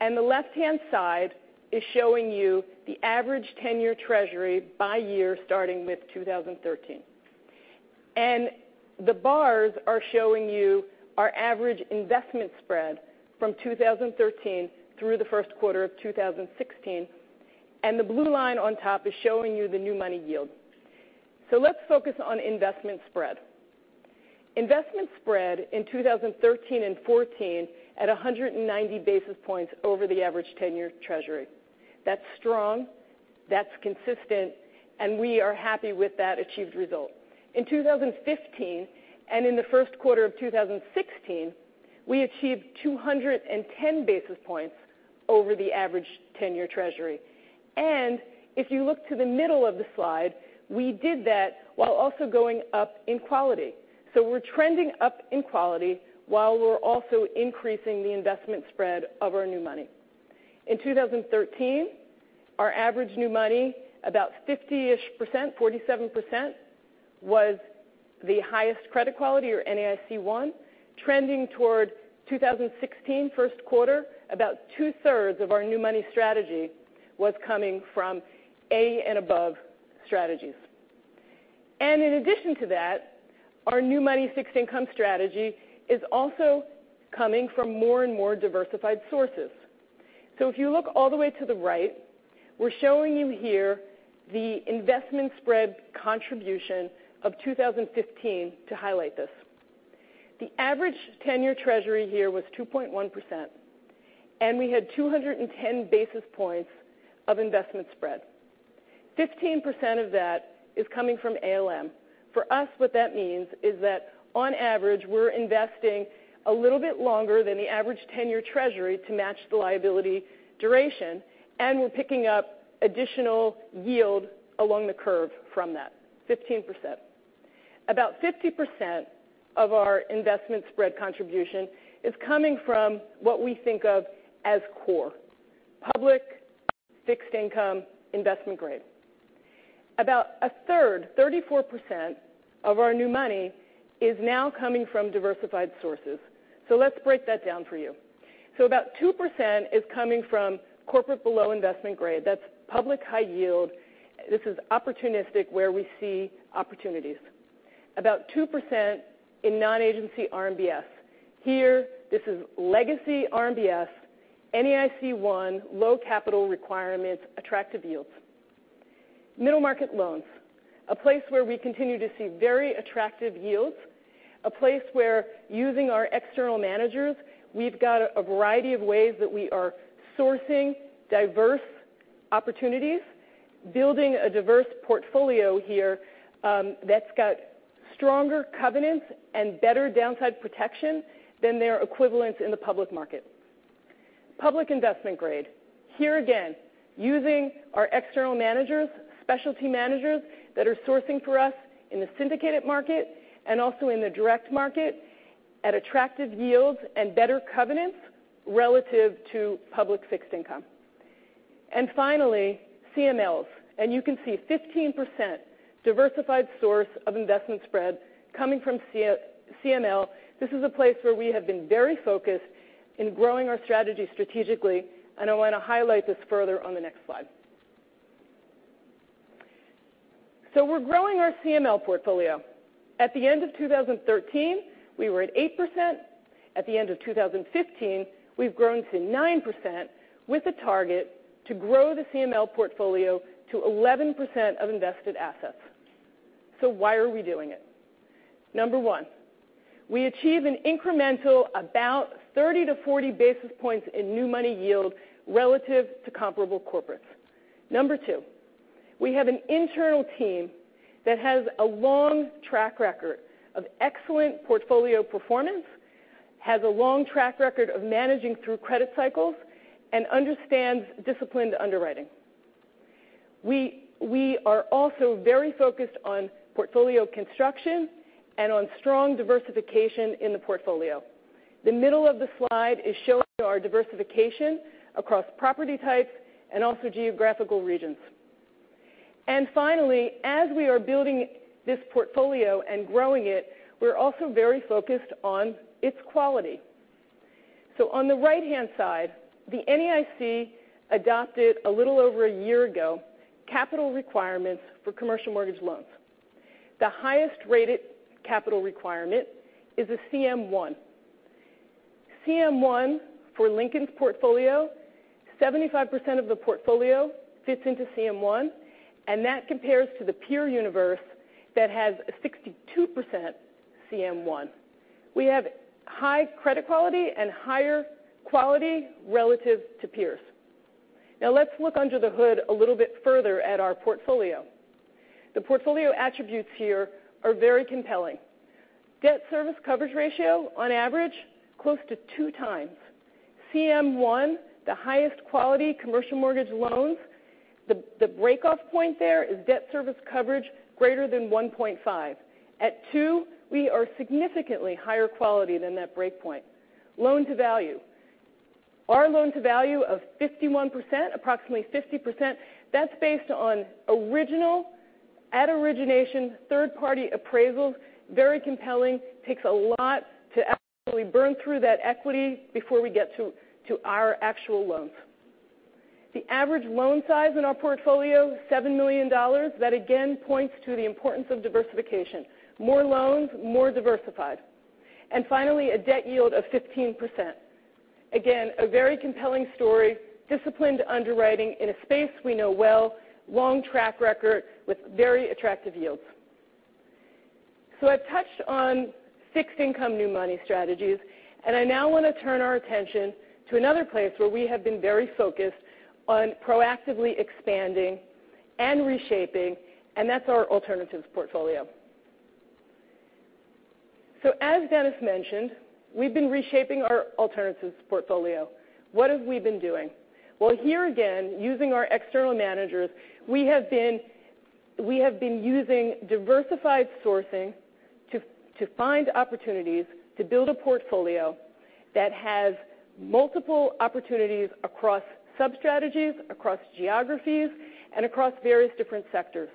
and the left-hand side is showing you the average 10-year Treasury by year starting with 2013. The bars are showing you our average investment spread from 2013 through the first quarter of 2016, and the blue line on top is showing you the new money yield. Let's focus on investment spread. Investment spread in 2013 and 2014 at 190 basis points over the average 10-year Treasury. That's strong, that's consistent, we are happy with that achieved result. In 2015, in the first quarter of 2016, we achieved 210 basis points over the average 10-year Treasury. If you look to the middle of the slide, we did that while also going up in quality. We're trending up in quality while we're also increasing the investment spread of our new money. In 2013, our average new money, about 50-ish%, 47%, was the highest credit quality, or NAIC 1, trending toward 2016 first quarter, about two-thirds of our new money strategy was coming from A and above strategies. In addition to that, our new money fixed income strategy is also coming from more and more diversified sources. If you look all the way to the right, we're showing you here the investment spread contribution of 2015 to highlight this. The average 10-year Treasury here was 2.1%, and we had 210 basis points of investment spread. 15% of that is coming from ALM. For us, what that means is that on average, we're investing a little bit longer than the average 10-year Treasury to match the liability duration, and we're picking up additional yield along the curve from that 15%. About 50% of our investment spread contribution is coming from what we think of as core: public fixed income, investment grade. About a third, 34%, of our new money is now coming from diversified sources. Let's break that down for you. About 2% is coming from corporate below investment grade. That's public high yield. This is opportunistic, where we see opportunities. About 2% in non-agency RMBS. Here, this is legacy RMBS, NAIC 1, low capital requirements, attractive yields. Middle market loans, a place where we continue to see very attractive yields. A place where, using our external managers, we've got a variety of ways that we are sourcing diverse opportunities, building a diverse portfolio here that's got stronger covenants and better downside protection than their equivalents in the public market. Public investment grade. Here again, using our external managers, specialty managers that are sourcing for us in the syndicated market and also in the direct market at attractive yields and better covenants relative to public fixed income. Finally, CMLs, and you can see 15% diversified source of investment spread coming from CML. This is a place where we have been very focused in growing our strategy strategically, and I want to highlight this further on the next slide. We're growing our CML portfolio. At the end of 2013, we were at 8%. At the end of 2015, we've grown to 9% with a target to grow the CML portfolio to 11% of invested assets. Why are we doing it? Number 1, we achieve an incremental about 30-40 basis points in new money yield relative to comparable corporates. Number 2, we have an internal team that has a long track record of excellent portfolio performance, has a long track record of managing through credit cycles, and understands disciplined underwriting. We are also very focused on portfolio construction and on strong diversification in the portfolio. The middle of the slide is showing our diversification across property types and also geographical regions. Finally, as we are building this portfolio and growing it, we're also very focused on its quality. On the right-hand side, the NAIC adopted, a little over a year ago, capital requirements for commercial mortgage loans. The highest-rated capital requirement is a CM 1. CM 1 for Lincoln's portfolio, 75% of the portfolio fits into CM 1, and that compares to the peer universe that has 62% CM 1. We have high credit quality and higher quality relative to peers. Now let's look under the hood a little bit further at our portfolio. The portfolio attributes here are very compelling. Debt service coverage ratio, on average, close to 2 times. CM 1, the highest quality commercial mortgage loans, the break-off point there is debt service coverage greater than 1.5. At 2, we are significantly higher quality than that break point. Loan to value. Our loan to value of 51%, approximately 50%. That's based on original, at origination, third-party appraisals, very compelling. Takes a lot to actually burn through that equity before we get to our actual loans. The average loan size in our portfolio, $7 million. That again points to the importance of diversification. More loans, more diversified. Finally, a debt yield of 15%. Again, a very compelling story. Disciplined underwriting in a space we know well, long track record with very attractive yields. I've touched on fixed income new money strategies, and I now want to turn our attention to another place where we have been very focused on proactively expanding and reshaping, and that's our alternatives portfolio. As Dennis mentioned, we've been reshaping our alternatives portfolio. What have we been doing? Here again, using our external managers, we have been using diversified sourcing to find opportunities to build a portfolio that has multiple opportunities across sub-strategies, across geographies, and across various different sectors.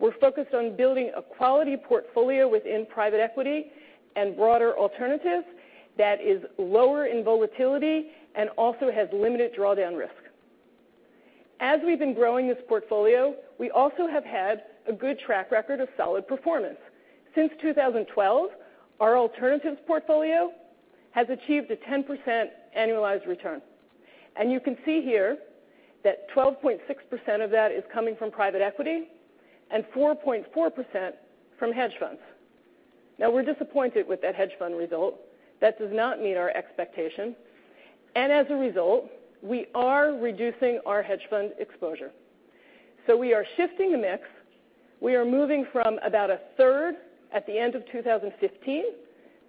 We're focused on building a quality portfolio within private equity and broader alternatives that is lower in volatility and also has limited drawdown risk. As we've been growing this portfolio, we also have had a good track record of solid performance. Since 2012, our alternatives portfolio has achieved a 10% annualized return. You can see here that 12.6% of that is coming from private equity and 4.4% from hedge funds. We're disappointed with that hedge fund result. That does not meet our expectation. As a result, we are reducing our hedge fund exposure. We are shifting the mix. We are moving from about a third at the end of 2015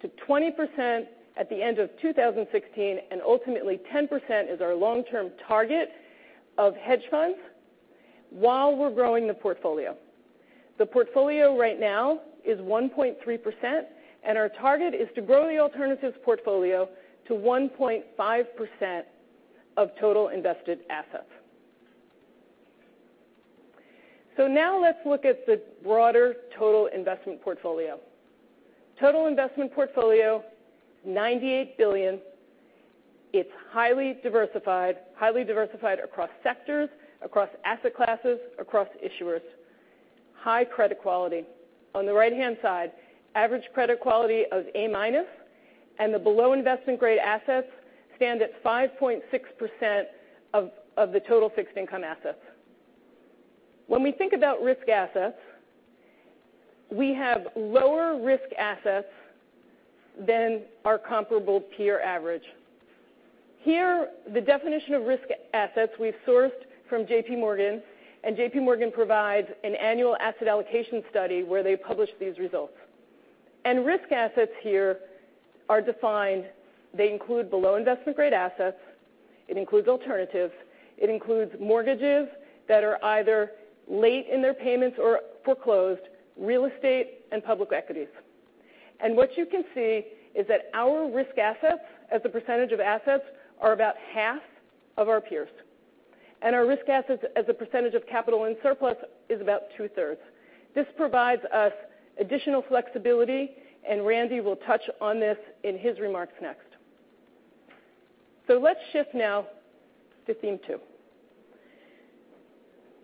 to 20% at the end of 2016, and ultimately 10% is our long-term target of hedge funds while we're growing the portfolio. The portfolio right now is 1.3%, and our target is to grow the alternatives portfolio to 1.5% of total invested assets. Now let's look at the broader total investment portfolio. Total investment portfolio, $98 billion. It's highly diversified. Highly diversified across sectors, across asset classes, across issuers. High credit quality. On the right-hand side, average credit quality of A-minus, and the below investment-grade assets stand at 5.6% of the total fixed income assets. When we think about risk assets, we have lower risk assets than our comparable peer average. Here, the definition of risk assets we've sourced from JP Morgan. JP Morgan provides an annual asset allocation study where they publish these results. Risk assets here are defined. They include below investment-grade assets. It includes alternatives. It includes mortgages that are either late in their payments or foreclosed, real estate, and public equities. What you can see is that our risk assets as a percentage of assets are about half of our peers. Our risk assets as a percentage of capital and surplus is about two-thirds. This provides us additional flexibility. Randy will touch on this in his remarks next. Let's shift now to theme two.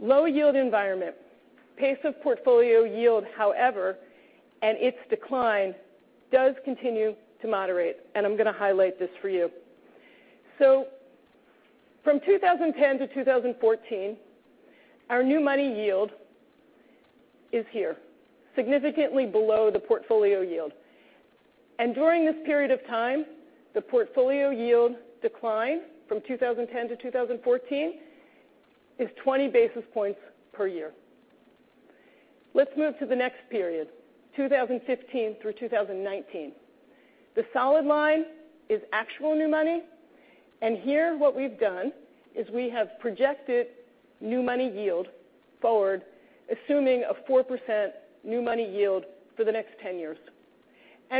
Low yield environment. Pace of portfolio yield, however, and its decline does continue to moderate, and I'm going to highlight this for you. From 2010 to 2014, our new money yield is here, significantly below the portfolio yield. During this period of time, the portfolio yield decline from 2010 to 2014 is 20 basis points per year. Let's move to the next period, 2015 through 2019. The solid line is actual new money. Here what we've done is we have projected new money yield forward, assuming a 4% new money yield for the next 10 years.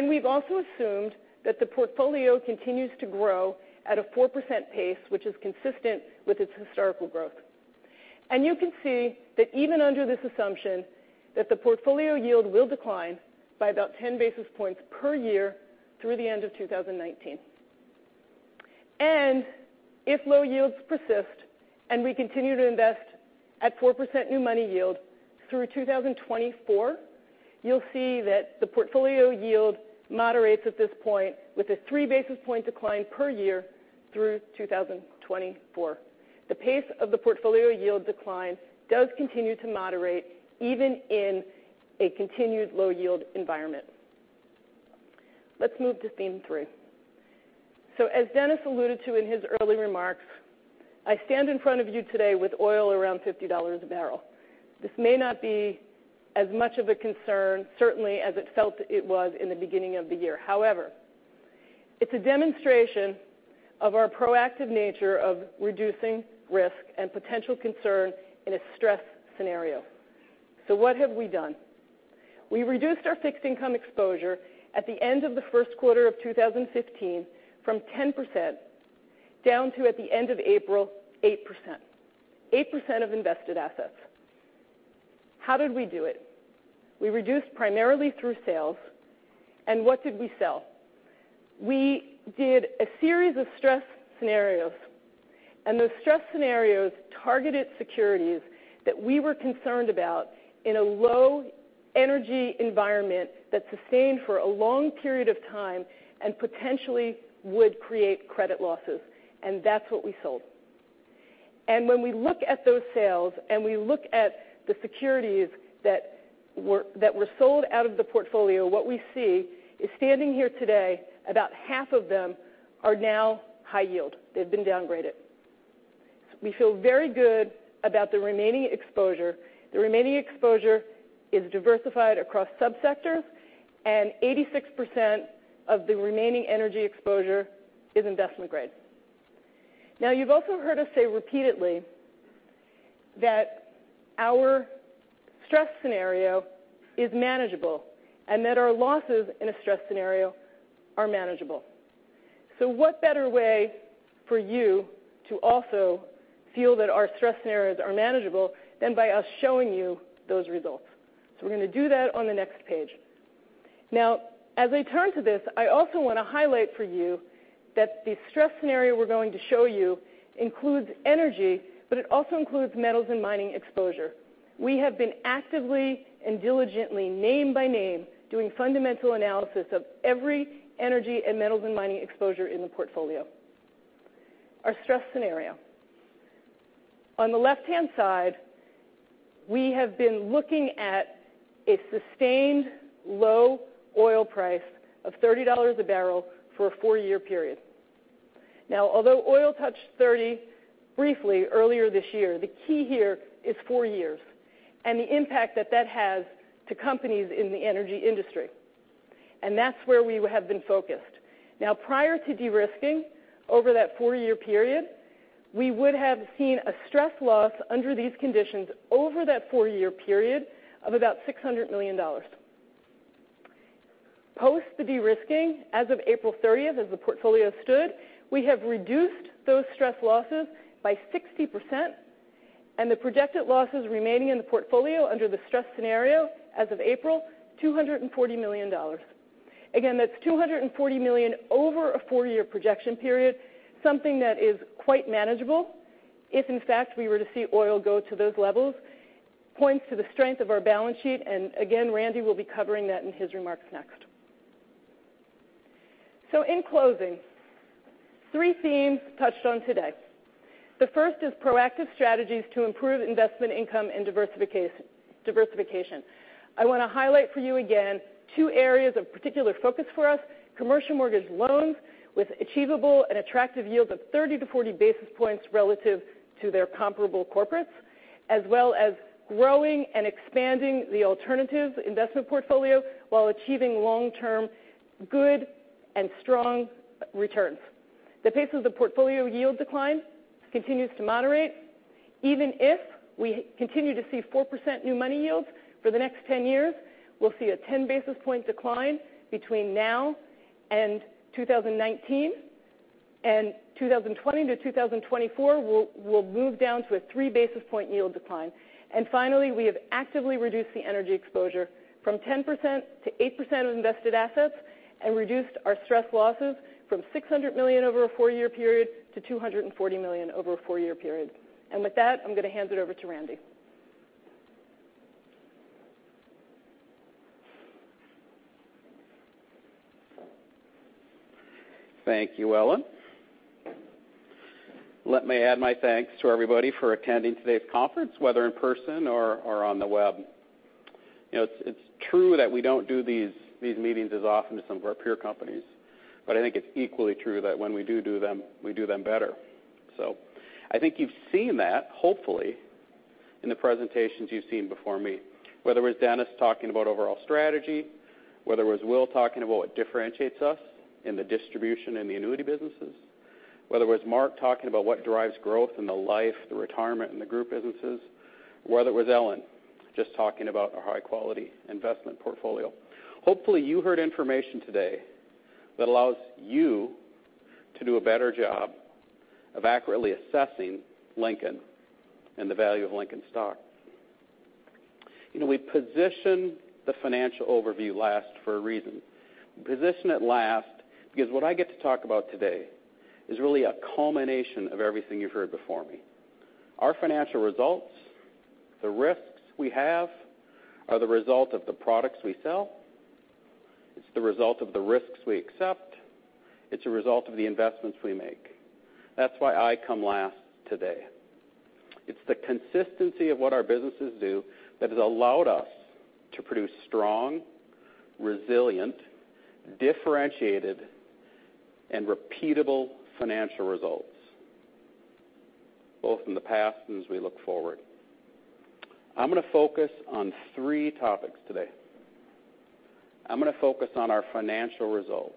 We've also assumed that the portfolio continues to grow at a 4% pace, which is consistent with its historical growth. You can see that even under this assumption that the portfolio yield will decline by about 10 basis points per year through the end of 2019. If low yields persist and we continue to invest at 4% new money yield through 2024, you'll see that the portfolio yield moderates at this point with a three basis point decline per year through 2024. The pace of the portfolio yield decline does continue to moderate, even in a continued low yield environment. Let's move to theme three. As Dennis alluded to in his early remarks, I stand in front of you today with oil around $50 a barrel. This may not be as much of a concern, certainly as it felt it was in the beginning of the year. However, it's a demonstration of our proactive nature of reducing risk and potential concern in a stress scenario. What have we done? We reduced our fixed income exposure at the end of the first quarter of 2015 from 10% down to, at the end of April, 8%. 8% of invested assets. How did we do it? We reduced primarily through sales. What did we sell? We did a series of stress scenarios. Those stress scenarios targeted securities that we were concerned about in a low-energy environment that sustained for a long period of time and potentially would create credit losses. That's what we sold. When we look at those sales, and we look at the securities that were sold out of the portfolio, what we see is standing here today, about half of them are now high yield. They've been downgraded. We feel very good about the remaining exposure. The remaining exposure is diversified across sub-sectors, and 86% of the remaining energy exposure is investment grade. You've also heard us say repeatedly that our stress scenario is manageable and that our losses in a stress scenario are manageable. What better way for you to also feel that our stress scenarios are manageable than by us showing you those results? We're going to do that on the next page. As I turn to this, I also want to highlight for you that the stress scenario we're going to show you includes energy, but it also includes metals and mining exposure. We have been actively and diligently, name by name, doing fundamental analysis of every energy and metals and mining exposure in the portfolio. Our stress scenario on the left-hand side, we have been looking at a sustained low oil price of $30 a barrel for a four-year period. Although oil touched 30 briefly earlier this year, the key here is four years and the impact that that has to companies in the energy industry. That's where we have been focused. Prior to de-risking, over that four-year period, we would have seen a stress loss under these conditions over that four-year period of about $600 million. Post the de-risking, as of April 30th, as the portfolio stood, we have reduced those stress losses by 60%, and the projected losses remaining in the portfolio under the stress scenario as of April, $240 million. Again, that's $240 million over a four-year projection period, something that is quite manageable if in fact we were to see oil go to those levels. Points to the strength of our balance sheet, and again, Randy will be covering that in his remarks next. In closing, three themes touched on today. The first is proactive strategies to improve investment income and diversification. I want to highlight for you again two areas of particular focus for us, commercial mortgage loans with achievable and attractive yields of 30-40 basis points relative to their comparable corporates, as well as growing and expanding the alternative investment portfolio while achieving long-term good and strong returns. The pace of the portfolio yield decline continues to moderate. Even if we continue to see 4% new money yields for the next 10 years, we'll see a 10-basis point decline between now and 2019. 2020 to 2024, we'll move down to a three-basis point yield decline. Finally, we have actively reduced the energy exposure from 10%-8% of invested assets and reduced our stress losses from $600 million over a four-year period to $240 million over a four-year period. With that, I'm going to hand it over to Randy. Thank you, Ellen. Let me add my thanks to everybody for attending today's conference, whether in person or on the web. It's true that we don't do these meetings as often as some of our peer companies, but I think it's equally true that when we do do them, we do them better. I think you've seen that, hopefully, in the presentations you've seen before me, whether it was Dennis talking about overall strategy, whether it was Will talking about what differentiates us in the distribution and the annuity businesses, whether it was Mark talking about what drives growth in the life, the retirement, and the group businesses, whether it was Ellen just talking about our high-quality investment portfolio. Hopefully, you heard information today that allows you to do a better job of accurately assessing Lincoln and the value of Lincoln stock. We positioned the financial overview last for a reason. We positioned it last because what I get to talk about today is really a culmination of everything you've heard before me. Our financial results, the risks we have are the result of the products we sell. It's the result of the risks we accept. It's a result of the investments we make. That's why I come last today. It's the consistency of what our businesses do that has allowed us to produce strong, resilient, differentiated, and repeatable financial results, both in the past and as we look forward. I'm going to focus on three topics today. I'm going to focus on our financial results,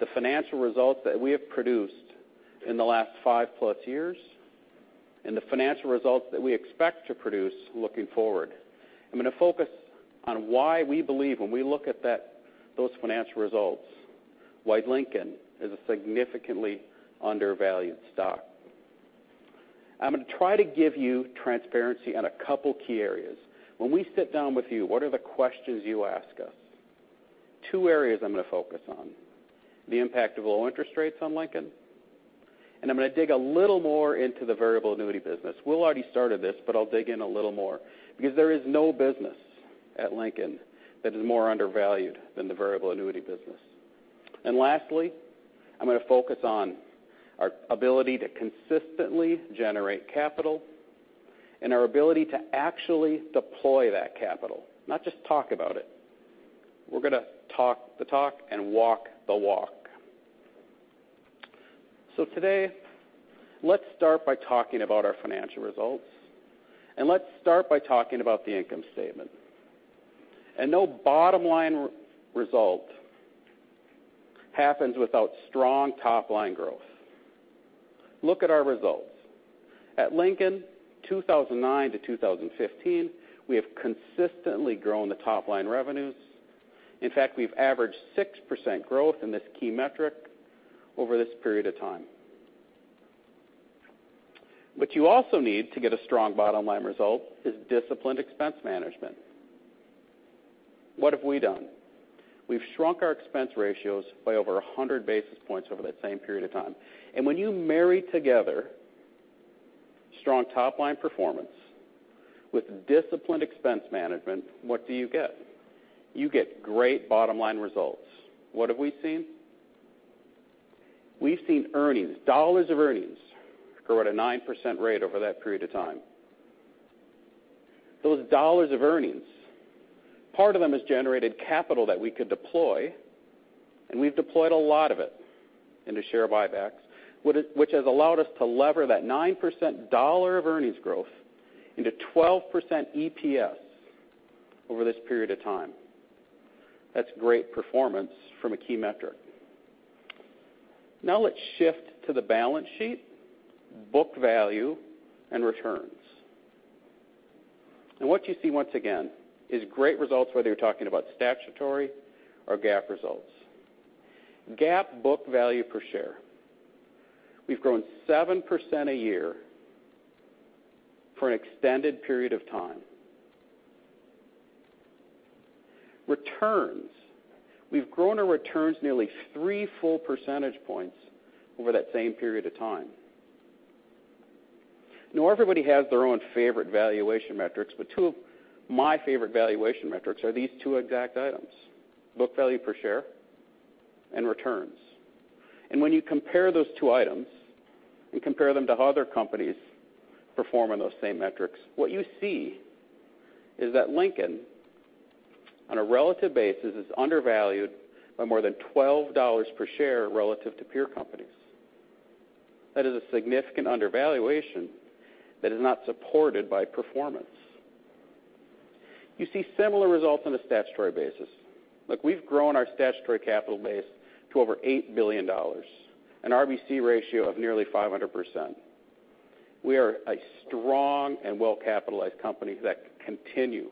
the financial results that we have produced in the last 5+ years, and the financial results that we expect to produce looking forward. I'm going to focus on why we believe when we look at those financial results, why Lincoln is a significantly undervalued stock. I'm going to try to give you transparency on a couple key areas. When we sit down with you, what are the questions you ask us? Two areas I'm going to focus on, the impact of low interest rates on Lincoln, and I'm going to dig a little more into the variable annuity business. Will already started this, but I'll dig in a little more because there is no business at Lincoln that is more undervalued than the variable annuity business. Lastly, I'm going to focus on our ability to consistently generate capital and our ability to actually deploy that capital, not just talk about it. We're going to talk the talk and walk the walk. Today, let's start by talking about our financial results, let's start by talking about the income statement. No bottom-line result happens without strong top-line growth. Look at our results. At Lincoln, 2009 to 2015, we have consistently grown the top-line revenues. In fact, we've averaged 6% growth in this key metric over this period of time. What you also need to get a strong bottom-line result is disciplined expense management. What have we done? We've shrunk our expense ratios by over 100 basis points over that same period of time. When you marry together strong top-line performance with disciplined expense management, what do you get? You get great bottom-line results. What have we seen? We've seen earnings, dollars of earnings, grow at a 9% rate over that period of time. Those dollars of earnings, part of them has generated capital that we could deploy, we've deployed a lot of it into share buybacks, which has allowed us to lever that 9% dollar of earnings growth into 12% EPS over this period of time. That's great performance from a key metric. Let's shift to the balance sheet, book value, and returns. What you see, once again, is great results whether you're talking about statutory or GAAP results. GAAP book value per share. We've grown 7% a year for an extended period of time. Returns. We've grown our returns nearly three full percentage points over that same period of time. Everybody has their own favorite valuation metrics, but two of my favorite valuation metrics are these two exact items, book value per share and returns. When you compare those two items and compare them to how other companies perform on those same metrics, what you see is that Lincoln, on a relative basis, is undervalued by more than $12 per share relative to peer companies. That is a significant undervaluation that is not supported by performance. You see similar results on a statutory basis. Look, we've grown our statutory capital base to over $8 billion, an RBC ratio of nearly 500%. We are a strong and well-capitalized company that can continue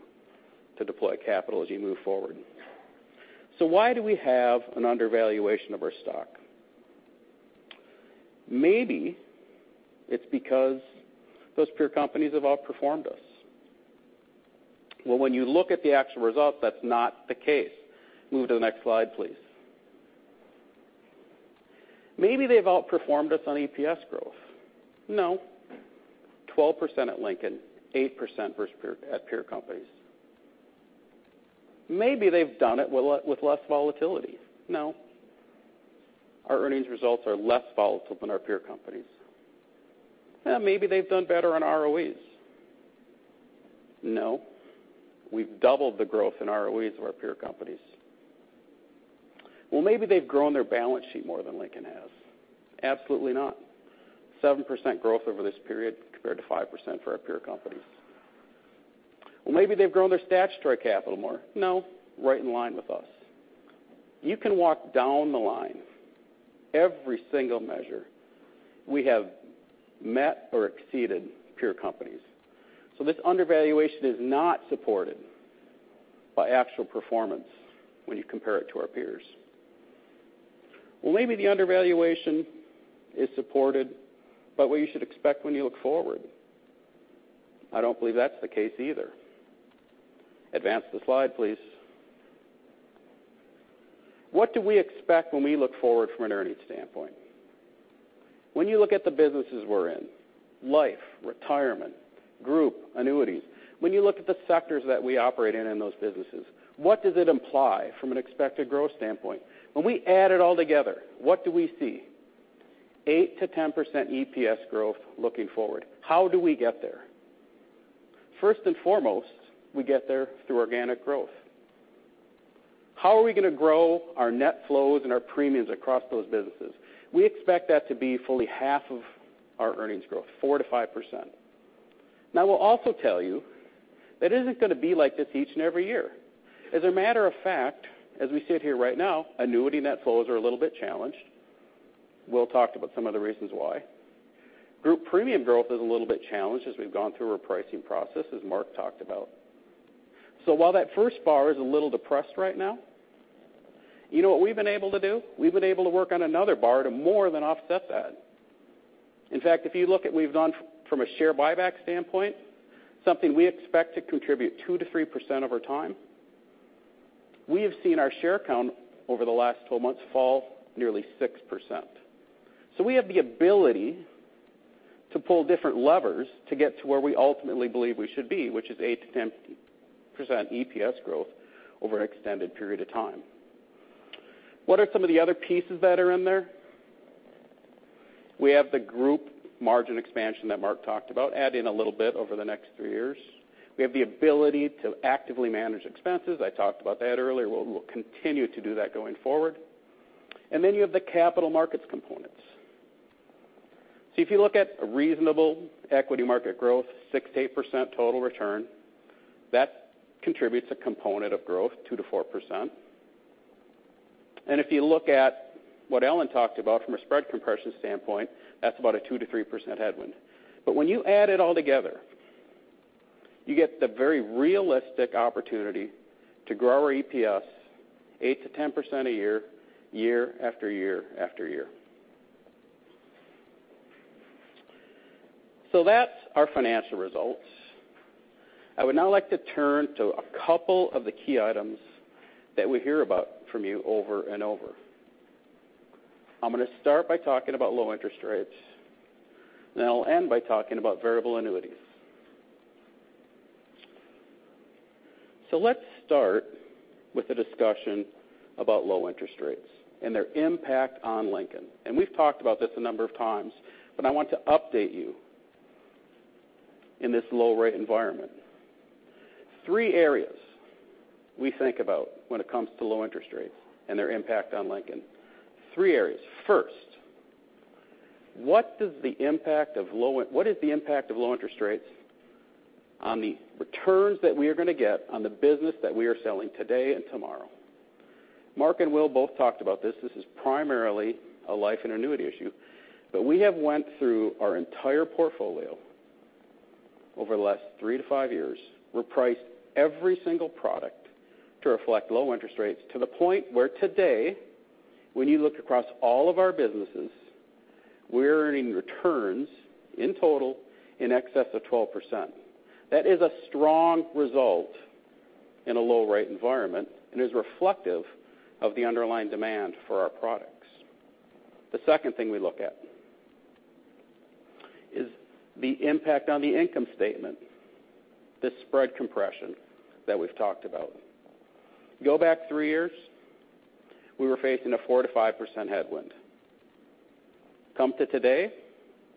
to deploy capital as you move forward. Why do we have an undervaluation of our stock? Maybe it's because those peer companies have outperformed us. Well, when you look at the actual results, that's not the case. Move to the next slide, please. Maybe they've outperformed us on EPS growth. No. 12% at Lincoln, 8% at peer companies. Maybe they've done it with less volatility. No. Our earnings results are less volatile than our peer companies. Maybe they've done better on ROEs. No. We've doubled the growth in ROEs of our peer companies. Maybe they've grown their balance sheet more than Lincoln has. Absolutely not. 7% growth over this period compared to 5% for our peer companies. Maybe they've grown their statutory capital more. No, right in line with us. You can walk down the line. Every single measure we have met or exceeded peer companies. This undervaluation is not supported by actual performance when you compare it to our peers. Maybe the undervaluation is supported by what you should expect when you look forward. I don't believe that's the case either. Advance the slide, please. What do we expect when we look forward from an earnings standpoint? When you look at the businesses we're in, life, retirement, group, annuities, when you look at the sectors that we operate in in those businesses, what does it imply from an expected growth standpoint? When we add it all together, what do we see? 8% to 10% EPS growth looking forward. How do we get there? First and foremost, we get there through organic growth. How are we going to grow our net flows and our premiums across those businesses? We expect that to be fully half of our earnings growth, 4% to 5%. I will also tell you that it isn't going to be like this each and every year. As a matter of fact, as we sit here right now, annuity net flows are a little bit challenged. Will talked about some of the reasons why. Group premium growth is a little bit challenged as we've gone through a repricing process, as Mark talked about. While that first bar is a little depressed right now, you know what we've been able to do? We've been able to work on another bar to more than offset that. In fact, if you look at we've done from a share buyback standpoint, something we expect to contribute 2% to 3% over time. We have seen our share count over the last 12 months fall nearly 6%. We have the ability to pull different levers to get to where we ultimately believe we should be, which is 8% to 10% EPS growth over an extended period of time. What are some of the other pieces that are in there? We have the group margin expansion that Mark talked about, adding a little bit over the next three years. We have the ability to actively manage expenses. I talked about that earlier. We'll continue to do that going forward. You have the capital markets components. If you look at a reasonable equity market growth, 6% to 8% total return, that contributes a component of growth 2% to 4%. If you look at what Ellen talked about from a spread compression standpoint, that's about a 2% to 3% headwind. When you add it all together, you get the very realistic opportunity to grow our EPS 8% to 10% a year after year after year. That's our financial results. I would now like to turn to a couple of the key items that we hear about from you over and over. I'm going to start by talking about low interest rates, and then I'll end by talking about variable annuities. Let's start with the discussion about low interest rates and their impact on Lincoln. We've talked about this a number of times, but I want to update you in this low rate environment. Three areas we think about when it comes to low interest rates and their impact on Lincoln. Three areas. First, what is the impact of low interest rates on the returns that we are going to get on the business that we are selling today and tomorrow? Mark and Will both talked about this. This is primarily a life and annuity issue, but we have went through our entire portfolio over the last three to five years. We priced every single product to reflect low interest rates to the point where today, when you look across all of our businesses, we're earning returns in total in excess of 12%. That is a strong result in a low rate environment and is reflective of the underlying demand for our products. The second thing we look at is the impact on the income statement, the spread compression that we've talked about. Go back three years, we were facing a 4%-5% headwind. Come to today,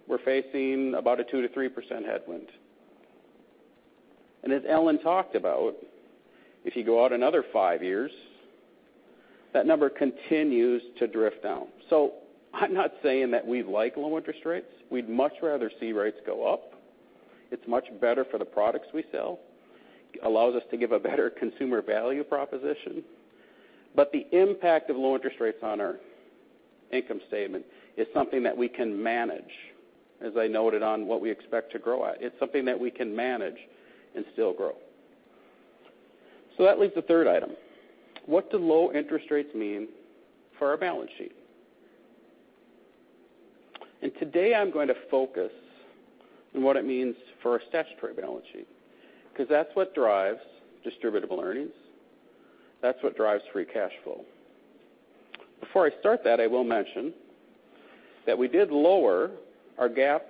we're facing about a 2%-3% headwind. As Ellen talked about, if you go out another five years, that number continues to drift down. I'm not saying that we like low interest rates. We'd much rather see rates go up. It's much better for the products we sell. Allows us to give a better consumer value proposition. The impact of low interest rates on our income statement is something that we can manage, as I noted on what we expect to grow at. It's something that we can manage and still grow. That leaves the third item. What do low interest rates mean for our balance sheet? Today I'm going to focus on what it means for our statutory balance sheet, because that's what drives distributable earnings. That's what drives free cash flow. Before I start that, I will mention that we did lower our GAAP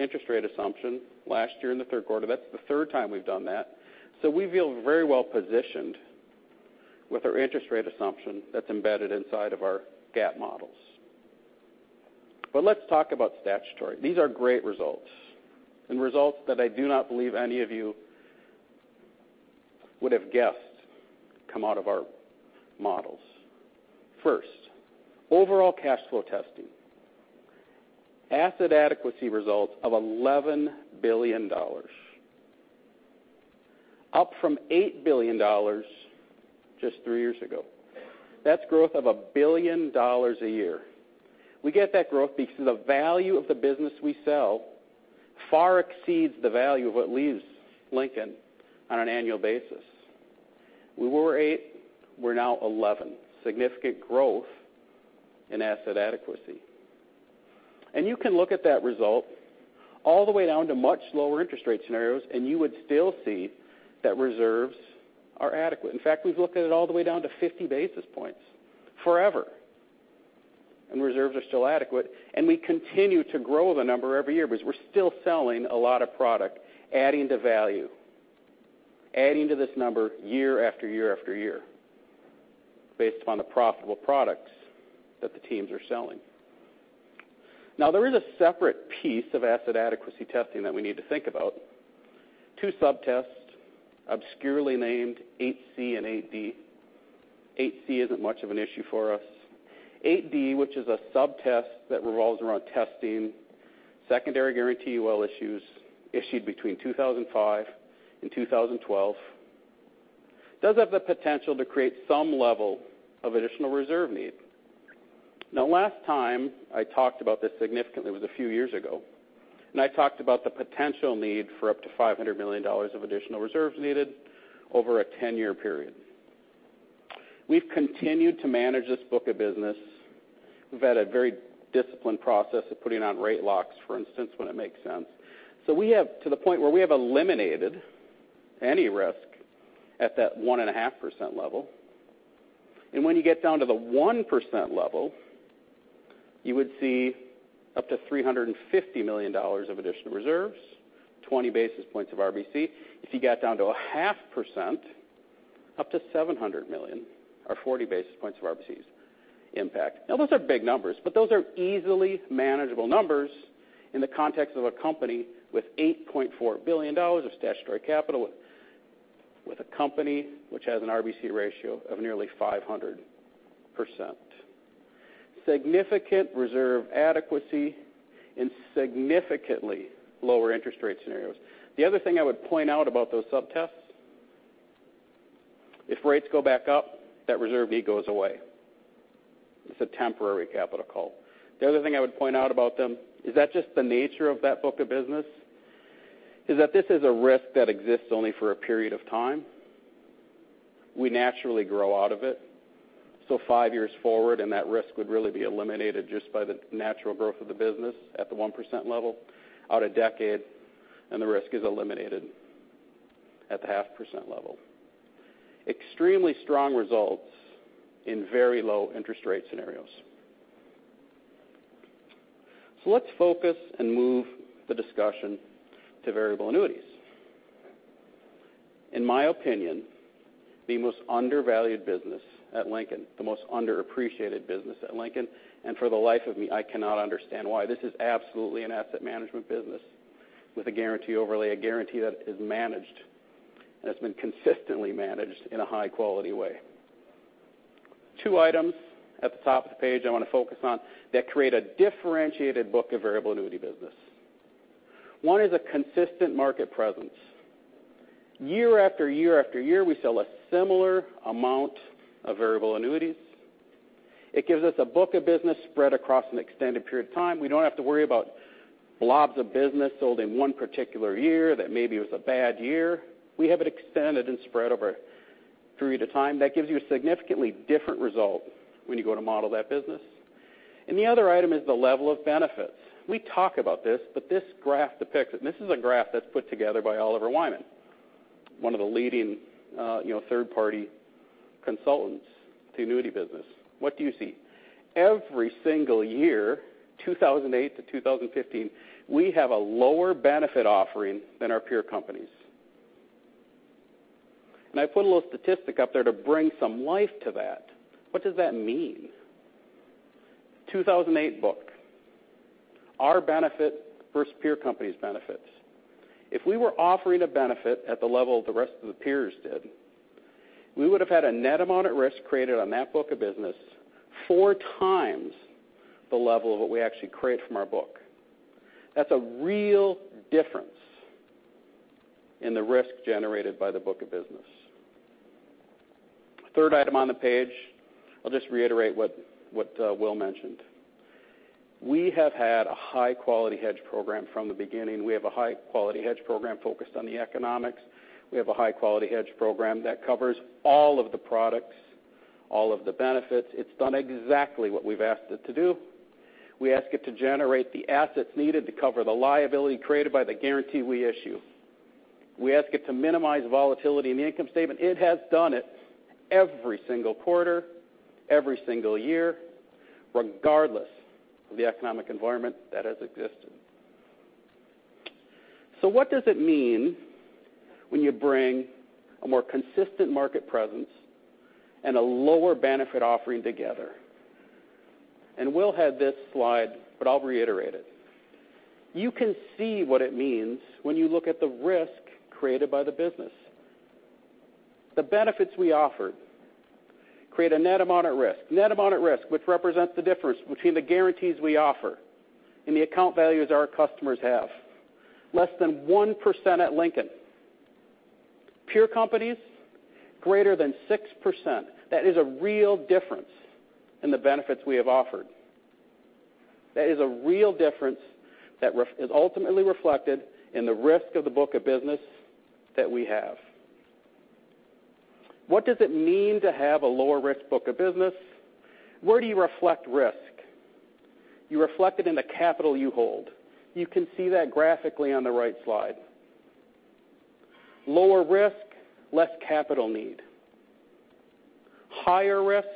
interest rate assumption last year in the third quarter. That's the third time we've done that. We feel very well positioned with our interest rate assumption that's embedded inside of our GAAP models. Let's talk about statutory. These are great results and results that I do not believe any of you would have guessed come out of our models. First, overall cash flow testing. Asset adequacy results of $11 billion, up from $8 billion just three years ago. That's growth of $1 billion a year. We get that growth because the value of the business we sell far exceeds the value of what leaves Lincoln on an annual basis. We were 8, we're now 11. Significant growth in asset adequacy. You can look at that result all the way down to much lower interest rate scenarios, and you would still see that reserves are adequate. In fact, we've looked at it all the way down to 50 basis points forever, and reserves are still adequate, and we continue to grow the number every year because we're still selling a lot of product, adding to value, adding to this number year after year after year based upon the profitable products that the teams are selling. There is a separate piece of asset adequacy testing that we need to think about. Two subtests obscurely named 8C and 8D. 8C isn't much of an issue for us. 8D, which is a subtest that revolves around testing Secondary Guarantee UL issues issued between 2005 and 2012, does have the potential to create some level of additional reserve need. Last time I talked about this significantly was a few years ago, and I talked about the potential need for up to $500 million of additional reserves needed over a 10-year period. We've continued to manage this book of business. We've had a very disciplined process of putting on rate locks, for instance, when it makes sense. We have to the point where we have eliminated any risk at that 1.5% level. When you get down to the 1% level, you would see up to $350 million of additional reserves, 20 basis points of RBC. If you got down to 0.5%, up to $700 million or 40 basis points of RBC impact. Those are big numbers, but those are easily manageable numbers in the context of a company with $8.4 billion of statutory capital, with a company which has an RBC ratio of nearly 500%. Significant reserve adequacy and significantly lower interest rate scenarios. The other thing I would point out about those sub-tests, if rates go back up, that Reserve B goes away. It's a temporary capital call. The other thing I would point out about them is that just the nature of that book of business is that this is a risk that exists only for a period of time. We naturally grow out of it. Five years forward, and that risk would really be eliminated just by the natural growth of the business at the 1% level, out a decade, and the risk is eliminated at the 0.5% level. Extremely strong results in very low interest rate scenarios. Let's focus and move the discussion to variable annuities. In my opinion, the most undervalued business at Lincoln, the most underappreciated business at Lincoln, for the life of me, I cannot understand why this is absolutely an asset management business with a guarantee overlay, a guarantee that is managed, and it's been consistently managed in a high-quality way. Two items at the top of the page I want to focus on that create a differentiated book of variable annuity business. One is a consistent market presence. Year after year after year, we sell a similar amount of variable annuities. It gives us a book of business spread across an extended period of time. We don't have to worry about blobs of business sold in one particular year that maybe was a bad year. We have it extended and spread over a period of time. That gives you a significantly different result when you go to model that business. The other item is the level of benefits. We talk about this, but this graph depicts it. This is a graph that's put together by Oliver Wyman, one of the leading third-party consultants to annuity business. What do you see? Every single year, 2008 to 2015, we have a lower benefit offering than our peer companies. I put a little statistic up there to bring some life to that. What does that mean? 2008 book. Our benefit versus peer company's benefits. If we were offering a benefit at the level the rest of the peers did, we would have had a net amount at risk created on that book of business four times the level of what we actually create from our book. That's a real difference in the risk generated by the book of business. Third item on the page, I'll just reiterate what Will mentioned. We have had a high-quality hedge program from the beginning. We have a high-quality hedge program focused on the economics. We have a high-quality hedge program that covers all of the products, all of the benefits. It's done exactly what we've asked it to do. We ask it to generate the assets needed to cover the liability created by the guarantee we issue. We ask it to minimize volatility in the income statement. It has done it every single quarter, every single year, regardless of the economic environment that has existed. What does it mean when you bring a more consistent market presence and a lower benefit offering together? Will had this slide, but I'll reiterate it. You can see what it means when you look at the risk created by the business. The benefits we offered create a net amount at risk. Net amount at risk, which represents the difference between the guarantees we offer and the account values our customers have. Less than 1% at Lincoln. Peer companies, greater than 6%. That is a real difference in the benefits we have offered. That is a real difference that is ultimately reflected in the risk of the book of business that we have. What does it mean to have a lower risk book of business? Where do you reflect risk? You reflect it in the capital you hold. You can see that graphically on the right slide. Lower risk, less capital need. Higher risk,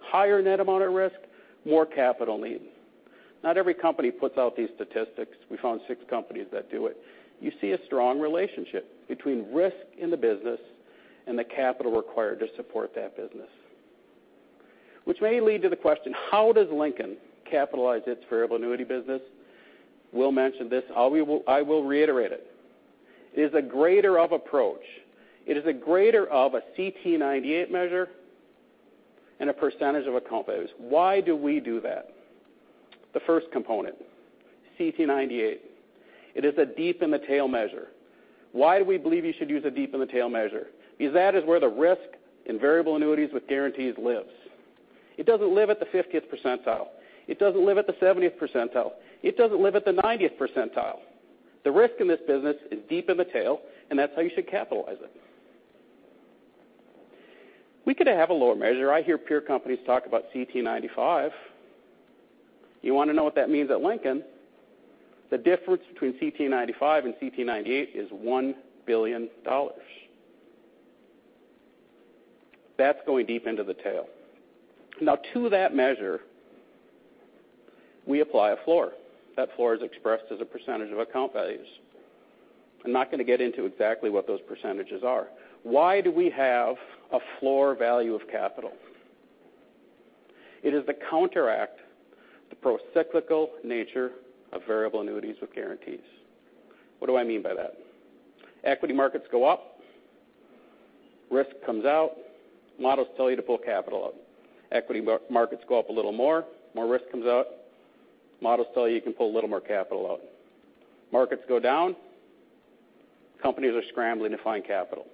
higher net amount at risk, more capital need. Not every company puts out these statistics. We found six companies that do it. You see a strong relationship between risk in the business and the capital required to support that business. Which may lead to the question, how does Lincoln capitalize its variable annuity business? Will mentioned this. I will reiterate it. It is a greater of approach. It is a greater of a CT 98 measure and a percentage of account base. Why do we do that? The first component, CT98. It is a deep in the tail measure. Why do we believe you should use a deep in the tail measure? Because that is where the risk in variable annuities with guarantees lives. It doesn't live at the 50th percentile. It doesn't live at the 70th percentile. It doesn't live at the 90th percentile. The risk in this business is deep in the tail, and that's how you should capitalize it. We could have a lower measure. I hear peer companies talk about CT95. You want to know what that means at Lincoln? The difference between CT95 and CT98 is $1 billion. That's going deep into the tail. Now, to that measure, we apply a floor. That floor is expressed as a percentage of account values. I'm not going to get into exactly what those percentages are. Why do we have a floor value of capital? It is to counteract the pro-cyclical nature of variable annuities with guarantees. What do I mean by that? Equity markets go up, risk comes out, models tell you to pull capital out. Equity markets go up a little more, more risk comes out, models tell you you can pull a little more capital out. Markets go down, companies are scrambling to find capital.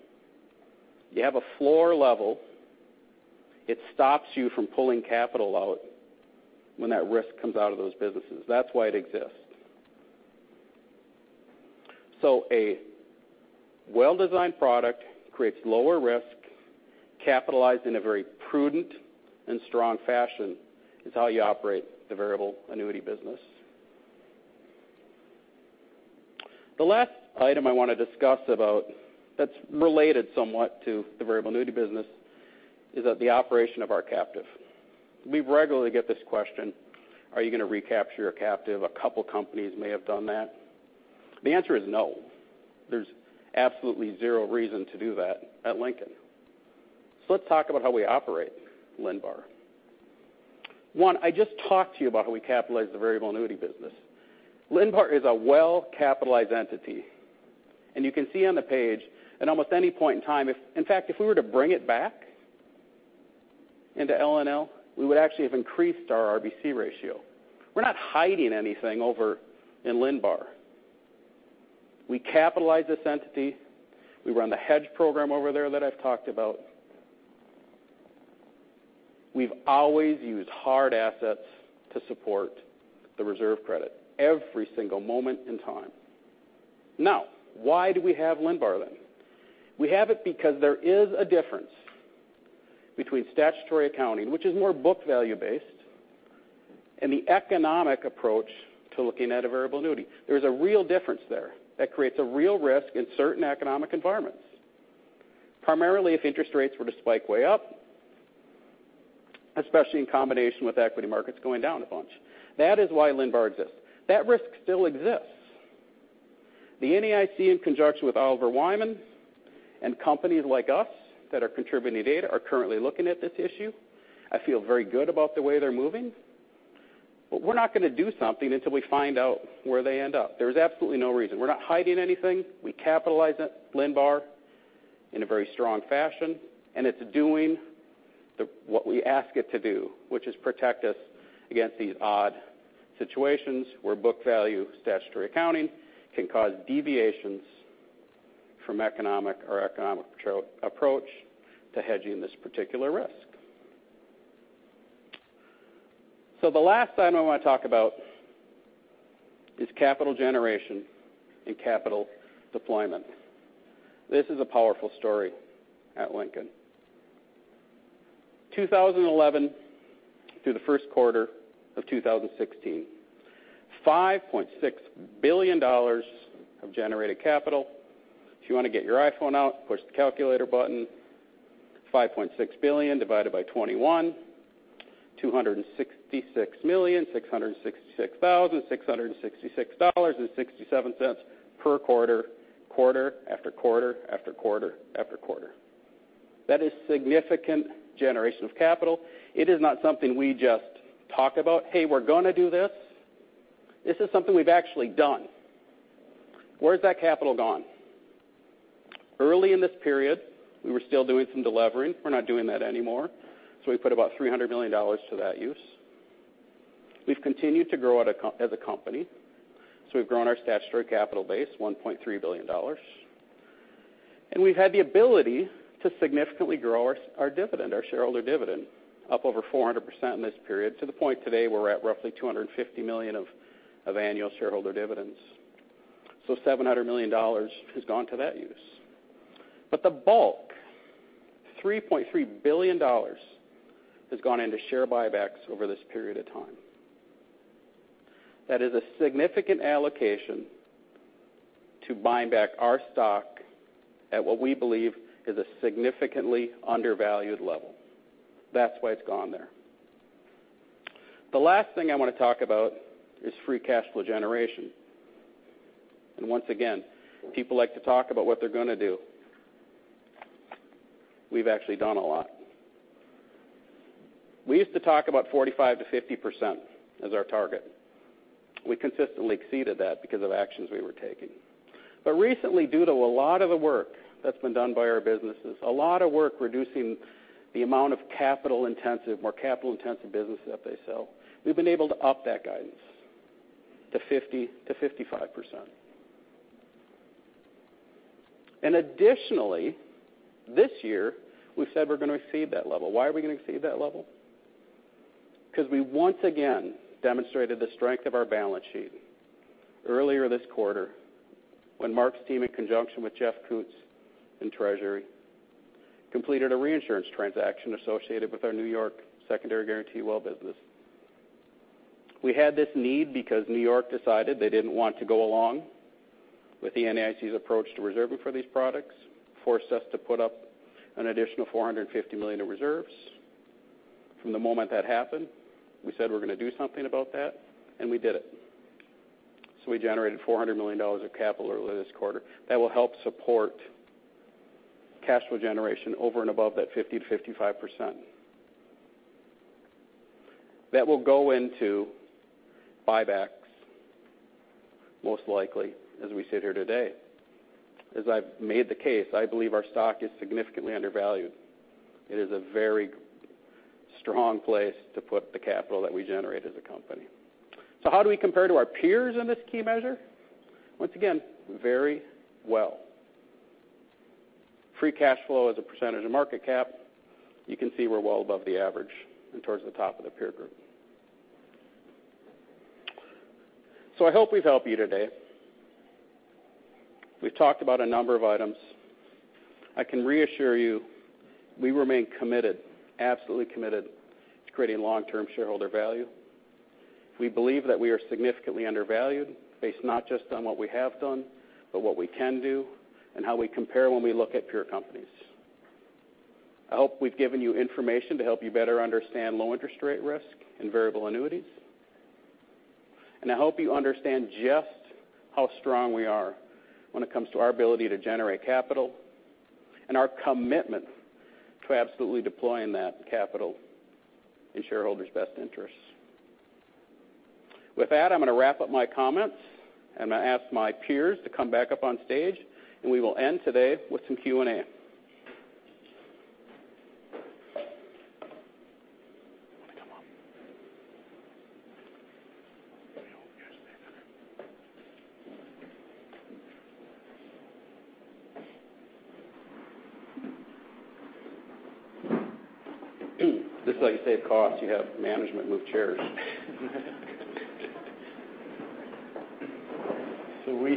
You have a floor level. It stops you from pulling capital out when that risk comes out of those businesses. That's why it exists. A well-designed product creates lower risk, capitalized in a very prudent and strong fashion is how you operate the variable annuity business. The last item I want to discuss about that's related somewhat to the variable annuity business is that the operation of our captive. We regularly get this question: Are you going to recapture your captive? A couple companies may have done that. The answer is no. There's absolutely zero reason to do that at Lincoln. Let's talk about how we operate LinnBar. I just talked to you about how we capitalize the variable annuity business. LinnBar is a well-capitalized entity, and you can see on the page at almost any point in time, in fact, if we were to bring it back into L&L, we would actually have increased our RBC ratio. We're not hiding anything over in LinnBar. We capitalize this entity. We run the hedge program over there that I've talked about. We've always used hard assets to support the reserve credit every single moment in time. Why do we have LinnBar then? We have it because there is a difference between statutory accounting, which is more book value-based, and the economic approach to looking at a variable annuity. There's a real difference there that creates a real risk in certain economic environments, primarily if interest rates were to spike way up, especially in combination with equity markets going down a bunch. That is why LinnBar exists. That risk still exists. The NAIC, in conjunction with Oliver Wyman and companies like us that are contributing data, are currently looking at this issue. I feel very good about the way they're moving. We're not going to do something until we find out where they end up. There's absolutely no reason. We're not hiding anything. We capitalize it, LinnBar, in a very strong fashion, and it's doing what we ask it to do, which is protect us against these odd situations where book value statutory accounting can cause deviations from economic or economic approach to hedging this particular risk. The last item I want to talk about is capital generation and capital deployment. This is a powerful story at Lincoln. 2011 through the first quarter of 2016, $5.6 billion of generated capital. If you want to get your iPhone out, push the calculator button. 5.6 billion divided by 21. $266,666,666.67 per quarter after quarter after quarter after quarter. That is significant generation of capital. It is not something we just talk about, "Hey, we're going to do this." This is something we've actually done. Where has that capital gone? Early in this period, we were still doing some delivering. We're not doing that anymore. We put about $300 million to that use. We've continued to grow as a company. We've grown our statutory capital base $1.3 billion. We've had the ability to significantly grow our dividend, our shareholder dividend, up over 400% in this period to the point today we're at roughly $250 million of annual shareholder dividends. $700 million has gone to that use. The bulk, $3.3 billion, has gone into share buybacks over this period of time. That is a significant allocation to buying back our stock at what we believe is a significantly undervalued level. That's why it's gone there. The last thing I want to talk about is free cash flow generation. Once again, people like to talk about what they're going to do. We've actually done a lot. We used to talk about 45%-50% as our target. We consistently exceeded that because of actions we were taking. Recently, due to a lot of the work that's been done by our businesses, a lot of work reducing the amount of more capital-intensive business that they sell, we've been able to up that guidance to 50%-55%. Additionally, this year, we've said we're going to exceed that level. Why are we going to exceed that level? Because we once again demonstrated the strength of our balance sheet earlier this quarter when Mark's team, in conjunction with Jeff Coutts in treasury, completed a reinsurance transaction associated with our New York Secondary Guarantee UL business. We had this need because New York decided they didn't want to go along with the NAIC's approach to reserving for these products, forced us to put up an additional $450 million of reserves. From the moment that happened, we said we're going to do something about that, and we did it. We generated $400 million of capital earlier this quarter that will help support cash flow generation over and above that 50%-55%. That will go into buybacks most likely as we sit here today. As I've made the case, I believe our stock is significantly undervalued. It is a very strong place to put the capital that we generate as a company. How do we compare to our peers in this key measure? Once again, very well. Free cash flow as a percentage of market cap, you can see we're well above the average and towards the top of the peer group. I hope we've helped you today. We've talked about a number of items. I can reassure you, we remain committed, absolutely committed to creating long-term shareholder value. We believe that we are significantly undervalued based not just on what we have done, but what we can do and how we compare when we look at peer companies. I hope we've given you information to help you better understand low interest rate risk and variable annuities. I hope you understand just how strong we are when it comes to our ability to generate capital and our commitment to absolutely deploying that capital in shareholders' best interests. With that, I'm going to wrap up my comments and I'm going to ask my peers to come back up on stage, and we will end today with some Q&A. Want to come up? This is how you save costs. You have management move chairs.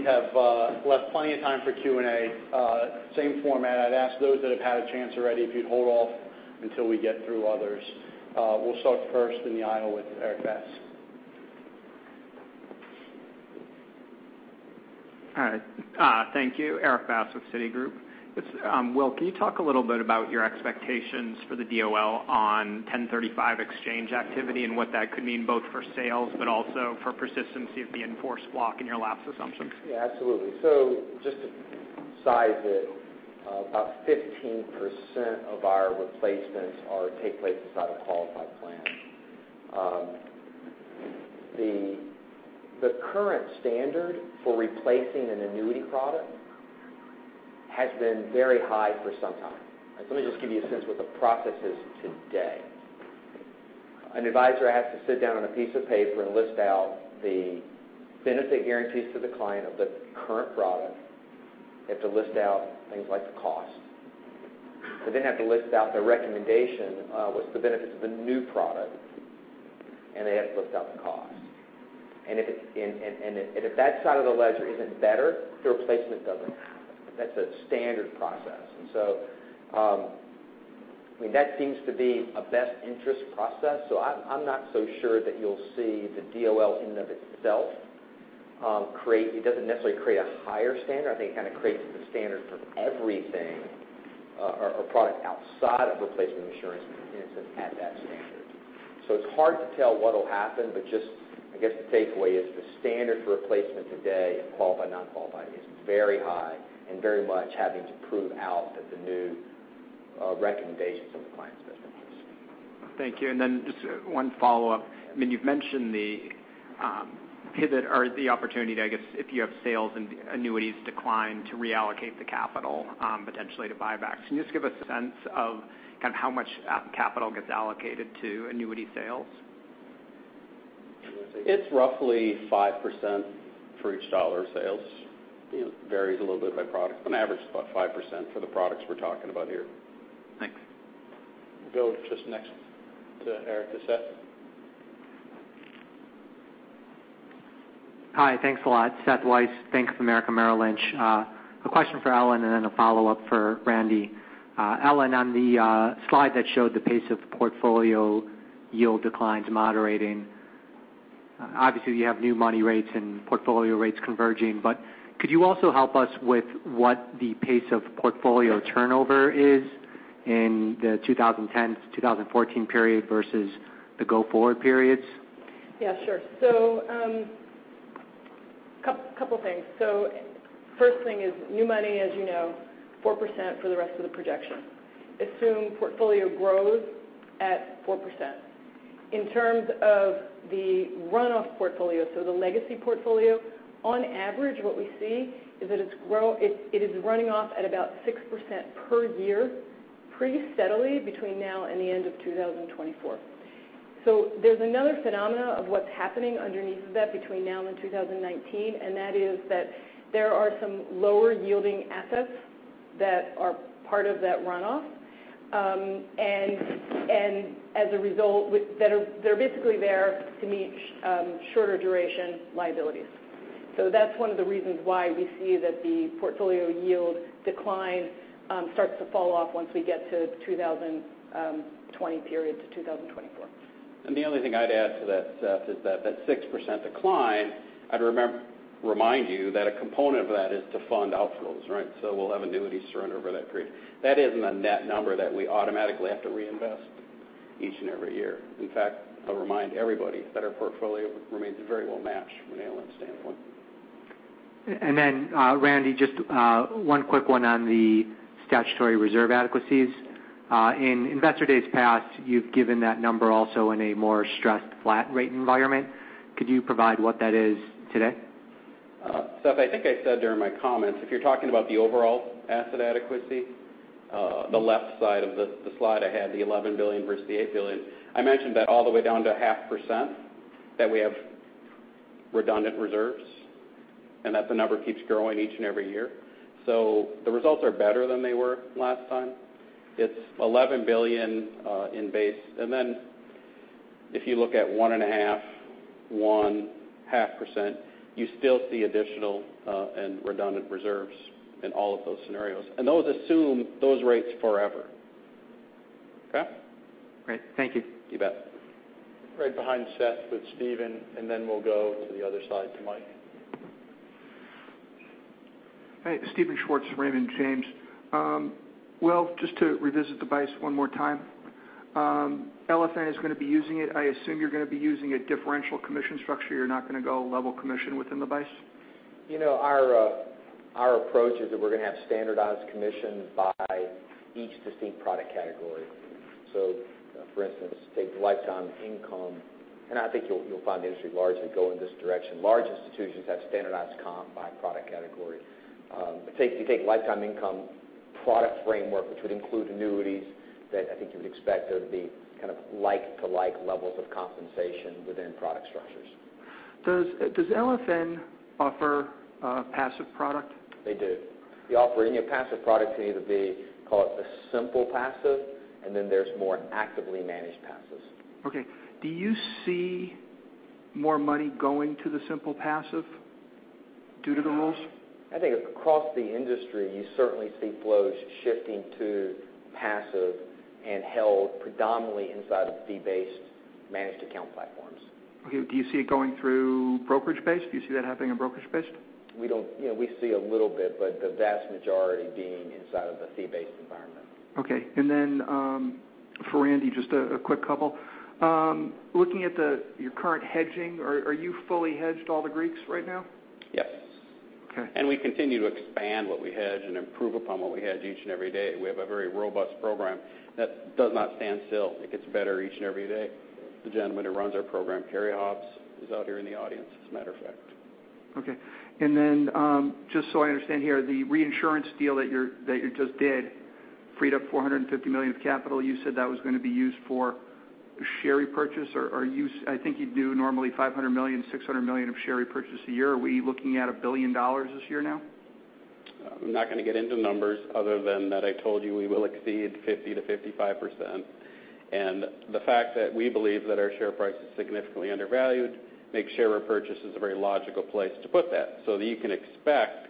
We have left plenty of time for Q&A. Same format. I'd ask those that have had a chance already if you'd hold off until we get through others. We'll start first in the aisle with Erik Bass. All right. Thank you. Erik Bass with Citigroup. Will, can you talk a little bit about your expectations for the DOL on 1035 exchange activity and what that could mean both for sales but also for persistency of the in force block in your lapse assumptions? Yeah, absolutely. Just to size it, about 15% of our replacements take place inside a qualified plan. The current standard for replacing an annuity product has been very high for some time. Let me just give you a sense what the process is today. An advisor has to sit down on a piece of paper and list out the benefit guarantees to the client of the current product. They have to list out things like the cost. They then have to list out the recommendation, what's the benefit of the new product, and they have to list out the cost. If that side of the ledger isn't better, the replacement doesn't happen. That's a standard process. That seems to be a best interest process. I'm not so sure that you'll see the DOL in and of itself create it doesn't necessarily create a higher standard. I think it kind of creates the standard for everything or product outside of replacement insurance and pensions at that standard. It's hard to tell what'll happen, but just I guess the takeaway is the standard for replacement today, qualified, non-qualified, is very high and very much having to prove out that the new recommendations are in the client's best interest. Thank you. Then just one follow-up. You've mentioned the pivot or the opportunity to, I guess, if you have sales and annuities decline to reallocate the capital potentially to buybacks. Can you just give a sense of how much capital gets allocated to annuity sales? It's roughly 5% for each dollar of sales. It varies a little bit by product, on average, about 5% for the products we're talking about here. Thanks. Go just next to Eric, to Seth. Hi. Thanks a lot. Seth Weiss, Bank of America, Merrill Lynch. A question for Ellen then a follow-up for Randy. Ellen, on the slide that showed the pace of portfolio yield declines moderating, obviously you have new money rates and portfolio rates converging, could you also help us with what the pace of portfolio turnover is in the 2010 to 2014 period versus the go forward periods? Yeah, sure. Couple things. First thing is new money, as you know, 4% for the rest of the projection. Assume portfolio grows at 4%. In terms of the runoff portfolio, the legacy portfolio, on average, what we see is that it is running off at about 6% per year, pretty steadily between now and the end of 2024. There's another phenomena of what's happening underneath that between now and 2019, and that is that there are some lower-yielding assets that are part of that runoff. As a result, they're basically there to meet shorter duration liabilities. That's one of the reasons why we see that the portfolio yield decline starts to fall off once we get to 2020 period to 2024. The only thing I'd add to that, Seth, is that that 6% decline, I'd remind you that a component of that is to fund outflows, right? We'll have annuities surrender over that period. That isn't a net number that we automatically have to reinvest each and every year. In fact, I'll remind everybody that our portfolio remains very well matched from an ALM standpoint. Randy, just one quick one on the statutory reserve adequacies. In investor days past, you've given that number also in a more stressed flat rate environment. Could you provide what that is today? Seth, I think I said during my comments, if you're talking about the overall asset adequacy, the left side of the slide I had, the $11 billion versus the $8 billion. I mentioned that all the way down to 0.5% that we have redundant reserves, and that the number keeps growing each and every year. The results are better than they were last time. It's $11 billion in base. If you look at 1.5%, 1%, 0.5%, you still see additional and redundant reserves in all of those scenarios. Those assume those rates forever. Okay? Great. Thank you. You bet. Right behind Seth with Steven, then we'll go to the other side to Mike. Hey, Steven Schwartz, Raymond James. Will, just to revisit the BICE one more time. LFN is going to be using it. I assume you're going to be using a differential commission structure. You're not going to go level commission within the BICE. Our approach is that we're going to have standardized commission by each distinct product category. For instance, take lifetime income. I think you'll find the industry largely going this direction. Large institutions have standardized comp by product category. If you take lifetime income product framework, which would include annuities, I think you would expect there to be kind of like-to-like levels of compensation within product structures. Does LFN offer a passive product? They do. They offer any passive product can either be, call it the simple passive, and then there's more actively managed passives. Okay. Do you see more money going to the simple passive due to the rules? I think across the industry, you certainly see flows shifting to passive and held predominantly inside of fee-based managed account platforms. Okay. Do you see it going through brokerage-based? Do you see that happening in brokerage-based? We see a little bit, but the vast majority being inside of the fee-based environment. Okay. For Randy, just a quick couple. Looking at your current hedging, are you fully hedged all the Greeks right now? Yes. Okay. We continue to expand what we hedge and improve upon what we hedge each and every day. We have a very robust program that does not stand still. It gets better each and every day. The gentleman who runs our program, Kerry Hobbs, is out here in the audience, as a matter of fact. Okay. Just so I understand here, the reinsurance deal that you just did freed up $450 million of capital. You said that was going to be used for share repurchase, or I think you do normally $500 million, $600 million of share repurchase a year. Are we looking at $1 billion this year now? I'm not going to get into numbers other than that I told you we will exceed 50%-55%. The fact that we believe that our share price is significantly undervalued makes share repurchases a very logical place to put that. You can expect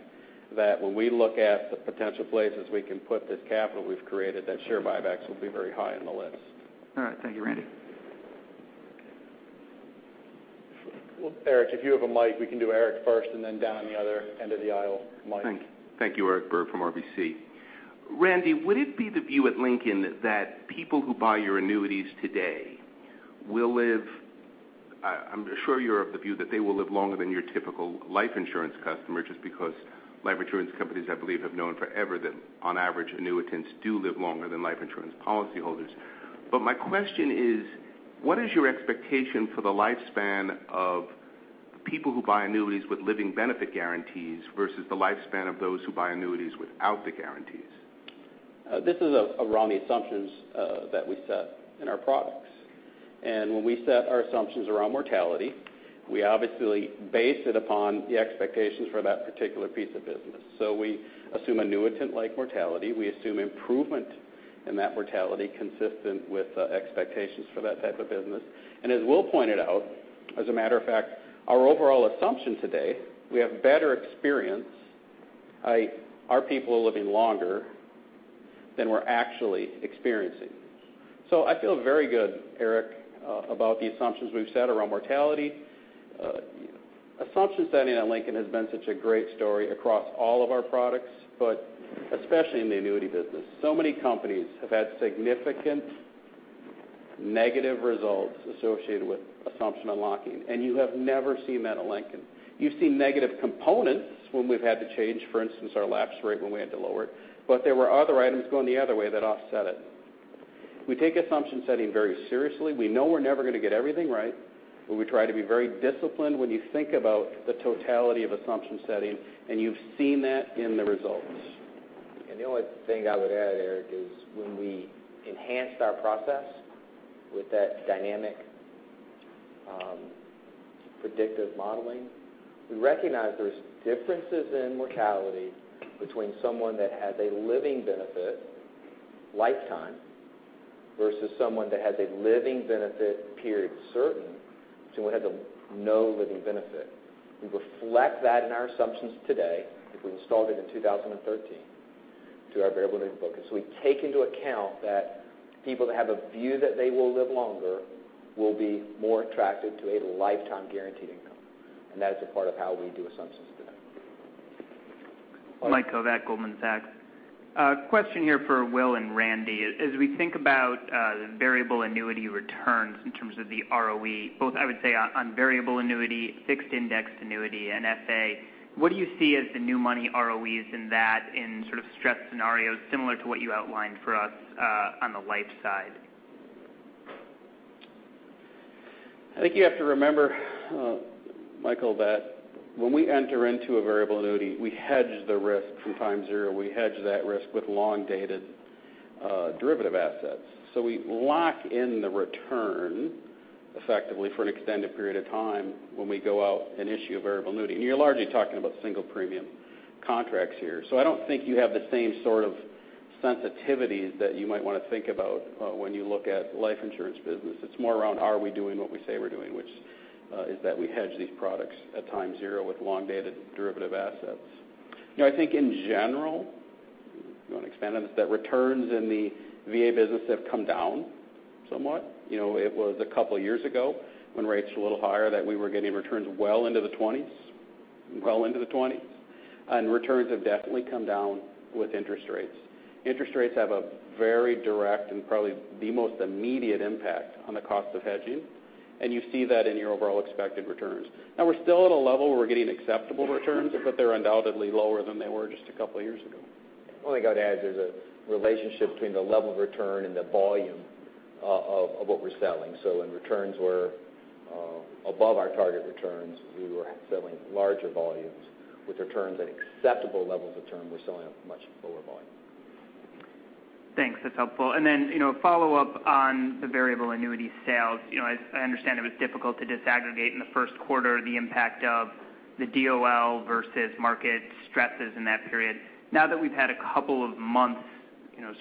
that when we look at the potential places we can put this capital we've created, that share buybacks will be very high on the list. All right. Thank you, Randy. Well, Eric, if you have a mic, we can do Eric first, then down on the other end of the aisle, Mike. Thank you. Eric Berg from RBC. Randy, would it be the view at Lincoln that people who buy your annuities today will live, I'm sure you're of the view that they will live longer than your typical life insurance customer, just because life insurance companies I believe have known forever that on average annuitants do live longer than life insurance policyholders. My question is, what is your expectation for the lifespan of people who buy annuities with living benefit guarantees versus the lifespan of those who buy annuities without the guarantees? This is around the assumptions that we set in our products. When we set our assumptions around mortality, we obviously base it upon the expectations for that particular piece of business. We assume annuitant-like mortality. We assume improvement in that mortality consistent with expectations for that type of business. As Will pointed out, as a matter of fact, our overall assumption today, we have better experience. Our people are living longer than we're actually experiencing. I feel very good, Eric, about the assumptions we've set around mortality. Assumption setting at Lincoln has been such a great story across all of our products, but especially in the annuity business. Many companies have had significant negative results associated with assumption unlocking, and you have never seen that at Lincoln. You've seen negative components when we've had to change, for instance, our lapse rate when we had to lower it, there were other items going the other way that offset it. We take assumption setting very seriously. We know we're never going to get everything right, we try to be very disciplined when you think about the totality of assumption setting, you've seen that in the results. The only thing I would add, Eric, is when we enhanced our process with that dynamic predictive modeling, we recognized there's differences in mortality between someone that has a living benefit lifetime versus someone that has a living benefit period certain to someone who has no living benefit. We reflect that in our assumptions today, because we installed it in 2013 to our variable living book. We take into account that people that have a view that they will live longer will be more attracted to a lifetime guaranteed income, and that is a part of how we do assumptions today. Michael Kovac, Goldman Sachs. A question here for Will and Randy. As we think about variable annuity returns in terms of the ROE, both, I would say on variable annuity, fixed indexed annuity, and FA. What do you see as the new money ROEs in that in sort of stress scenarios similar to what you outlined for us on the life side? I think you have to remember, Michael, that when we enter into a variable annuity, we hedge the risk from time zero. We hedge that risk with long-dated derivative assets. We lock in the return effectively for an extended period of time when we go out and issue a variable annuity. You're largely talking about single premium contracts here. I don't think you have the same sort of sensitivities that you might want to think about when you look at life insurance business. It's more around are we doing what we say we're doing, which is that we hedge these products at time zero with long-dated derivative assets. I think in general, you want to expand on this, that returns in the VA business have come down somewhat. It was a couple of years ago when rates were a little higher that we were getting returns well into the 20s. Returns have definitely come down with interest rates. Interest rates have a very direct and probably the most immediate impact on the cost of hedging, and you see that in your overall expected returns. Now we're still at a level where we're getting acceptable returns, but they're undoubtedly lower than they were just a couple of years ago. Only got to add, there's a relationship between the level of return and the volume of what we're selling. When returns were above our target returns, we were selling larger volumes. With returns at acceptable levels of return, we're selling at much lower volume. Thanks. That's helpful. Then, a follow-up on the variable annuity sales. I understand it was difficult to disaggregate in the first quarter the impact of the DOL versus market stresses in that period. Now that we've had a couple of months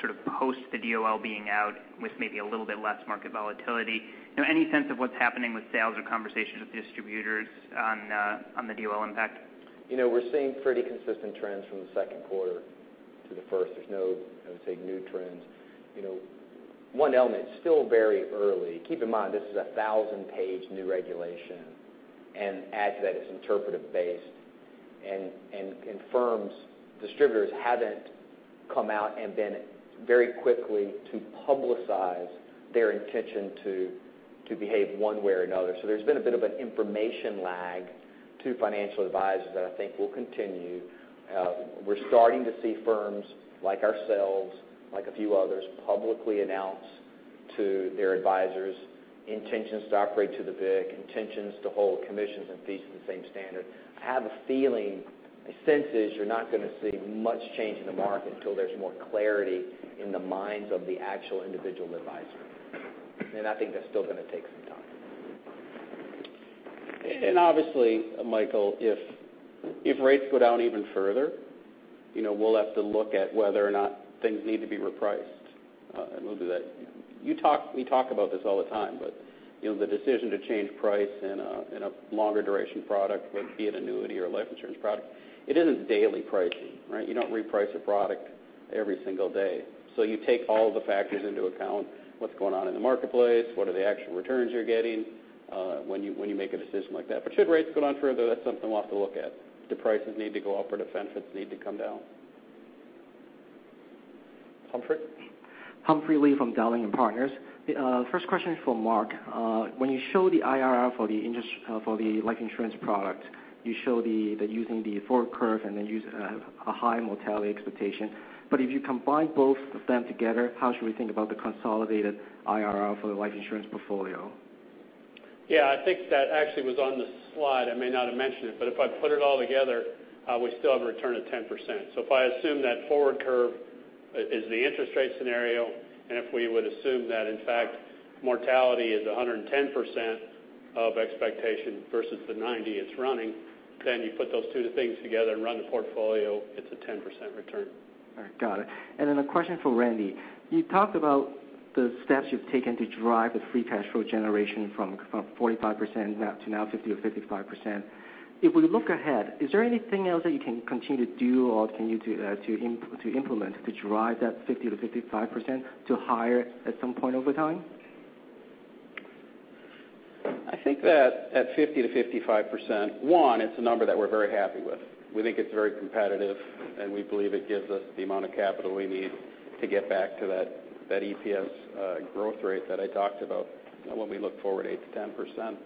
sort of post the DOL being out with maybe a little bit less market volatility, any sense of what's happening with sales or conversations with distributors on the DOL impact? We're seeing pretty consistent trends from the second quarter to the first. There's no, I would say, new trends. One element, still very early, keep in mind, this is a 1,000-page new regulation, add to that it's interpretive based. Firms, distributors haven't come out and been very quickly to publicize their intention to behave one way or another. There's been a bit of an information lag to financial advisors that I think will continue. We're starting to see firms like ourselves, like a few others, publicly announce to their advisors intentions to operate to the BIC, intentions to hold commissions and fees to the same standard. I have a feeling, my sense is you're not going to see much change in the market until there's more clarity in the minds of the actual individual advisor. I think that's still going to take some time. Obviously, Michael, if rates go down even further, we'll have to look at whether or not things need to be repriced. We'll do that. We talk about this all the time, the decision to change price in a longer duration product, whether it be an annuity or a life insurance product, it isn't daily pricing, right? You don't reprice a product every single day. You take all the factors into account, what's going on in the marketplace, what are the actual returns you're getting, when you make a decision like that. Should rates go down further, that's something we'll have to look at. Do prices need to go up or the benefits need to come down? Humphrey? Humphrey Lee from Dowling & Partners. First question is for Mark. When you show the IRR for the life insurance product, you show that using the forward curve and then use a high mortality expectation. If you combine both of them together, how should we think about the consolidated IRR for the life insurance portfolio? Yeah, I think that actually was on the slide. I may not have mentioned it, but if I put it all together, we still have a return of 10%. If I assume that forward curve is the interest rate scenario, and if we would assume that, in fact, mortality is 110% of expectation versus the 90% it's running, then you put those two things together and run the portfolio, it's a 10% return. All right. Got it. Then a question for Randy. You talked about the steps you've taken to drive the free cash flow generation from 45% to now 50%-55%. If we look ahead, is there anything else that you can continue to do or can you do to implement to drive that 50%-55% to higher at some point over time? I think that at 50%-55%, one, it's a number that we're very happy with. We think it's very competitive, and we believe it gives us the amount of capital we need to get back to that EPS growth rate that I talked about when we look forward 8%-10%.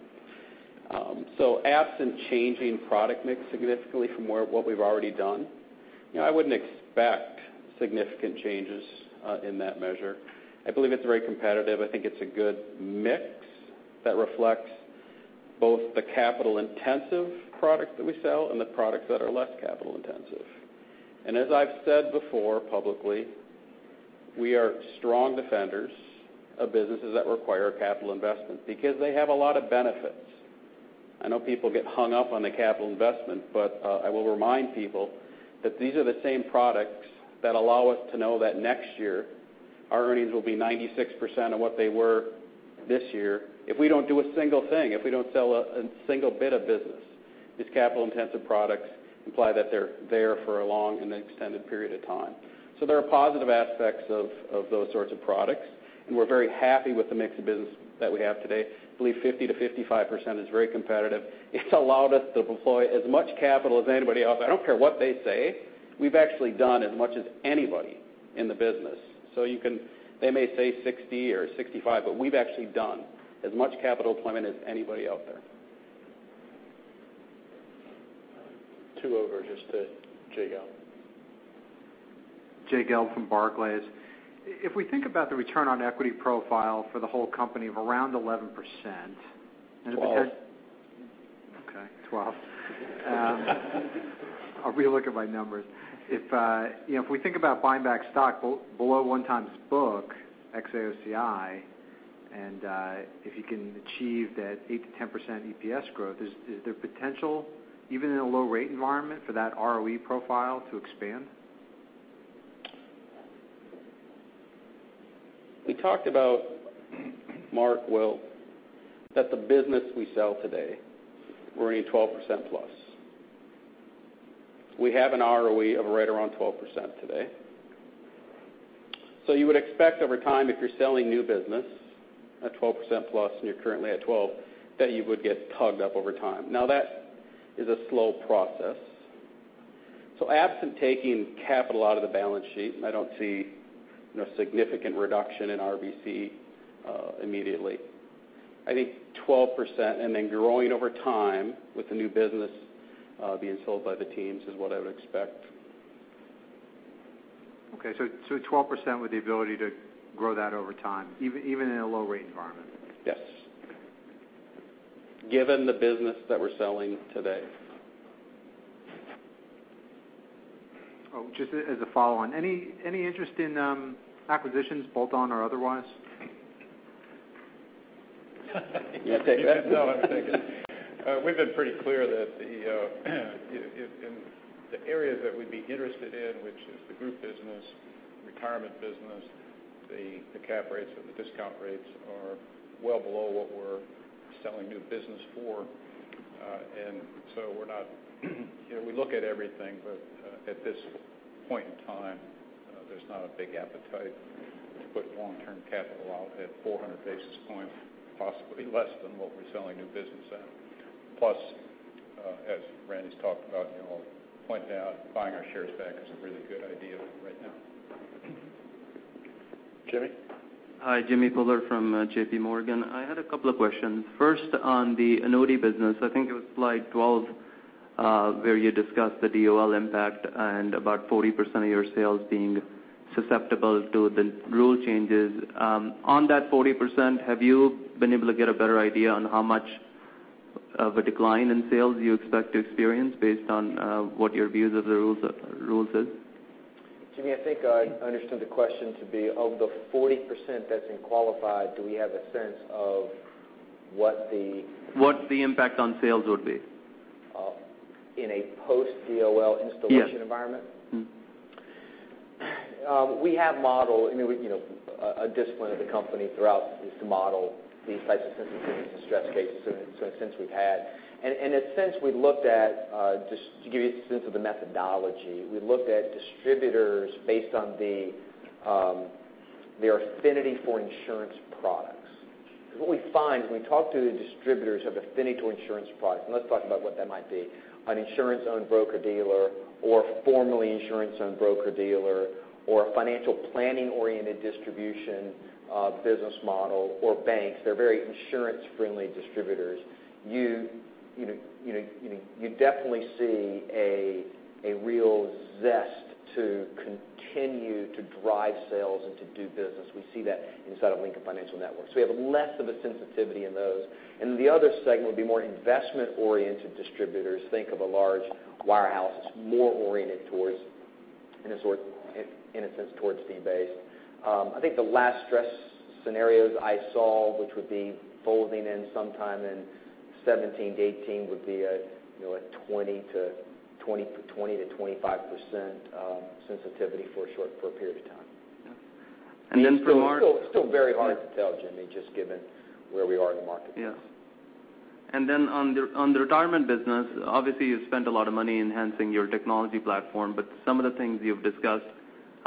Absent changing product mix significantly from what we've already done, I wouldn't expect significant changes in that measure. I believe it's very competitive. I think it's a good mix that reflects both the capital intensive products that we sell and the products that are less capital intensive. As I've said before publicly, we are strong defenders of businesses that require capital investment because they have a lot of benefits. I know people get hung up on the capital investment. I will remind people that these are the same products that allow us to know that next year our earnings will be 96% of what they were this year if we don't do a single thing, if we don't sell a single bit of business. These capital intensive products imply that they're there for a long and extended period of time. There are positive aspects of those sorts of products, and we're very happy with the mix of business that we have today. I believe 50%-55% is very competitive. It's allowed us to deploy as much capital as anybody else. I don't care what they say. We've actually done as much as anybody in the business. They may say 60% or 65%, but we've actually done as much capital deployment as anybody out there. Two over, just to Jay Gelb. Jay Gelb from Barclays. If we think about the return on equity profile for the whole company of around 11% and if it has 12. Okay, 12. I'll relook at my numbers. If we think about buying back stock below 1x book ex AOCI, and if you can achieve that 8%-10% EPS growth, is there potential, even in a low rate environment for that ROE profile to expand? We talked about, Mark, well, that the business we sell today we're earning 12% plus. We have an ROE of right around 12% today. You would expect over time if you're selling new business at 12% plus and you're currently at 12%, that you would get tugged up over time. That is a slow process. Absent taking capital out of the balance sheet, and I don't see no significant reduction in RBC immediately. I think 12% and then growing over time with the new business being sold by the teams is what I would expect. Okay, 12% with the ability to grow that over time, even in a low rate environment. Yes. Given the business that we're selling today. Oh, just as a follow-on, any interest in acquisitions, bolt-on or otherwise? You going to take that? No, I'll take it. We've been pretty clear that in the areas that we'd be interested in, which is the group business, retirement business, the cap rates or the discount rates are well below what we're selling new business for. We look at everything, but at this point in time there's not a big appetite to put long-term capital out at 400 basis points, possibly less than what we're selling new business at. Plus, as Randy's talked about and I'll point out, buying our shares back is a really good idea right now. Jimmy. Hi, Jimmy Bhullar from J.P. Morgan. I had a couple of questions. First, on the annuity business, I think it was slide 12 where you discussed the DOL impact and about 40% of your sales being susceptible to the rule changes. On that 40%, have you been able to get a better idea on how much of a decline in sales you expect to experience based on what your views of the rules is? Jimmy, I think I understood the question to be of the 40% that's in qualified, do we have a sense of what the? What the impact on sales would be in a post-DOL installation environment? Yes. Mm-hmm. We have modeled, a discipline of the company throughout is to model these types of sensitivities and stress cases. In a sense we've had. In a sense we've looked at just to give you a sense of the methodology, we looked at distributors based on their affinity for insurance products. What we find is when we talk to the distributors have affinity to insurance products, and let's talk about what that might be. An insurance-owned broker-dealer or formerly insurance-owned broker-dealer or a financial planning oriented distribution business model or banks, they're very insurance friendly distributors. You definitely see a real zest to continue to drive sales and to do business. We see that inside of Lincoln Financial Network. We have less of a sensitivity in those. The other segment would be more investment oriented distributors. Think of a large warehouse that's more oriented towards, in a sense towards fee-based. I think the last stress scenarios I saw, which would be folding in sometime in 2017 to 2018 would be a 20%-25% sensitivity for a period of time. And then from our- It's still very hard to tell, Jimmy, just given where we are in the marketplace. Yes. On the retirement business, obviously you've spent a lot of money enhancing your technology platform, but some of the things you've discussed.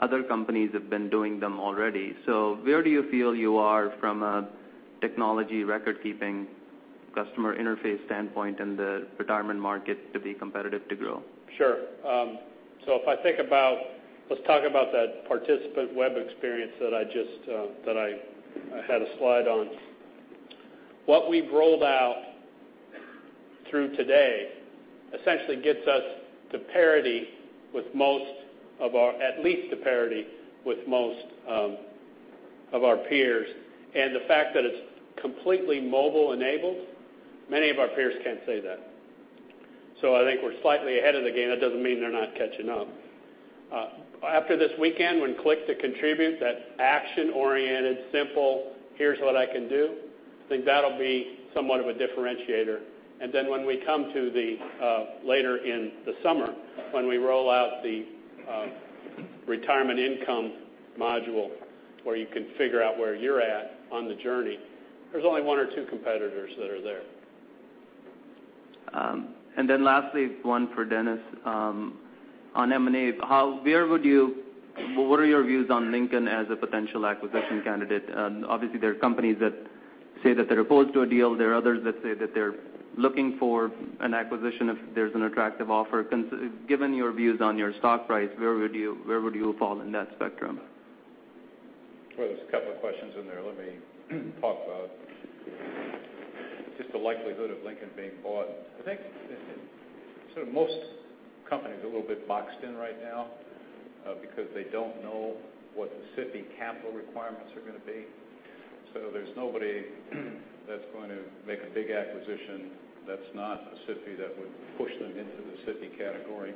Other companies have been doing them already. Where do you feel you are from a technology record-keeping customer interface standpoint in the retirement market to be competitive to grow? Sure. Let's talk about that participant web experience that I had a slide on. What we've rolled out through today essentially gets us to parity with most of our peers, the fact that it's completely mobile enabled, many of our peers can't say that. I think we're slightly ahead of the game. That doesn't mean they're not catching up. After this weekend when Click to Contribute, that action-oriented, simple, here's what I can do, I think that'll be somewhat of a differentiator. When we come to the later in the summer, when we roll out the retirement income module where you can figure out where you're at on the journey, there's only one or two competitors that are there. Lastly, one for Dennis. On M&A, what are your views on Lincoln as a potential acquisition candidate? Obviously, there are companies that say that they're opposed to a deal. There are others that say that they're looking for an acquisition if there's an attractive offer. Given your views on your stock price, where would you fall in that spectrum? Well, there's a couple of questions in there. Let me talk about just the likelihood of Lincoln being bought. I think most companies are a little bit boxed in right now because they don't know what the SIFI capital requirements are going to be. There's nobody that's going to make a big acquisition that's not a SIFI that would push them into the SIFI category,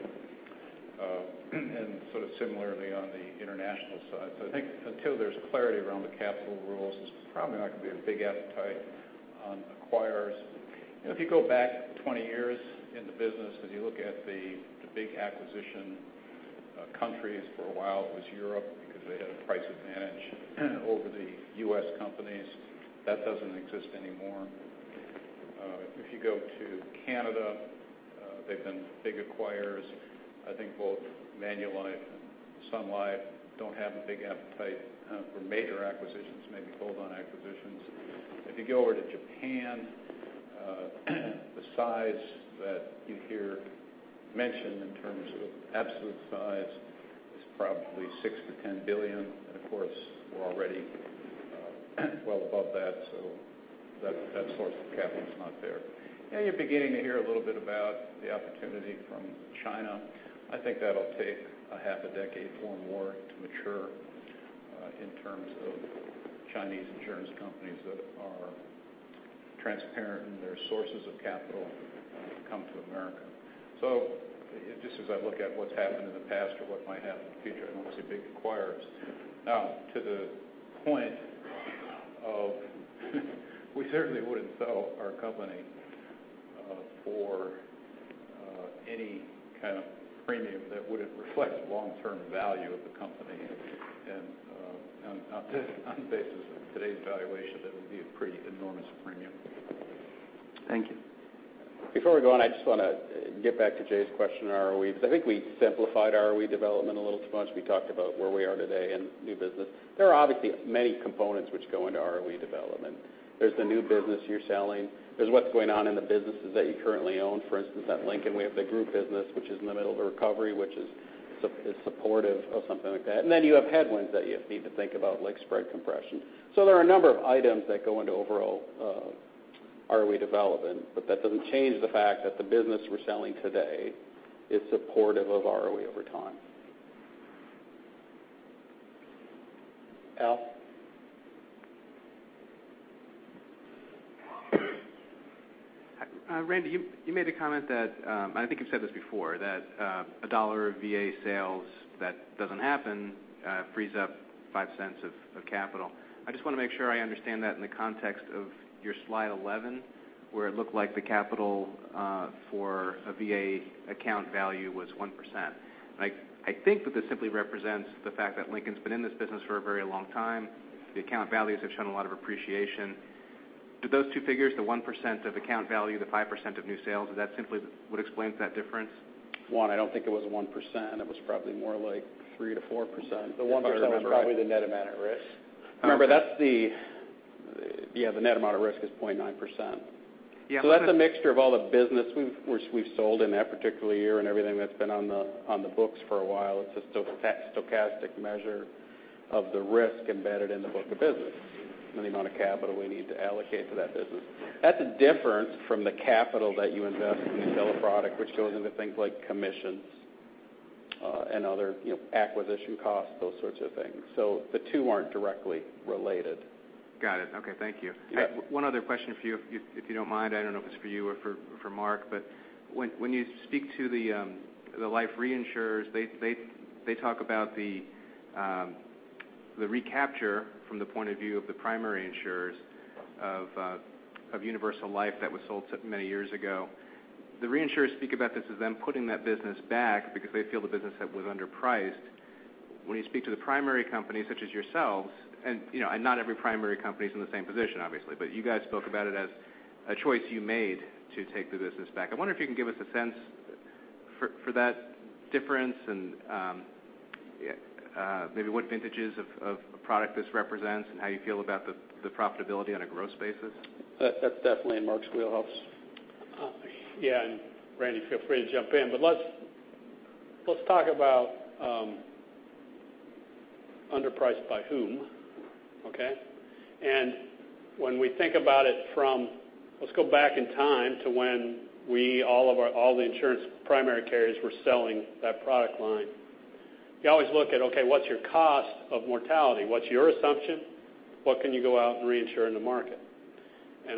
and sort of similarly on the international side. I think until there's clarity around the capital rules, there's probably not going to be a big appetite on acquirers. If you go back 20 years in the business, if you look at the big acquisition countries, for a while it was Europe because they had a price advantage over the U.S. companies. That doesn't exist anymore. If you go to Canada, they've been big acquirers. I think both Manulife and Sun Life don't have a big appetite for major acquisitions, maybe bolt-on acquisitions. If you go over to Japan, the size that you hear mentioned in terms of absolute size is probably $6 billion-$10 billion, of course we're already well above that, so that source of capital is not there. You're beginning to hear a little bit about the opportunity from China. I think that'll take a half a decade or more to mature in terms of Chinese insurance companies that are transparent in their sources of capital to come to America. Just as I look at what's happened in the past or what might happen in the future, I don't see big acquirers. Now, to the point of we certainly wouldn't sell our company for any kind of premium that wouldn't reflect long-term value of the company. On the basis of today's valuation, that would be a pretty enormous premium. Thank you. Before we go on, I just want to get back to Jay's question on ROE, because I think we simplified ROE development a little too much. We talked about where we are today in new business. There are obviously many components which go into ROE development. There's the new business you're selling. There's what's going on in the businesses that you currently own. For instance, at Lincoln, we have the group business, which is in the middle of a recovery, which is supportive of something like that. Then you have headwinds that you need to think about, like spread compression. There are a number of items that go into overall ROE development, but that doesn't change the fact that the business we're selling today is supportive of ROE over time. Al? Randy, you made a comment that, I think you've said this before, that a dollar of VA sales that doesn't happen frees up $0.05 of capital. I just want to make sure I understand that in the context of your slide 11, where it looked like the capital for a VA account value was 1%. I think that this simply represents the fact that Lincoln's been in this business for a very long time. The account values have shown a lot of appreciation. Do those two figures, the 1% of account value, the 5% of new sales, is that simply what explains that difference? One, I don't think it was 1%. It was probably more like 3%-4%, if I remember. The 1% was probably the net amount at risk. Remember, the net amount at risk is 0.9%. Yeah. That's a mixture of all the business we've sold in that particular year and everything that's been on the books for a while. It's a stochastic measure of the risk embedded in the book of business and the amount of capital we need to allocate to that business. That's different from the capital that you invest when you sell a product, which goes into things like commissions and other acquisition costs, those sorts of things. The two aren't directly related. Got it. Okay. Thank you. Yeah. One other question for you, if you don't mind. I don't know if it's for you or for Mark, but when you speak to the life reinsurers, they talk about the recapture from the point of view of the primary insurers of Universal Life that was sold so many years ago. The reinsurers speak about this as them putting that business back because they feel the business was underpriced. When you speak to the primary companies such as yourselves, and not every primary company's in the same position, obviously, but you guys spoke about it as a choice you made to take the business back. I wonder if you can give us a sense for that difference and maybe what vintages of product this represents and how you feel about the profitability on a gross basis. That's definitely in Mark's wheelhouse. Yeah. Randy, feel free to jump in. Let's talk about underpriced by whom, okay? When we think about it from, let's go back in time to when all the insurance primary carriers were selling that product line. You always look at, okay, what's your cost of mortality? What's your assumption? What can you go out and reinsure in the market?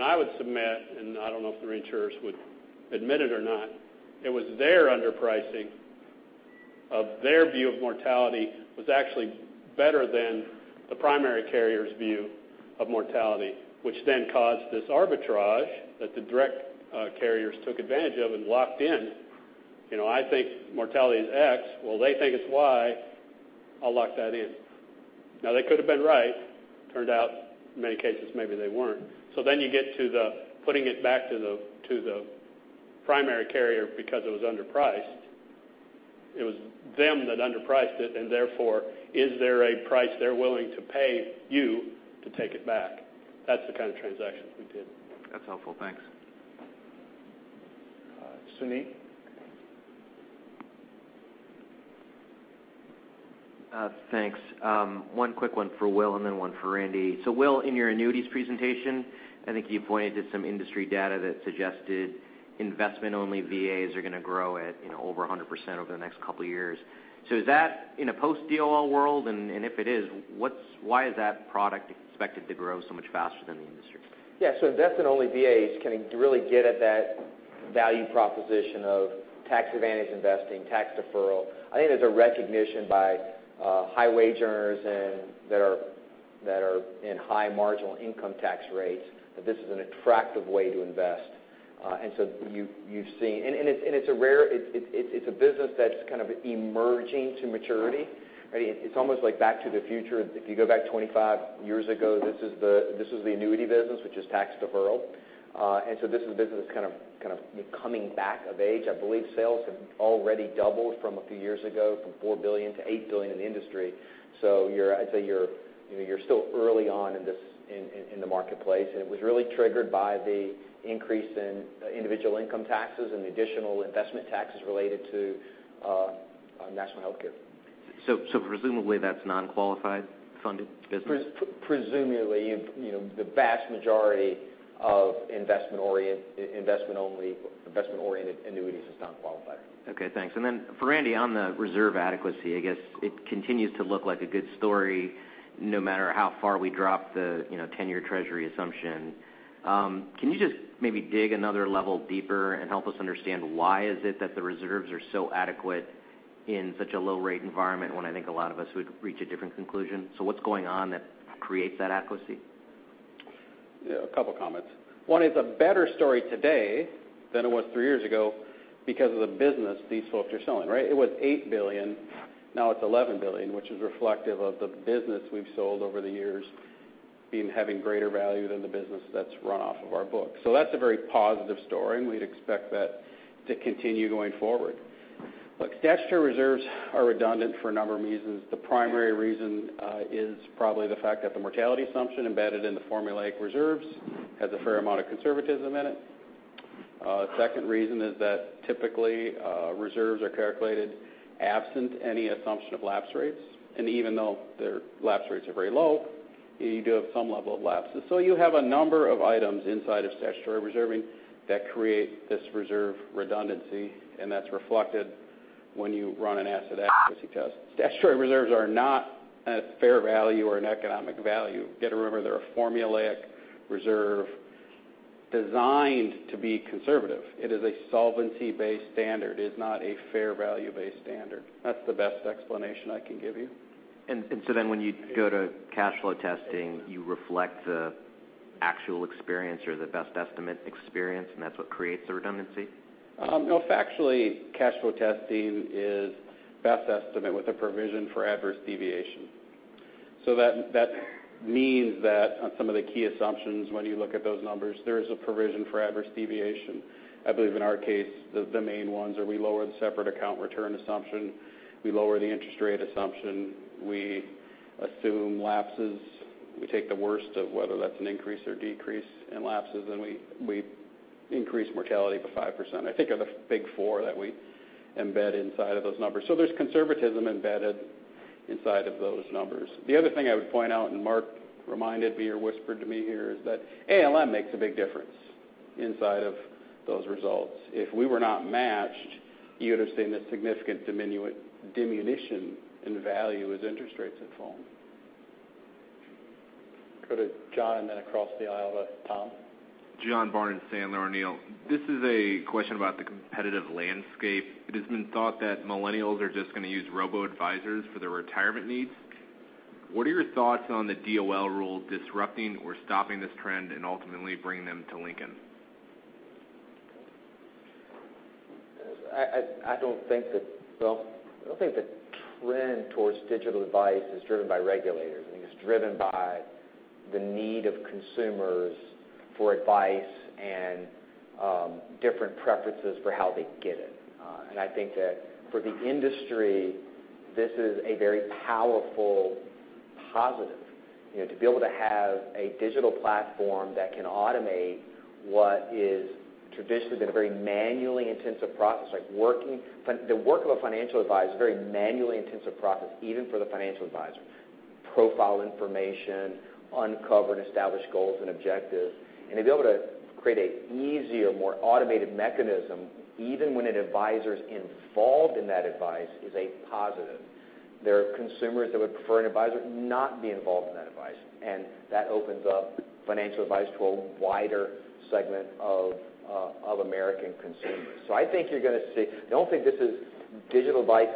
I would submit, and I don't know if the reinsurers would admit it or not, it was their underpricing of their view of mortality was actually better than the primary carrier's view of mortality, which then caused this arbitrage that the direct carriers took advantage of and locked in. I think mortality is X, well, they think it's Y, I'll lock that in. Now, they could've been right. Turned out, in many cases, maybe they weren't. You get to the putting it back to the primary carrier because it was underpriced. It was them that underpriced it, and therefore, is there a price they're willing to pay you to take it back? That's the kind of transactions we did. That's helpful. Thanks. Sunny? Thanks. One quick one for Will, and then one for Randy. Will, in your annuities presentation, I think you pointed to some industry data that suggested investment-only VAs are going to grow at over 100% over the next couple of years. Is that in a post-DOL world? And if it is, why is that product expected to grow so much faster than the industry? Investment-only VAs can really get at that value proposition of tax-advantaged investing, tax deferral. I think there's a recognition by high wage earners that are in high marginal income tax rates that this is an attractive way to invest. It's a business that's kind of emerging to maturity. It's almost like back to the future. If you go back 25 years ago, this was the annuity business, which is tax deferral. This is a business that's kind of coming back of age. I believe sales have already doubled from a few years ago, from $4 billion to $8 billion in the industry. I'd say you're still early on in the marketplace, and it was really triggered by the increase in individual income taxes and the additional investment taxes related to national healthcare. Presumably, that's non-qualified funded business? Presumably, the vast majority of investment-oriented annuities is non-qualified. Okay, thanks. For Randy, on the reserve adequacy, I guess it continues to look like a good story, no matter how far we drop the 10-year treasury assumption. Can you just maybe dig another level deeper and help us understand why is it that the reserves are so adequate in such a low rate environment when I think a lot of us would reach a different conclusion? What's going on that creates that adequacy? Yeah, a couple of comments. One is a better story today than it was three years ago because of the business these folks are selling. It was $8 billion, now it's $11 billion, which is reflective of the business we've sold over the years having greater value than the business that's run off of our book. That's a very positive story, and we'd expect that to continue going forward. Look, statutory reserves are redundant for a number of reasons. The primary reason is probably the fact that the mortality assumption embedded in the formulaic reserves has a fair amount of conservatism in it. Second reason is that typically, reserves are calculated absent any assumption of lapse rates. Even though their lapse rates are very low, you do have some level of lapses. You have a number of items inside of statutory reserving that create this reserve redundancy, and that's reflected when you run an asset adequacy test. Statutory reserves are not at fair value or an economic value. You got to remember, they're a formulaic reserve designed to be conservative. It is a solvency-based standard. It is not a fair value-based standard. That's the best explanation I can give you. When you go to cash flow testing, you reflect the actual experience or the best estimate experience, and that's what creates the redundancy? Factually, cash flow testing is best estimate with a provision for adverse deviation. That means that on some of the key assumptions, when you look at those numbers, there is a provision for adverse deviation. I believe in our case, the main ones are we lower the separate account return assumption, we lower the interest rate assumption, we assume lapses. We take the worst of whether that's an increase or decrease in lapses, and we increase mortality by 5%. I think are the big four that we embed inside of those numbers. There's conservatism embedded inside of those numbers. The other thing I would point out, and Mark reminded me or whispered to me here, is that ALM makes a big difference inside of those results. If we were not matched, you would have seen a significant diminution in value as interest rates have fallen. Go to John, and then across the aisle to Tom. John Barnes, Sandler O'Neill. This is a question about the competitive landscape. It has been thought that millennials are just going to use robo-advisors for their retirement needs. What are your thoughts on the DOL rule disrupting or stopping this trend and ultimately bringing them to Lincoln? I don't think the trend towards digital advice is driven by regulators. I think it's driven by the need of consumers for advice and different preferences for how they get it. I think that for the industry, this is a very powerful positive. To be able to have a digital platform that can automate what is traditionally been a very manually intensive process like working. The work of a financial advisor is a very manually intensive process, even for the financial advisor. Profile information, uncover and establish goals and objectives. To be able to create an easier, more automated mechanism, even when an advisor is involved in that advice, is a positive. There are consumers that would prefer an advisor not be involved in that advice, and that opens up financial advice to a wider segment of American consumers. I don't think digital advice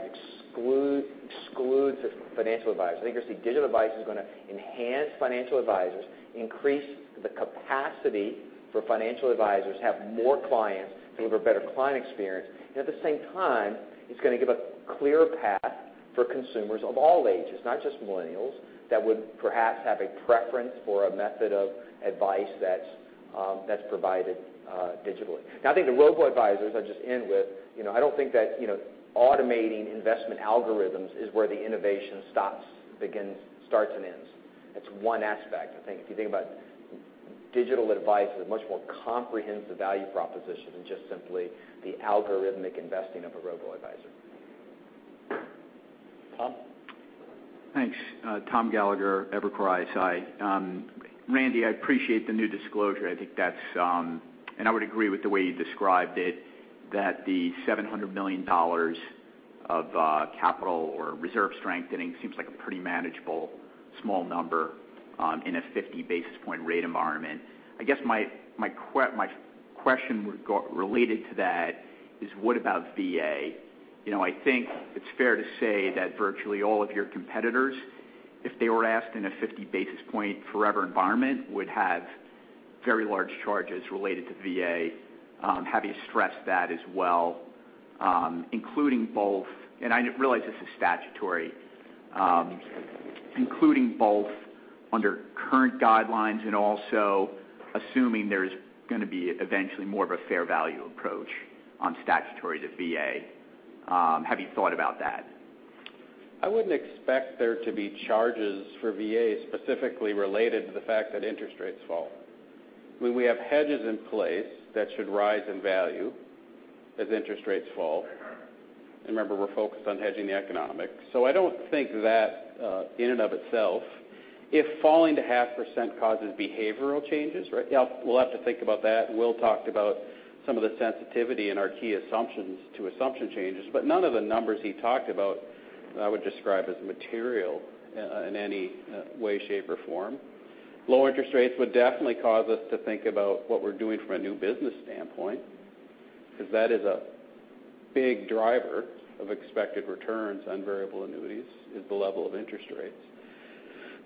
excludes a financial advisor. I think you'll see digital advice is going to enhance financial advisors, increase the capacity for financial advisors to have more clients, deliver better client experience. At the same time, it's going to give a clear path for consumers of all ages, not just millennials, that would perhaps have a preference for a method of advice that's provided digitally. I think the robo-advisors, I'll just end with, I don't think that automating investment algorithms is where the innovation starts and ends. That's one aspect. If you think about digital advice as a much more comprehensive value proposition than just simply the algorithmic investing of a robo-advisor. Tom? Thanks. Tom Gallagher, Evercore ISI. Randy, I appreciate the new disclosure. I think I would agree with the way you described it, that the $700 million of capital or reserve strengthening seems like a pretty manageable small number in a 50 basis point rate environment. I guess my question related to that is, what about VA? I think it's fair to say that virtually all of your competitors, if they were asked in a 50 basis point forever environment, would have very large charges related to VA. Have you stressed that as well? Including both, and I realize this is statutory, including both under current guidelines and also assuming there's going to be eventually more of a fair value approach on statutory to VA. Have you thought about that? I wouldn't expect there to be charges for VA specifically related to the fact that interest rates fall. When we have hedges in place that should rise in value as interest rates fall. Remember, we're focused on hedging the economics. I don't think that in and of itself, if falling to 0.5% causes behavioral changes, right? We'll have to think about that. Will talked about some of the sensitivity in our key assumptions to assumption changes, but none of the numbers he talked about I would describe as material in any way, shape, or form. Lower interest rates would definitely cause us to think about what we're doing from a new business standpoint, because that is a big driver of expected returns on variable annuities, is the level of interest rates.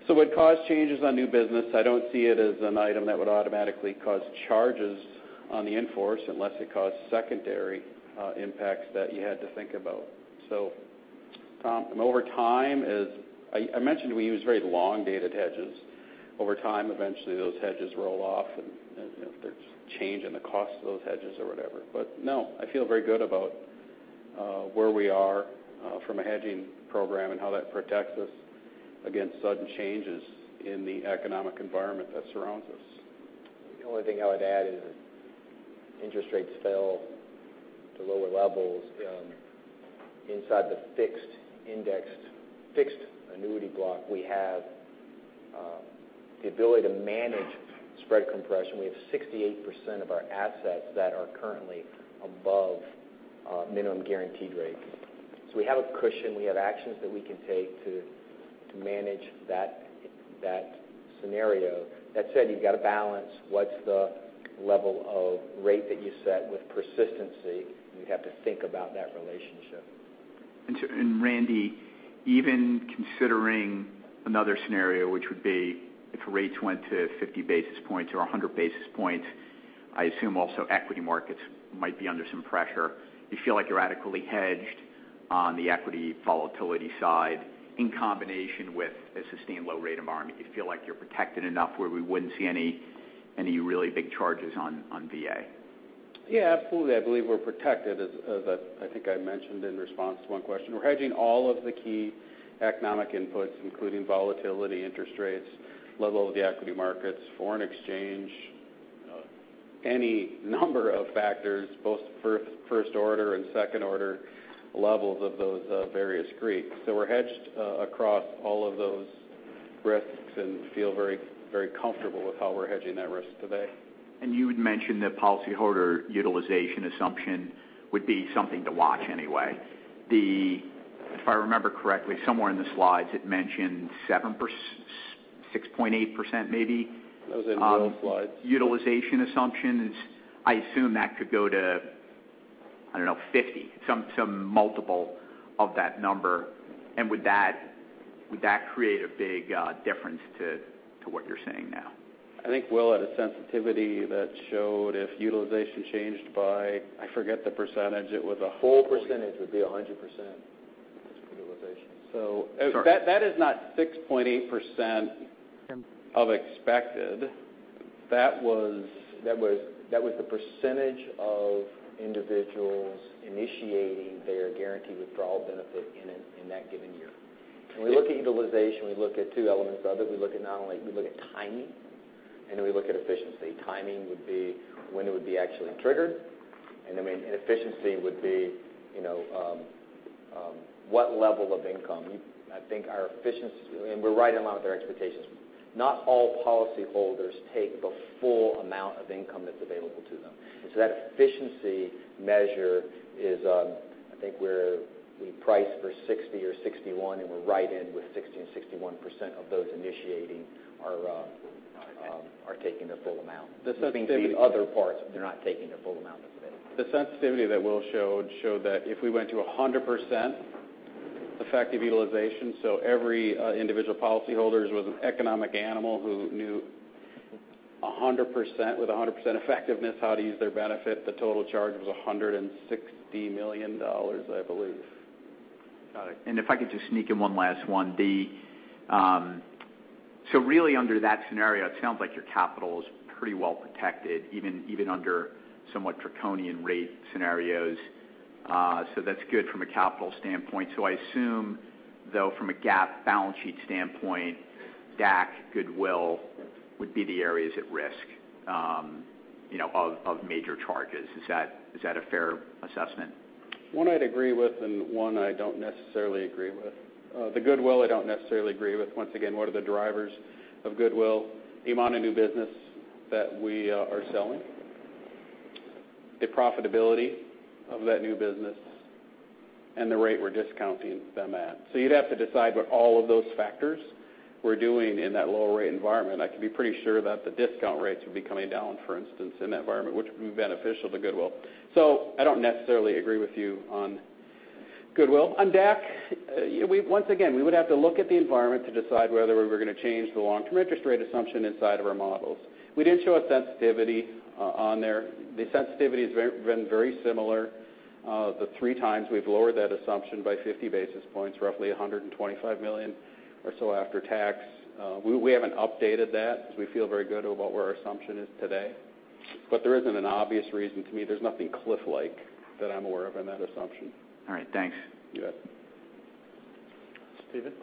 It would cause changes on new business. I don't see it as an item that would automatically cause charges on the in-force unless it caused secondary impacts that you had to think about. Tom, over time, I mentioned we use very long-dated hedges. Over time, eventually those hedges roll off, and there's change in the cost of those hedges or whatever. No, I feel very good about where we are from a hedging program and how that protects us against sudden changes in the economic environment that surrounds us. The only thing I would add is if interest rates fell to lower levels inside the fixed annuity block, we have the ability to manage spread compression. We have 68% of our assets that are currently above minimum guaranteed rates. We have a cushion. We have actions that we can take to manage that scenario. That said, you've got to balance what's the level of rate that you set with persistency, you'd have to think about that relationship. Randy, even considering another scenario, which would be if rates went to 50 basis points or 100 basis points, I assume also equity markets might be under some pressure. You feel like you're adequately hedged on the equity volatility side in combination with a sustained low rate environment. You feel like you're protected enough where we wouldn't see any really big charges on VA. Yeah, absolutely. I believe we're protected, as I think I mentioned in response to one question. We're hedging all of the key economic inputs, including volatility, interest rates, level of the equity markets, foreign exchange, any number of factors, both first-order and second-order levels of those various Greeks. We're hedged across all of those risks and feel very comfortable with how we're hedging that risk today. You had mentioned that policyholder utilization assumption would be something to watch anyway. If I remember correctly, somewhere in the slides it mentioned 6.8%. That was in Will's slides. utilization assumptions. I assume that could go to, I don't know, 50. Some multiple of that number. Would that create a big difference to what you're saying now? I think Will had a sensitivity that showed if utilization changed by, I forget the percentage, it was a. Full percentage would be 100% as utilization. Sorry. That is not 6.8% of expected. That was the percentage of individuals initiating their guaranteed withdrawal benefit in that given year. When we look at utilization, we look at two elements of it. We look at timing. We look at efficiency. Timing would be when it would be actually triggered, and efficiency would be what level of income. I think our efficiency, we're right in line with our expectations. Not all policyholders take the full amount of income that's available to them. That efficiency measure is, I think we price for 60 or 61, and we're right in with 60 and 61% of those initiating are taking their full amount. The other parts, they're not taking their full amount of it. The sensitivity that Will showed that if we went to 100% effective utilization, so every individual policyholder was an economic animal who knew, with 100% effectiveness, how to use their benefit, the total charge was $160 million, I believe. Got it. If I could just sneak in one last one. Really under that scenario, it sounds like your capital is pretty well protected, even under somewhat draconian rate scenarios. That's good from a capital standpoint. I assume, though, from a GAAP balance sheet standpoint, DAC, goodwill would be the areas at risk of major charges. Is that a fair assessment? One I'd agree with and one I don't necessarily agree with. The goodwill I don't necessarily agree with. Once again, what are the drivers of goodwill? The amount of new business that we are selling, the profitability of that new business, and the rate we're discounting them at. You'd have to decide what all of those factors were doing in that lower rate environment. I can be pretty sure that the discount rates would be coming down, for instance, in that environment, which would be beneficial to goodwill. I don't necessarily agree with you on goodwill. On DAC, once again, we would have to look at the environment to decide whether we were going to change the long-term interest rate assumption inside of our models. We did show a sensitivity on there. The sensitivity has been very similar. The three times we've lowered that assumption by 50 basis points, roughly $125 million or so after tax. We haven't updated that because we feel very good about where our assumption is today. There isn't an obvious reason to me. There's nothing cliff-like that I'm aware of in that assumption. All right, thanks. You bet. Steven?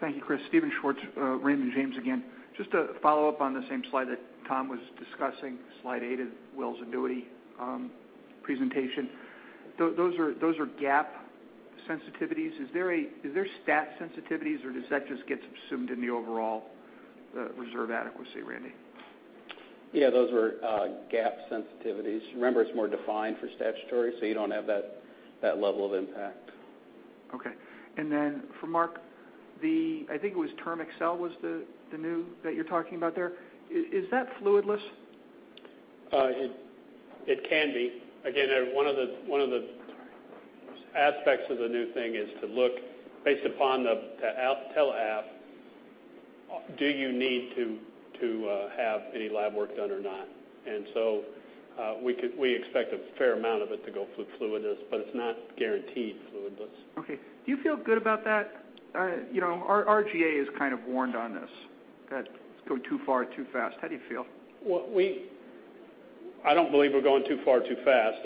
Thank you, Chris. Steven Schwartz, Raymond James again. Just a follow-up on the same slide that Tom was discussing, slide eight of Will's annuity presentation. Those are GAAP sensitivities. Is there stat sensitivities or does that just get subsumed in the overall reserve adequacy, Randy? Yeah, those were GAAP sensitivities. Remember, it's more defined for statutory, you don't have that level of impact. Okay. Then for Mark, I think it was TermAccel was the new that you're talking about there. Is that fluidless? It can be. Again, one of the aspects of the new thing is to look based upon the tele app, do you need to have any lab work done or not? We expect a fair amount of it to go fluidless, but it's not guaranteed fluidless. Okay. Do you feel good about that? Our GA has kind of warned on this, that it's going too far too fast. How do you feel? Well, I don't believe we're going too far too fast.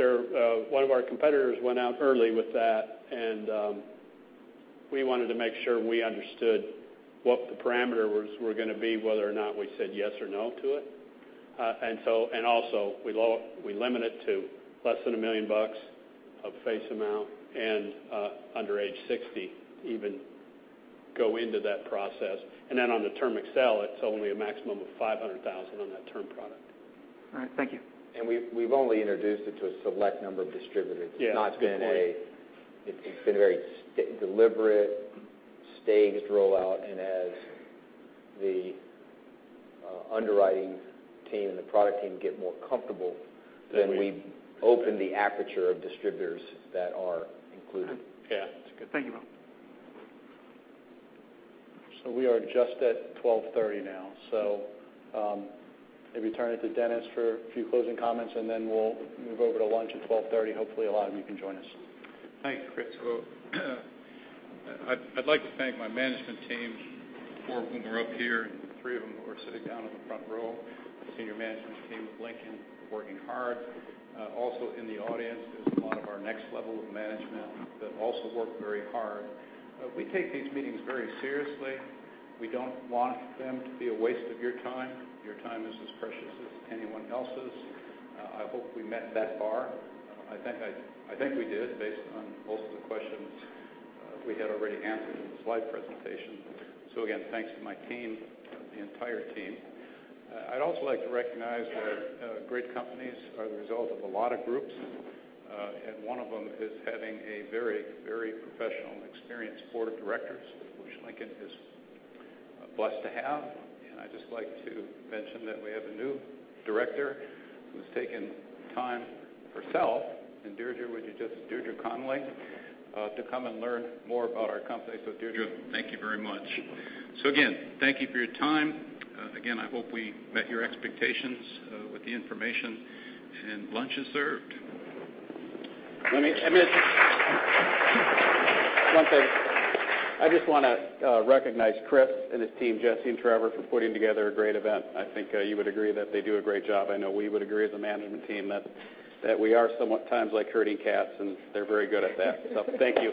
One of our competitors went out early with that. We wanted to make sure we understood what the parameters were going to be, whether or not we said yes or no to it. We limit it to less than $1 million of face amount and under age 60 even go into that process. On the TermAccel, it's only a maximum of $500,000 on that term product. All right, thank you. we've only introduced it to a select number of distributors. Yeah, good point. It's been a very deliberate, staged rollout, and as the underwriting team and the product team get more comfortable, then we open the aperture of distributors that are included. Yeah. That's good. Thank you, Mark. We are just at 12:30 now. Maybe turn it to Dennis for a few closing comments, then we'll move over to lunch at 12:30. Hopefully, a lot of you can join us. Thanks, Chris. I'd like to thank my management team, four of whom are up here, and three of them who are sitting down in the front row, the senior management team of Lincoln working hard. Also in the audience is a lot of our next level of management that also work very hard. We take these meetings very seriously. We don't want them to be a waste of your time. Your time is as precious as anyone else's. I hope we met that bar. I think we did based on most of the questions we had already answered in the slide presentation. Again, thanks to my team, the entire team. I'd also like to recognize that great companies are the result of a lot of groups, and one of them is having a very, very professional and experienced board of directors, which Lincoln is blessed to have. I'd just like to mention that we have a new director who's taken time herself, and Deirdre Connelly, to come and learn more about our company. Deirdre, thank you very much. Again, thank you for your time. Again, I hope we met your expectations with the information. Lunch is served. One thing. I just want to recognize Chris and his team, Jesse and Trevor, for putting together a great event. I think you would agree that they do a great job. I know we would agree as a management team that we are somewhat times like herding cats, and they're very good at that. Thank you.